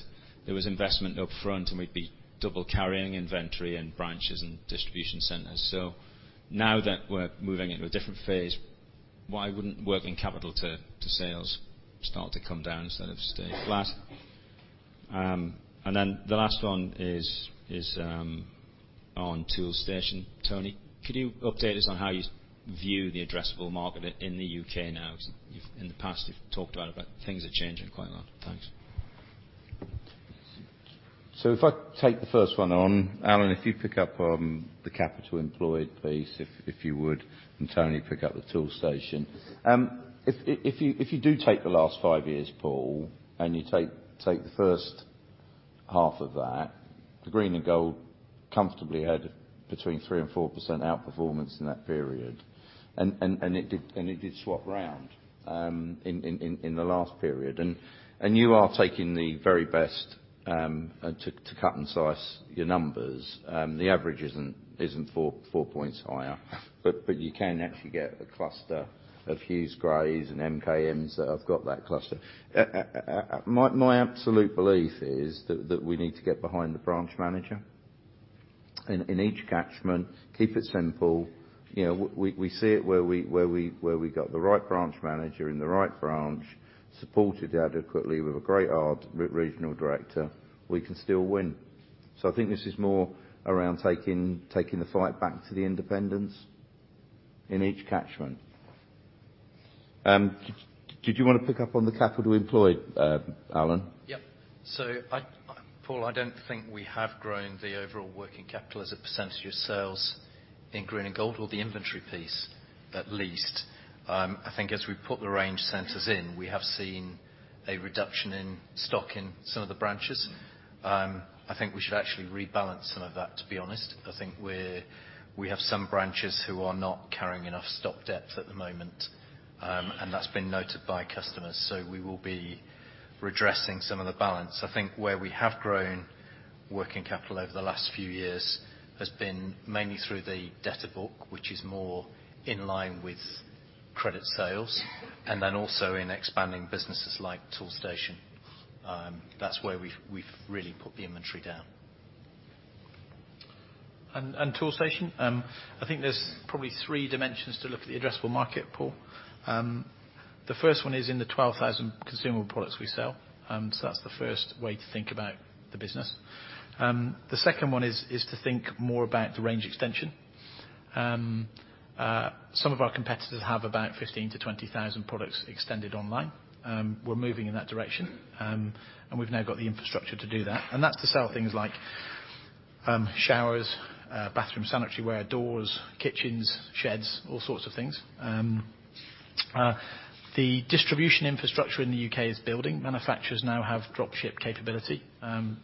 there was investment upfront and we'd be double carrying inventory and branches and distribution centers. Now that we're moving into a different phase, why wouldn't working capital to sales start to come down instead of stay flat? The last one is on Toolstation. Tony, could you update us on how you view the addressable market in the U.K. now? In the past, you've talked about it, but things are changing quite a lot. Thanks. If I take the first one on, Alan, if you'd pick up on the capital employed, please, if you would, and Tony, pick up the Toolstation. If you do take the last five years, Paul, and you take the first half of that, the Green and Gold comfortably had between 3% and 4% outperformance in that period. It did swap round in the last period. You are taking the very best to cut and slice your numbers. The average isn't four points higher, but you can actually get a cluster of Hughes, Grays, and MKMs that have got that cluster. My absolute belief is that we need to get behind the branch manager in each catchment, keep it simple. We see it where we got the right branch manager in the right branch, supported adequately with a great regional director, we can still win. I think this is more around taking the fight back to the independents in each catchment. Did you want to pick up on the capital employed, Alan? Yep. Paul, I don't think we have grown the overall working capital as a percentage of sales In Green and Gold or the inventory piece, at least. I think as we put the range centers in, we have seen a reduction in stock in some of the branches. I think we should actually rebalance some of that, to be honest. I think we have some branches who are not carrying enough stock depth at the moment, and that's been noted by customers. We will be redressing some of the balance. I think where we have grown working capital over the last few years has been mainly through the debtor book, which is more in line with credit sales, and then also in expanding businesses like Toolstation. That's where we've really put the inventory down. Toolstation, I think there's probably three dimensions to look at the addressable market, Paul. The first one is in the 12,000 consumable products we sell. That's the first way to think about the business. The second one is to think more about the range extension. Some of our competitors have about 15,000-20,000 products extended online. We're moving in that direction, and we've now got the infrastructure to do that. That's to sell things like showers, bathroom sanitary ware, doors, kitchens, sheds, all sorts of things. The distribution infrastructure in the U.K. is building. Manufacturers now have drop ship capability.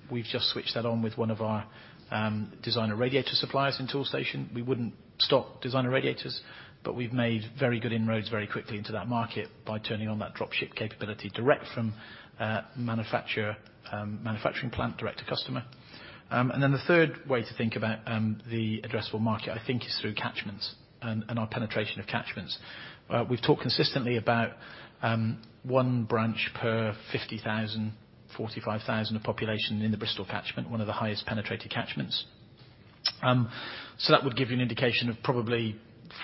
We've just switched that on with one of our designer radiator suppliers in Toolstation. We wouldn't stock designer radiators, but we've made very good inroads very quickly into that market by turning on that drop ship capability direct from manufacturing plant direct to customer. The third way to think about the addressable market, I think, is through catchments and our penetration of catchments. We've talked consistently about one branch per 50,000, 45,000 of population in the Bristol catchment, one of the highest penetrated catchments. That would give you an indication of probably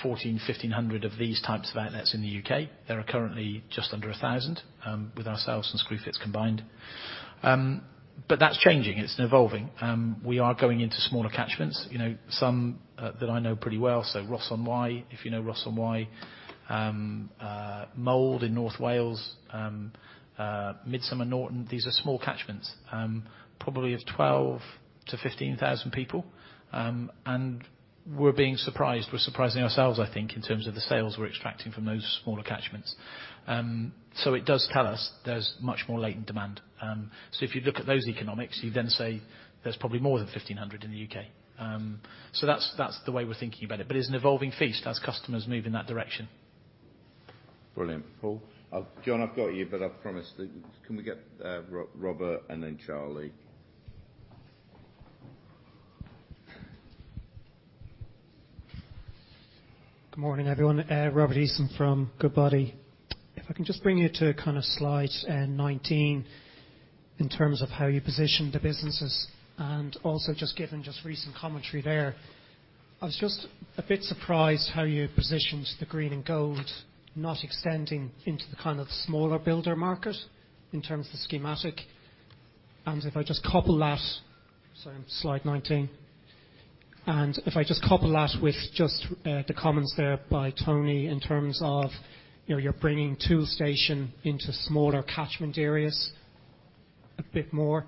1,400, 1,500 of these types of outlets in the U.K. There are currently just under 1,000 with ourselves and Screwfix combined. That's changing. It's evolving. We are going into smaller catchments, some that I know pretty well. Ross-on-Wye, if you know Ross-on-Wye, Mold in North Wales, Midsomer Norton, these are small catchments, probably of 12,000-15,000 people. We're being surprised. We're surprising ourselves, I think, in terms of the sales we're extracting from those smaller catchments. It does tell us there's much more latent demand. If you look at those economics, you then say there's probably more than 1,500 in the U.K. That's the way we're thinking about it, but it's an evolving feast as customers move in that direction. Brilliant. Paul? John, I've got you, but I promised Can we get Robert and then Charlie? Good morning, everyone. Robert Eason from Goodbody. I can just bring you to slide 19 in terms of how you position the businesses, also just given recent commentary there. I was just a bit surprised how you positioned the Green and Gold not extending into the kind of smaller builder market in terms of the schematic. If I just couple that. Sorry, slide 19. If I just couple that with just the comments there by Tony in terms of you're bringing Toolstation into smaller catchment areas a bit more,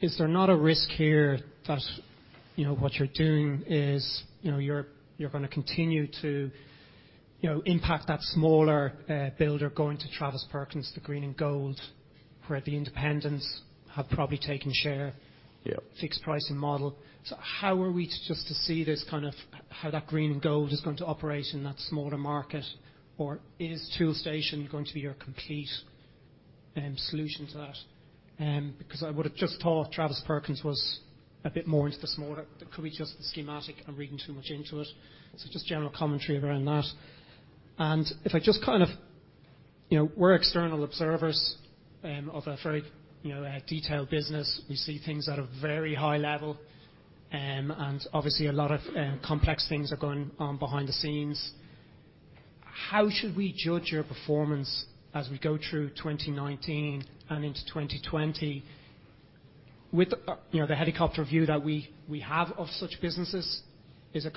is there not a risk here that what you're doing is you're going to continue to impact that smaller builder going to Travis Perkins, the Green and Gold, where the independents have probably taken share? Yeah. Fixed pricing model. How are we just to see this kind of how that Green and Gold is going to operate in that smaller market? Is Toolstation going to be your complete solution to that? I would have just thought Travis Perkins was a bit more into the smaller. Could be just the schematic, I'm reading too much into it. Just general commentary around that. We're external observers of a very detailed business. We see things at a very high level, obviously a lot of complex things are going on behind the scenes. How should we judge your performance as we go through 2019 and into 2020 with the helicopter view that we have of such businesses? Is it,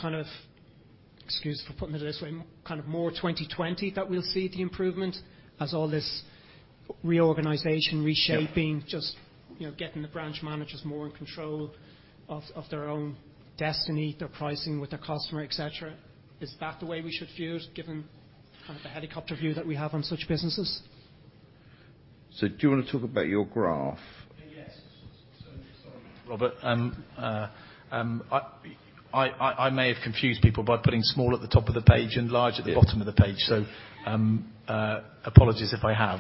excuse for putting it this way, more 2020 that we'll see the improvement as all this reorganization, reshaping, just getting the branch managers more in control of their own destiny, their pricing with the customer, et cetera? Is that the way we should view it, given the helicopter view that we have on such businesses? Do you want to talk about your graph? Yes. Sorry, Robert. I may have confused people by putting small at the top of the page and large at the bottom of the page. Apologies if I have.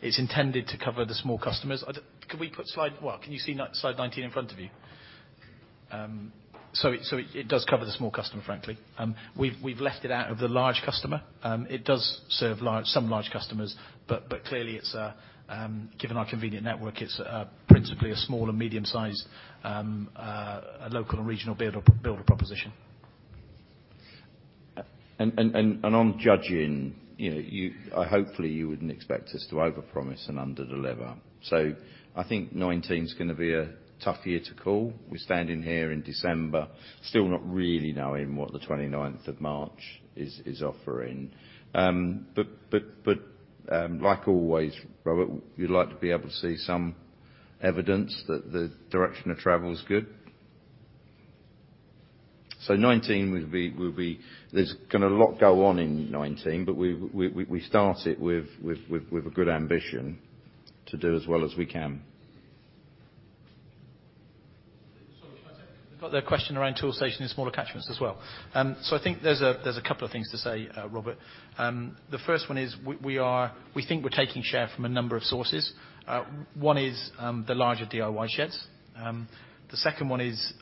It's intended to cover the small customers. Can we put slide, can you see slide 19 in front of you? It does cover the small customer, frankly. We've left it out of the large customer. It does serve some large customers, clearly, given our convenient network, it's principally a small or medium-sized local and regional builder proposition. On judging, hopefully you wouldn't expect us to overpromise and underdeliver. I think 2019 is going to be a tough year to call. We're standing here in December, still not really knowing what the 29th of March is offering. Like always, Robert, we'd like to be able to see some evidence that the direction of travel is good. 2019, there's going to a lot go on in 2019, but we start it with a good ambition to do as well as we can. Sorry, can I take the question around Toolstation in smaller catchments as well? I think there's a couple of things to say, Robert. The first one is we think we're taking share from a number of sources. One is, the larger DIY sheds. The second one is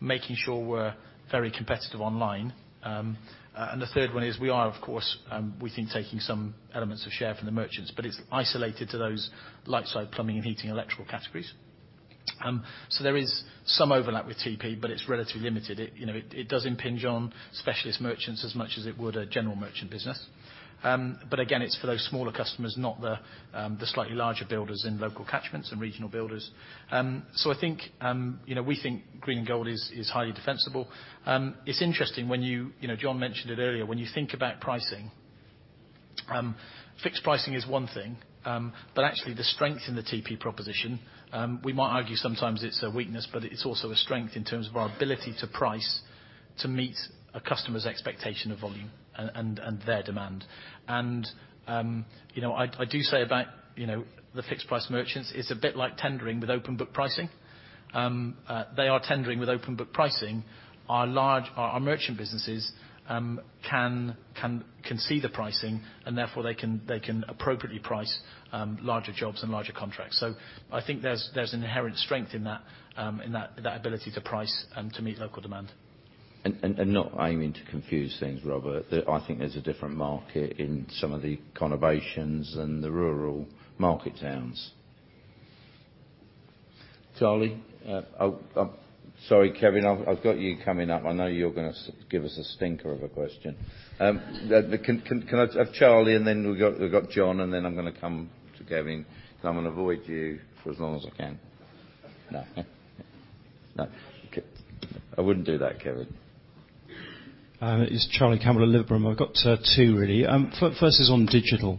making sure we're very competitive online. The third one is we are, of course, we think taking some elements of share from the merchants, but it's isolated to those light-side plumbing and heating, electrical categories. There is some overlap with TP, but it's relatively limited. It doesn't impinge on specialist merchants as much as it would a general merchant business. Again, it's for those smaller customers, not the slightly larger builders in local catchments and regional builders. We think Green and Gold is highly defensible. It's interesting, John mentioned it earlier, when you think about pricing, fixed pricing is one thing, but actually the strength in the TP proposition, we might argue sometimes it's a weakness, but it's also a strength in terms of our ability to price, to meet a customer's expectation of volume and their demand. I do say about the fixed price merchants, it's a bit like tendering with open book pricing. They are tendering with open book pricing. Our merchant businesses can see the pricing and therefore they can appropriately price larger jobs and larger contracts. I think there's an inherent strength in that ability to price and to meet local demand. Not aiming to confuse things, Robert, I think there's a different market in some of the conurbations and the rural market towns. Charlie. Sorry, Kevin, I've got you coming up. I know you're going to give us a stinker of a question. Can I have Charlie and then we've got John and then I'm going to come to Kevin, because I'm going to avoid you for as long as I can. No, I wouldn't do that, Kevin. It's Charlie Campbell at Liberum. I've got two really. First is on digital.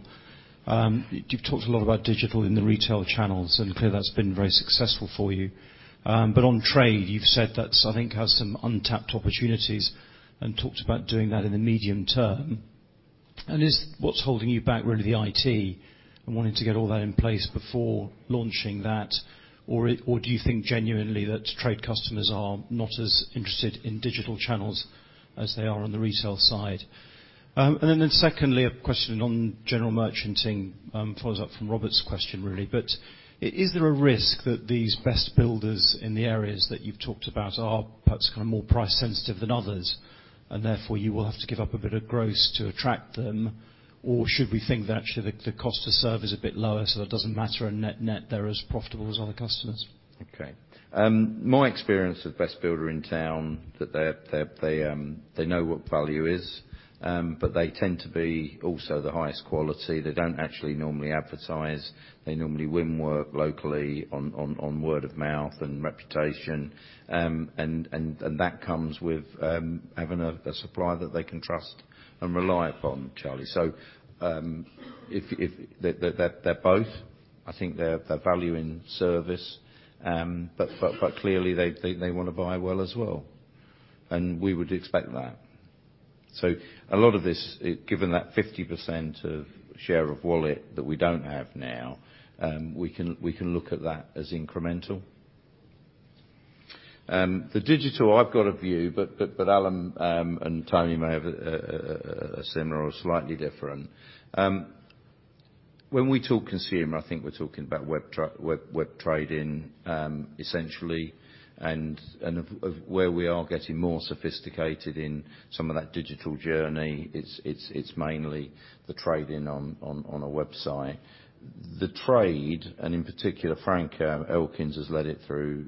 You've talked a lot about digital in the retail channels, and clearly that's been very successful for you. On trade, you've said that, I think has some untapped opportunities and talked about doing that in the medium term. What's holding you back really the IT and wanting to get all that in place before launching that? Do you think genuinely that trade customers are not as interested in digital channels as they are on the retail side? Secondly, a question on general merchanting, follows up from Robert's question, really. Is there a risk that these best builders in the areas that you've talked about are perhaps more price sensitive than others, and therefore you will have to give up a bit of gross to attract them? Should we think that actually the cost to serve is a bit lower so that it doesn't matter and net they're as profitable as other customers? Okay. My experience with Best Builder in Town, that they know what value is, but they tend to be also the highest quality. They don't actually normally advertise. They normally win work locally on word of mouth and reputation. That comes with having a supplier that they can trust and rely upon, Charlie. They're both, I think they're value in service, but clearly they want to buy well as well. We would expect that. A lot of this, given that 50% of share of wallet that we don't have now, we can look at that as incremental. The digital, I've got a view, but Alan and Tony may have a similar or slightly different. When we talk consumer, I think we're talking about web trading, essentially, and where we are getting more sophisticated in some of that digital journey, it's mainly the trading on a website. The trade, and in particular, Frank Elkins has led it through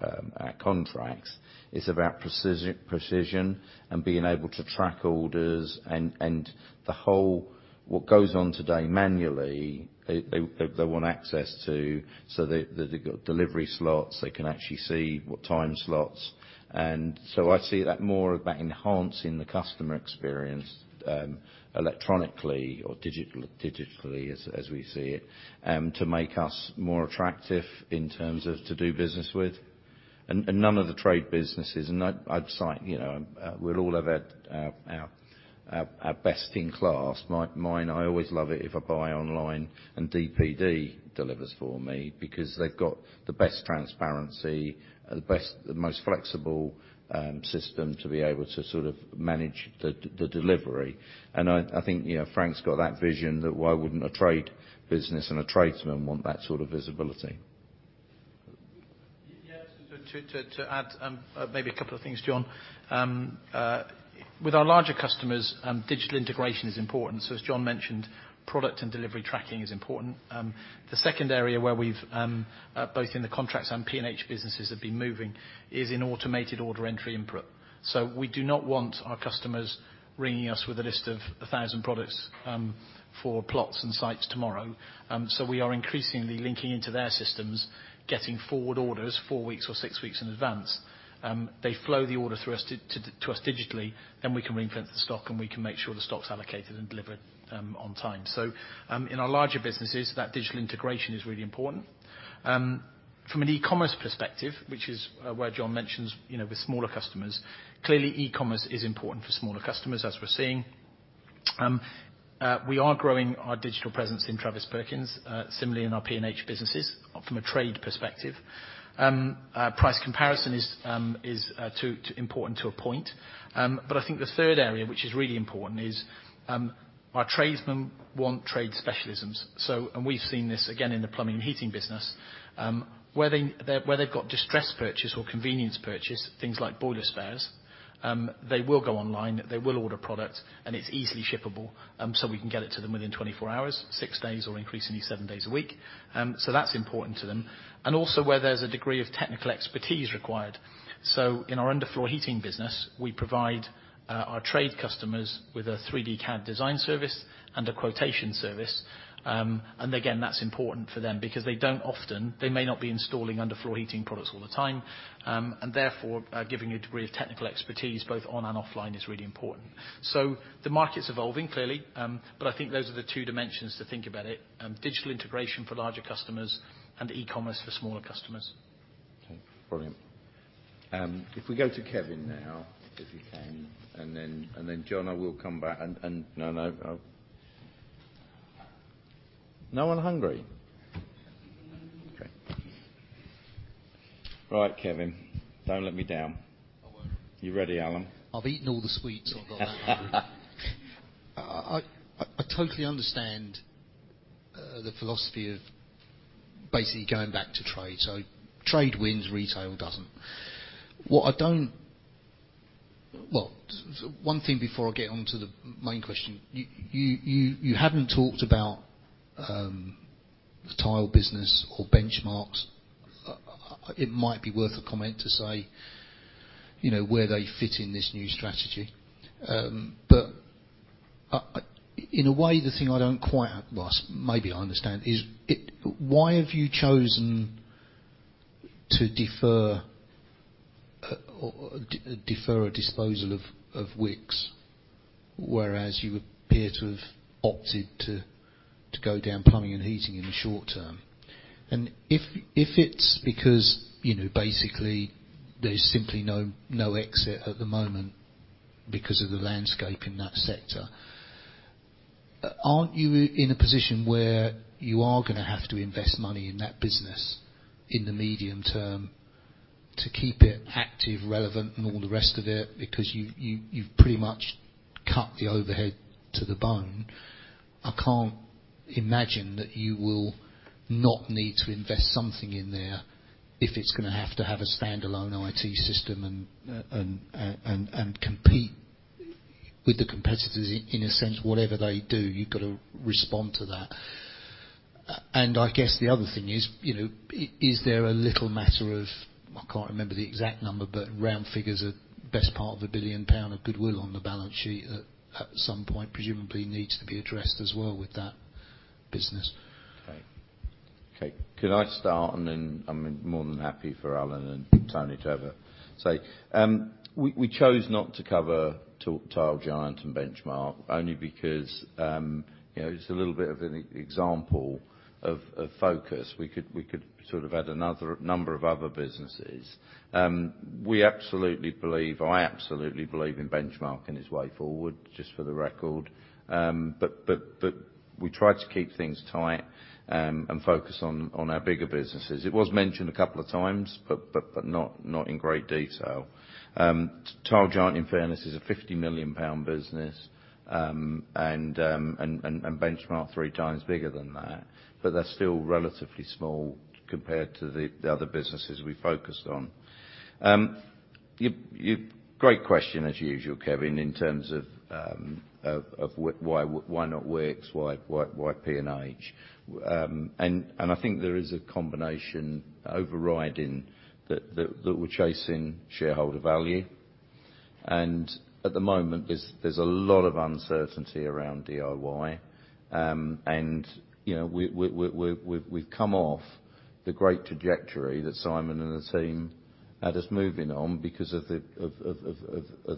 our contracts, is about precision and being able to track orders and the whole what goes on today manually they want access to so the delivery slots, they can actually see what time slots. I see that more about enhancing the customer experience electronically or digitally, as we see it, to make us more attractive in terms of to do business with. None of the trade businesses, and I'd cite, we all have had our best in class. Mine, I always love it if I buy online and DPD delivers for me because they've got the best transparency, the most flexible system to be able to manage the delivery. I think Frank's got that vision that why wouldn't a trade business and a tradesman want that sort of visibility? Yeah, to add maybe a couple of things, John. With our larger customers, digital integration is important. As John mentioned, product and delivery tracking is important. The second area where we've, both in the contracts and P&H businesses have been moving is in automated order entry input. We do not want our customers ringing us with a list of 1,000 products for plots and sites tomorrow. We are increasingly linking into their systems, getting forward orders four weeks or six weeks in advance. They flow the order through to us digitally, then we can ring-fence the stock and we can make sure the stocks allocated and delivered on time. In our larger businesses, that digital integration is really important. From an e-commerce perspective, which is where John mentions with smaller customers, clearly e-commerce is important for smaller customers, as we're seeing. We are growing our digital presence in Travis Perkins, similarly in our P&H businesses from a trade perspective. Price comparison is important to a point. I think the third area which is really important is our tradesmen want trade specialisms. We've seen this again in the plumbing and heating business, where they've got distress purchase or convenience purchase, things like boiler spares, they will go online, they will order product, and it's easily shippable, so we can get it to them within 24 hours, six days or increasingly seven days a week. That's important to them. Also, where there's a degree of technical expertise required. In our under-floor heating business, we provide our trade customers with a 3D CAD design service and a quotation service. Again, that's important for them because they may not be installing under-floor heating products all the time, and therefore, giving a degree of technical expertise both on and offline is really important. The market's evolving, clearly. I think those are the two dimensions to think about it. Digital integration for larger customers and e-commerce for smaller customers. Okay. Brilliant. If we go to Kevin now, if we can, and then, John, I will come back. No one hungry? Okay. All right, Kevin, don't let me down. I won't. You ready, Alan? I've eaten all the sweets I've got. I totally understand the philosophy of basically going back to trade. Trade wins, retail doesn't. One thing before I get onto the main question. You hadn't talked about the tile business or Benchmarx. It might be worth a comment to say where they fit in this new strategy. In a way, the thing I don't quite maybe I understand is, why have you chosen to defer a disposal of Wickes, whereas you appear to have opted to go down plumbing and heating in the short term? If it's because basically there's simply no exit at the moment because of the landscape in that sector, aren't you in a position where you are going to have to invest money in that business in the medium term to keep it active, relevant and all the rest of it? You've pretty much cut the overhead to the bone. I can't imagine that you will not need to invest something in there if it's going to have to have a standalone IT system and compete with the competitors, in a sense. Whatever they do, you've got to respond to that. I guess the other thing is there a little matter of, I can't remember the exact number, but round figures are best part of a 1 billion pound of goodwill on the balance sheet that at some point presumably needs to be addressed as well with that business. Okay. Can I start? I am more than happy for Alan and Tony to have a say. We chose not to cover Tile Giant and Benchmarx only because, just a little bit of an example of focus. We could sort of add another number of other businesses. We absolutely believe, or I absolutely believe in Benchmarx and its way forward, just for the record. We try to keep things tight and focus on our bigger businesses. It was mentioned a couple of times, but not in great detail. Tile Giant, in fairness, is a 50 million pound business, and Benchmarx three times bigger than that, they are still relatively small compared to the other businesses we focused on. Great question as usual, Kevin, in terms of why not Wickes, why P&H? I think there is a combination overriding that we are chasing shareholder value. At the moment, there is a lot of uncertainty around DIY. We have come off the great trajectory that Simon and the team had us moving on because of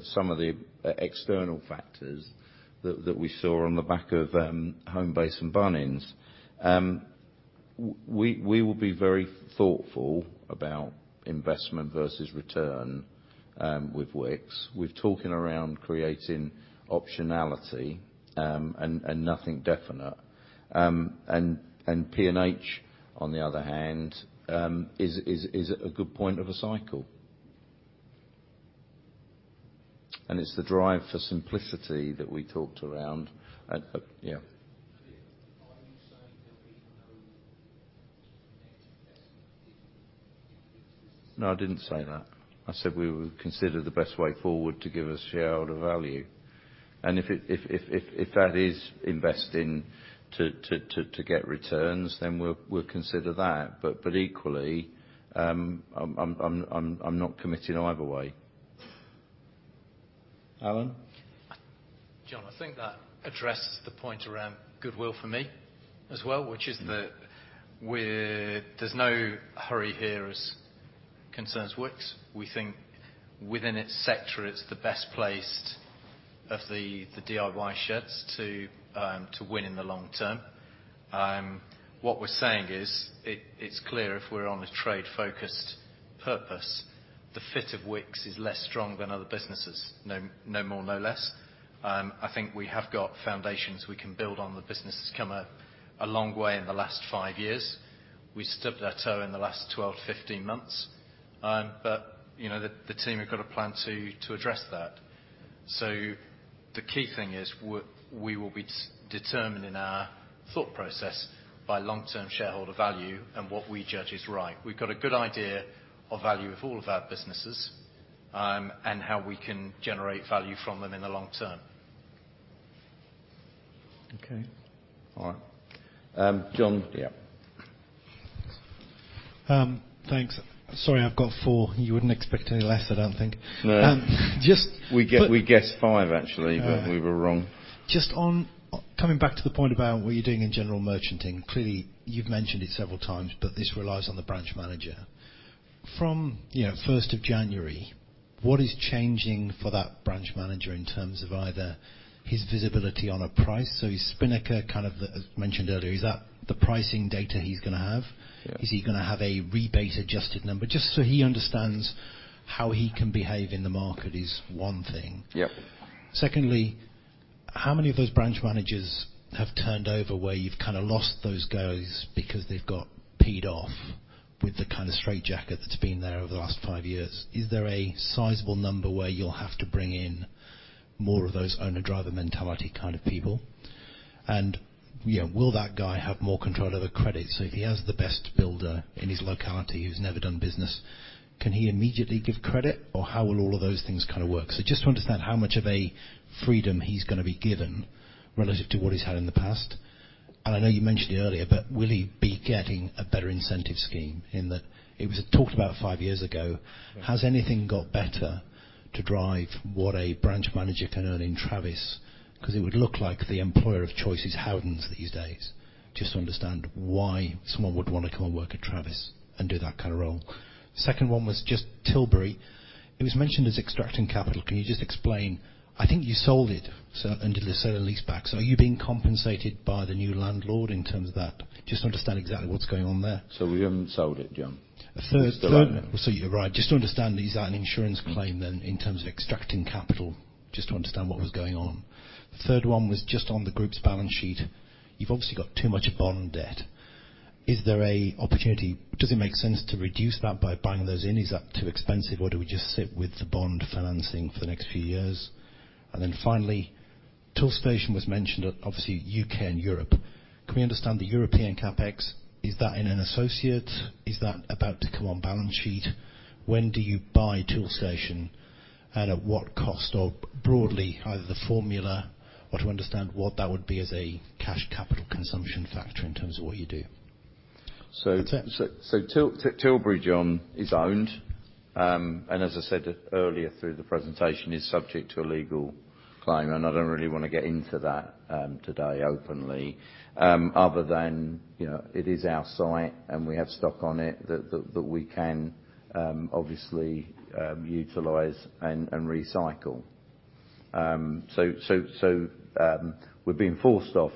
some of the external factors that we saw on the back of Homebase and Bunnings. We will be very thoughtful about investment versus return with Wickes. We are talking around creating optionality, nothing definite. P&H, on the other hand, is at a good point of a cycle. It is the drive for simplicity that we talked around at Yeah. Are you saying that there will be no next investment if it's- No, I did not say that. I said we will consider the best way forward to give us shareholder value. If that is investing to get returns, then we will consider that. Equally, I am not committing either way. Alan? John, I think that addressed the point around goodwill for me as well, which is that there's no hurry here as concerns Wickes. We think within its sector, it's the best placed Of the DIY sheds to win in the long term. What we're saying is, it's clear if we're on a trade-focused purpose, the fit of Wickes is less strong than other businesses, no more, no less. I think we have got foundations we can build on. The business has come a long way in the last five years. We stubbed our toe in the last 12, 15 months. The team have got a plan to address that. The key thing is, we will be determined in our thought process by long-term shareholder value and what we judge is right. We've got a good idea of value of all of our businesses, and how we can generate value from them in the long term. Okay. All right. John, yeah. Thanks. Sorry, I've got four. You wouldn't expect any less, I don't think. No. Just- We guessed five, actually, but we were wrong. Coming back to the point about what you're doing in general merchanting. Clearly, you've mentioned it several times, but this relies on the branch manager. From 1st of January, what is changing for that branch manager in terms of either his visibility on a price? Is Spinnaker kind of, as mentioned earlier, is that the pricing data he's going to have? Is he going to have a rebate adjusted number? Just so he understands how he can behave in the market is one thing. Yep. Secondly, how many of those branch managers have turned over where you've kind of lost those guys because they've got peed off with the kind of straitjacket that's been there over the last five years? Is there a sizable number where you'll have to bring in more of those owner/driver mentality kind of people? Will that guy have more control over credit? If he has the best builder in his locality, who's never done business, can he immediately give credit? How will all of those things kind of work? Just to understand how much of a freedom he's going to be given relative to what he's had in the past. I know you mentioned it earlier, but will he be getting a better incentive scheme in that it was talked about five years ago. Yeah. Has anything got better to drive what a branch manager can earn in Travis? It would look like the employer of choice is Howdens these days. Just to understand why someone would want to come and work at Travis and do that kind of role. Second one was just Tilbury. It was mentioned as extracting capital. Can you just explain? I think you sold it, and did the sale and leaseback. Are you being compensated by the new landlord in terms of that? Just to understand exactly what's going on there. We haven't sold it, John. We still own it. You're right. Just to understand, is that an insurance claim then in terms of extracting capital? Just to understand what was going on. Third one was just on the group's balance sheet. You've obviously got too much bond debt. Is there a opportunity? Does it make sense to reduce that by buying those in? Is that too expensive, or do we just sit with the bond financing for the next few years? Then finally, Toolstation was mentioned at obviously U.K. and Europe. Can we understand the European CapEx? Is that in an associate? Is that about to come on balance sheet? When do you buy Toolstation, and at what cost? Broadly, either the formula or to understand what that would be as a cash capital consumption factor in terms of what you do. Tilbury, John, is owned. As I said earlier through the presentation, is subject to a legal claim, and I don't really want to get into that today openly. Other than, it is our site, and we have stock on it that we can obviously utilize and recycle. We're being forced off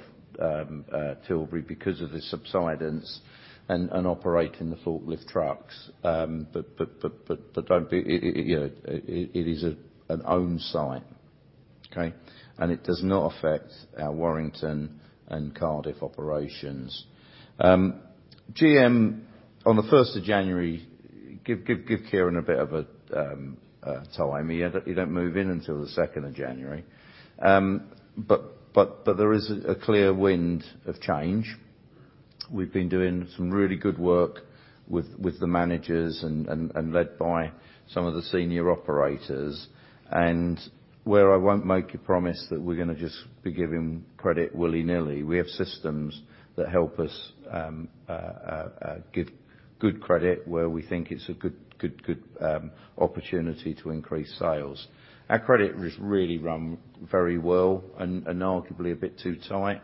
Tilbury because of the subsidence and operating the forklift trucks. It is an owned site. Okay? It does not affect our Warrington and Cardiff operations. GM, on the 1st of January, give Kieran a bit of a time. He don't move in until the 2nd of January. There is a clear wind of change. We've been doing some really good work with the managers and led by some of the senior operators. Where I won't make a promise that we're going to just be giving credit willy-nilly, we have systems that help us give good credit where we think it's a good opportunity to increase sales. Our credit is really run very well and arguably a bit too tight.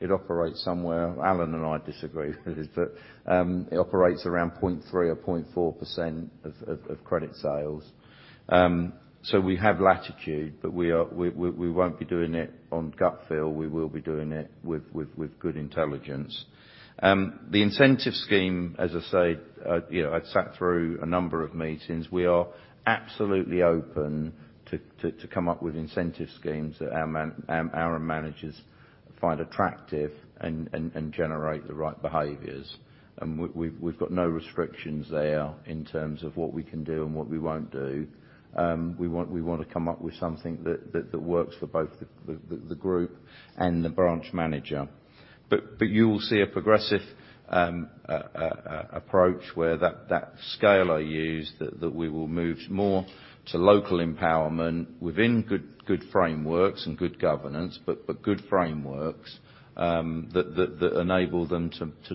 It operates somewhere, Alan and I disagree with it, but it operates around 0.3% or 0.4% of credit sales. We have latitude, but we won't be doing it on gut feel. We will be doing it with good intelligence. The incentive scheme, as I say, I'd sat through a number of meetings. We are absolutely open to come up with incentive schemes that our managers find attractive and generate the right behaviors. We've got no restrictions there in terms of what we can do and what we won't do. We want to come up with something that works for both the group and the branch manager. You will see a progressive approach where that scale I used, that we will move more to local empowerment within good frameworks and good governance. Good frameworks that enable them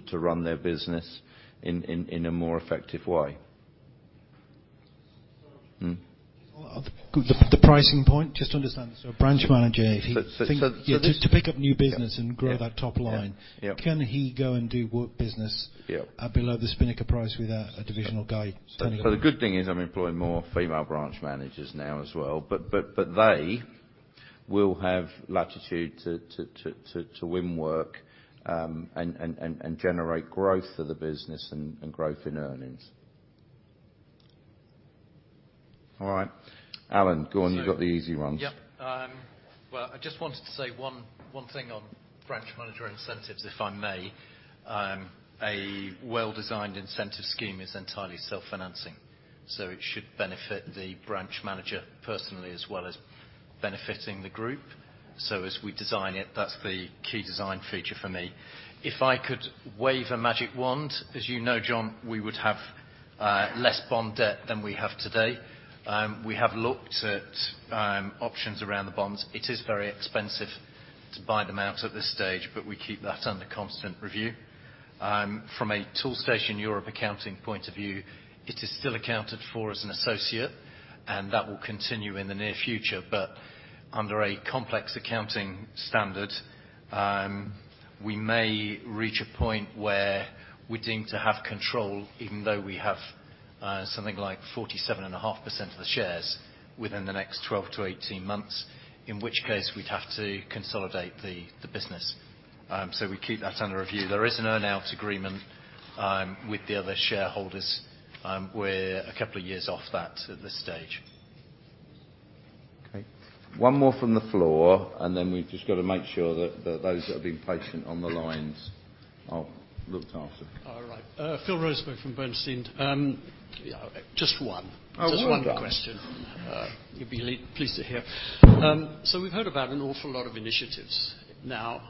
to run their business in a more effective way. The pricing point, just to understand. A branch manager. So this- Just to pick up new business and grow that top line. Yeah. Can he go and do work business- Yeah. Below the Spinnaker price without a divisional guy standing over him? The good thing is I'm employing more female branch managers now as well. They'll have latitude to win work and generate growth for the business and growth in earnings. All right. Alan, go on. You've got the easy ones. Well, I just wanted to say one thing on branch manager incentives, if I may. A well-designed incentive scheme is entirely self-financing, so it should benefit the branch manager personally, as well as benefiting the group. As we design it, that's the key design feature for me. If I could wave a magic wand, as you know, John, we would have less bond debt than we have today. We have looked at options around the bonds. It is very expensive to buy them out at this stage, but we keep that under constant review. From a Toolstation Europe accounting point of view, it is still accounted for as an associate, and that will continue in the near future. Under a complex accounting standard, we may reach a point where we deem to have control, even though we have something like 47.5% of the shares within the next 12-18 months. In which case, we'd have to consolidate the business. We keep that under review. There is an earn-out agreement with the other shareholders. We're a couple of years off that at this stage. One more from the floor, we've just got to make sure that those that are being patient on the lines are looked after. Phil Roseby from Bernstein. Just one. Oh, well done. Just one question you'll be pleased to hear. We've heard about an awful lot of initiatives now,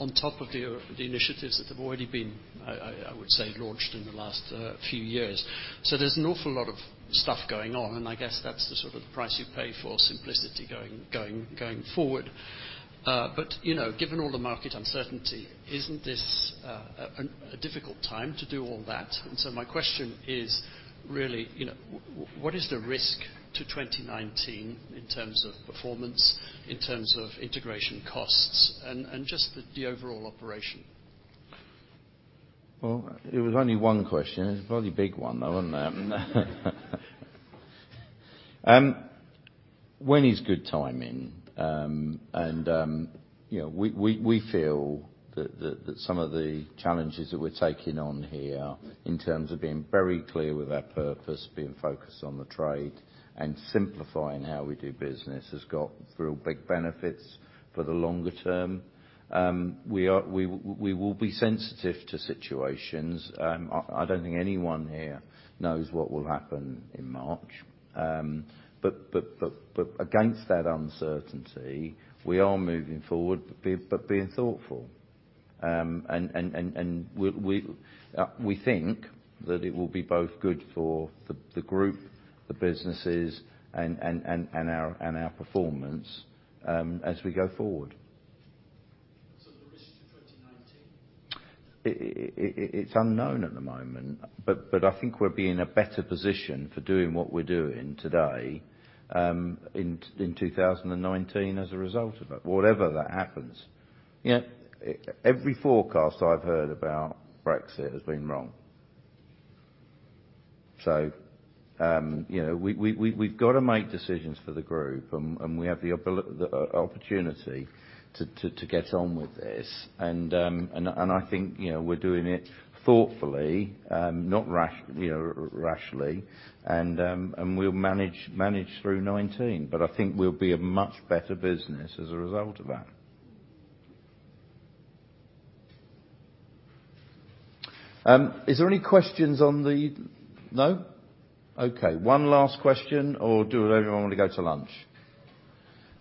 on top of the initiatives that have already been, I would say, launched in the last few years. There's an awful lot of stuff going on, and I guess that's the sort of price you pay for simplicity going forward. Given all the market uncertainty, isn't this a difficult time to do all that? My question is really, what is the risk to 2019 in terms of performance, in terms of integration costs and just the overall operation? Well, it was only one question. It was a bloody big one, though, wasn't it? When is good timing? We feel that some of the challenges that we're taking on here, in terms of being very clear with our purpose, being focused on the trade, and simplifying how we do business, has got real big benefits for the longer term. We will be sensitive to situations. I don't think anyone here knows what will happen in March. Against that uncertainty, we are moving forward but being thoughtful. We think that it will be both good for the group, the businesses and our performance as we go forward. The risk to 2019? It's unknown at the moment. I think we'll be in a better position for doing what we're doing today in 2019 as a result of it. Whatever that happens. Every forecast I've heard about Brexit has been wrong. We've got to make decisions for the group, and we have the opportunity to get on with this. I think we're doing it thoughtfully, not rashly. We'll manage through 2019, but I think we'll be a much better business as a result of that. Is there any questions on the No? Okay. One last question, or do everyone want to go to lunch?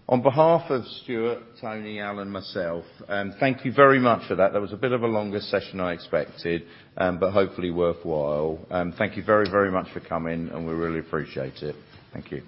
On behalf of Stuart, Tony, Alan and myself, thank you very much for that. That was a bit of a longer session I expected, but hopefully worthwhile. Thank you very, very much for coming, and we really appreciate it. Thank you.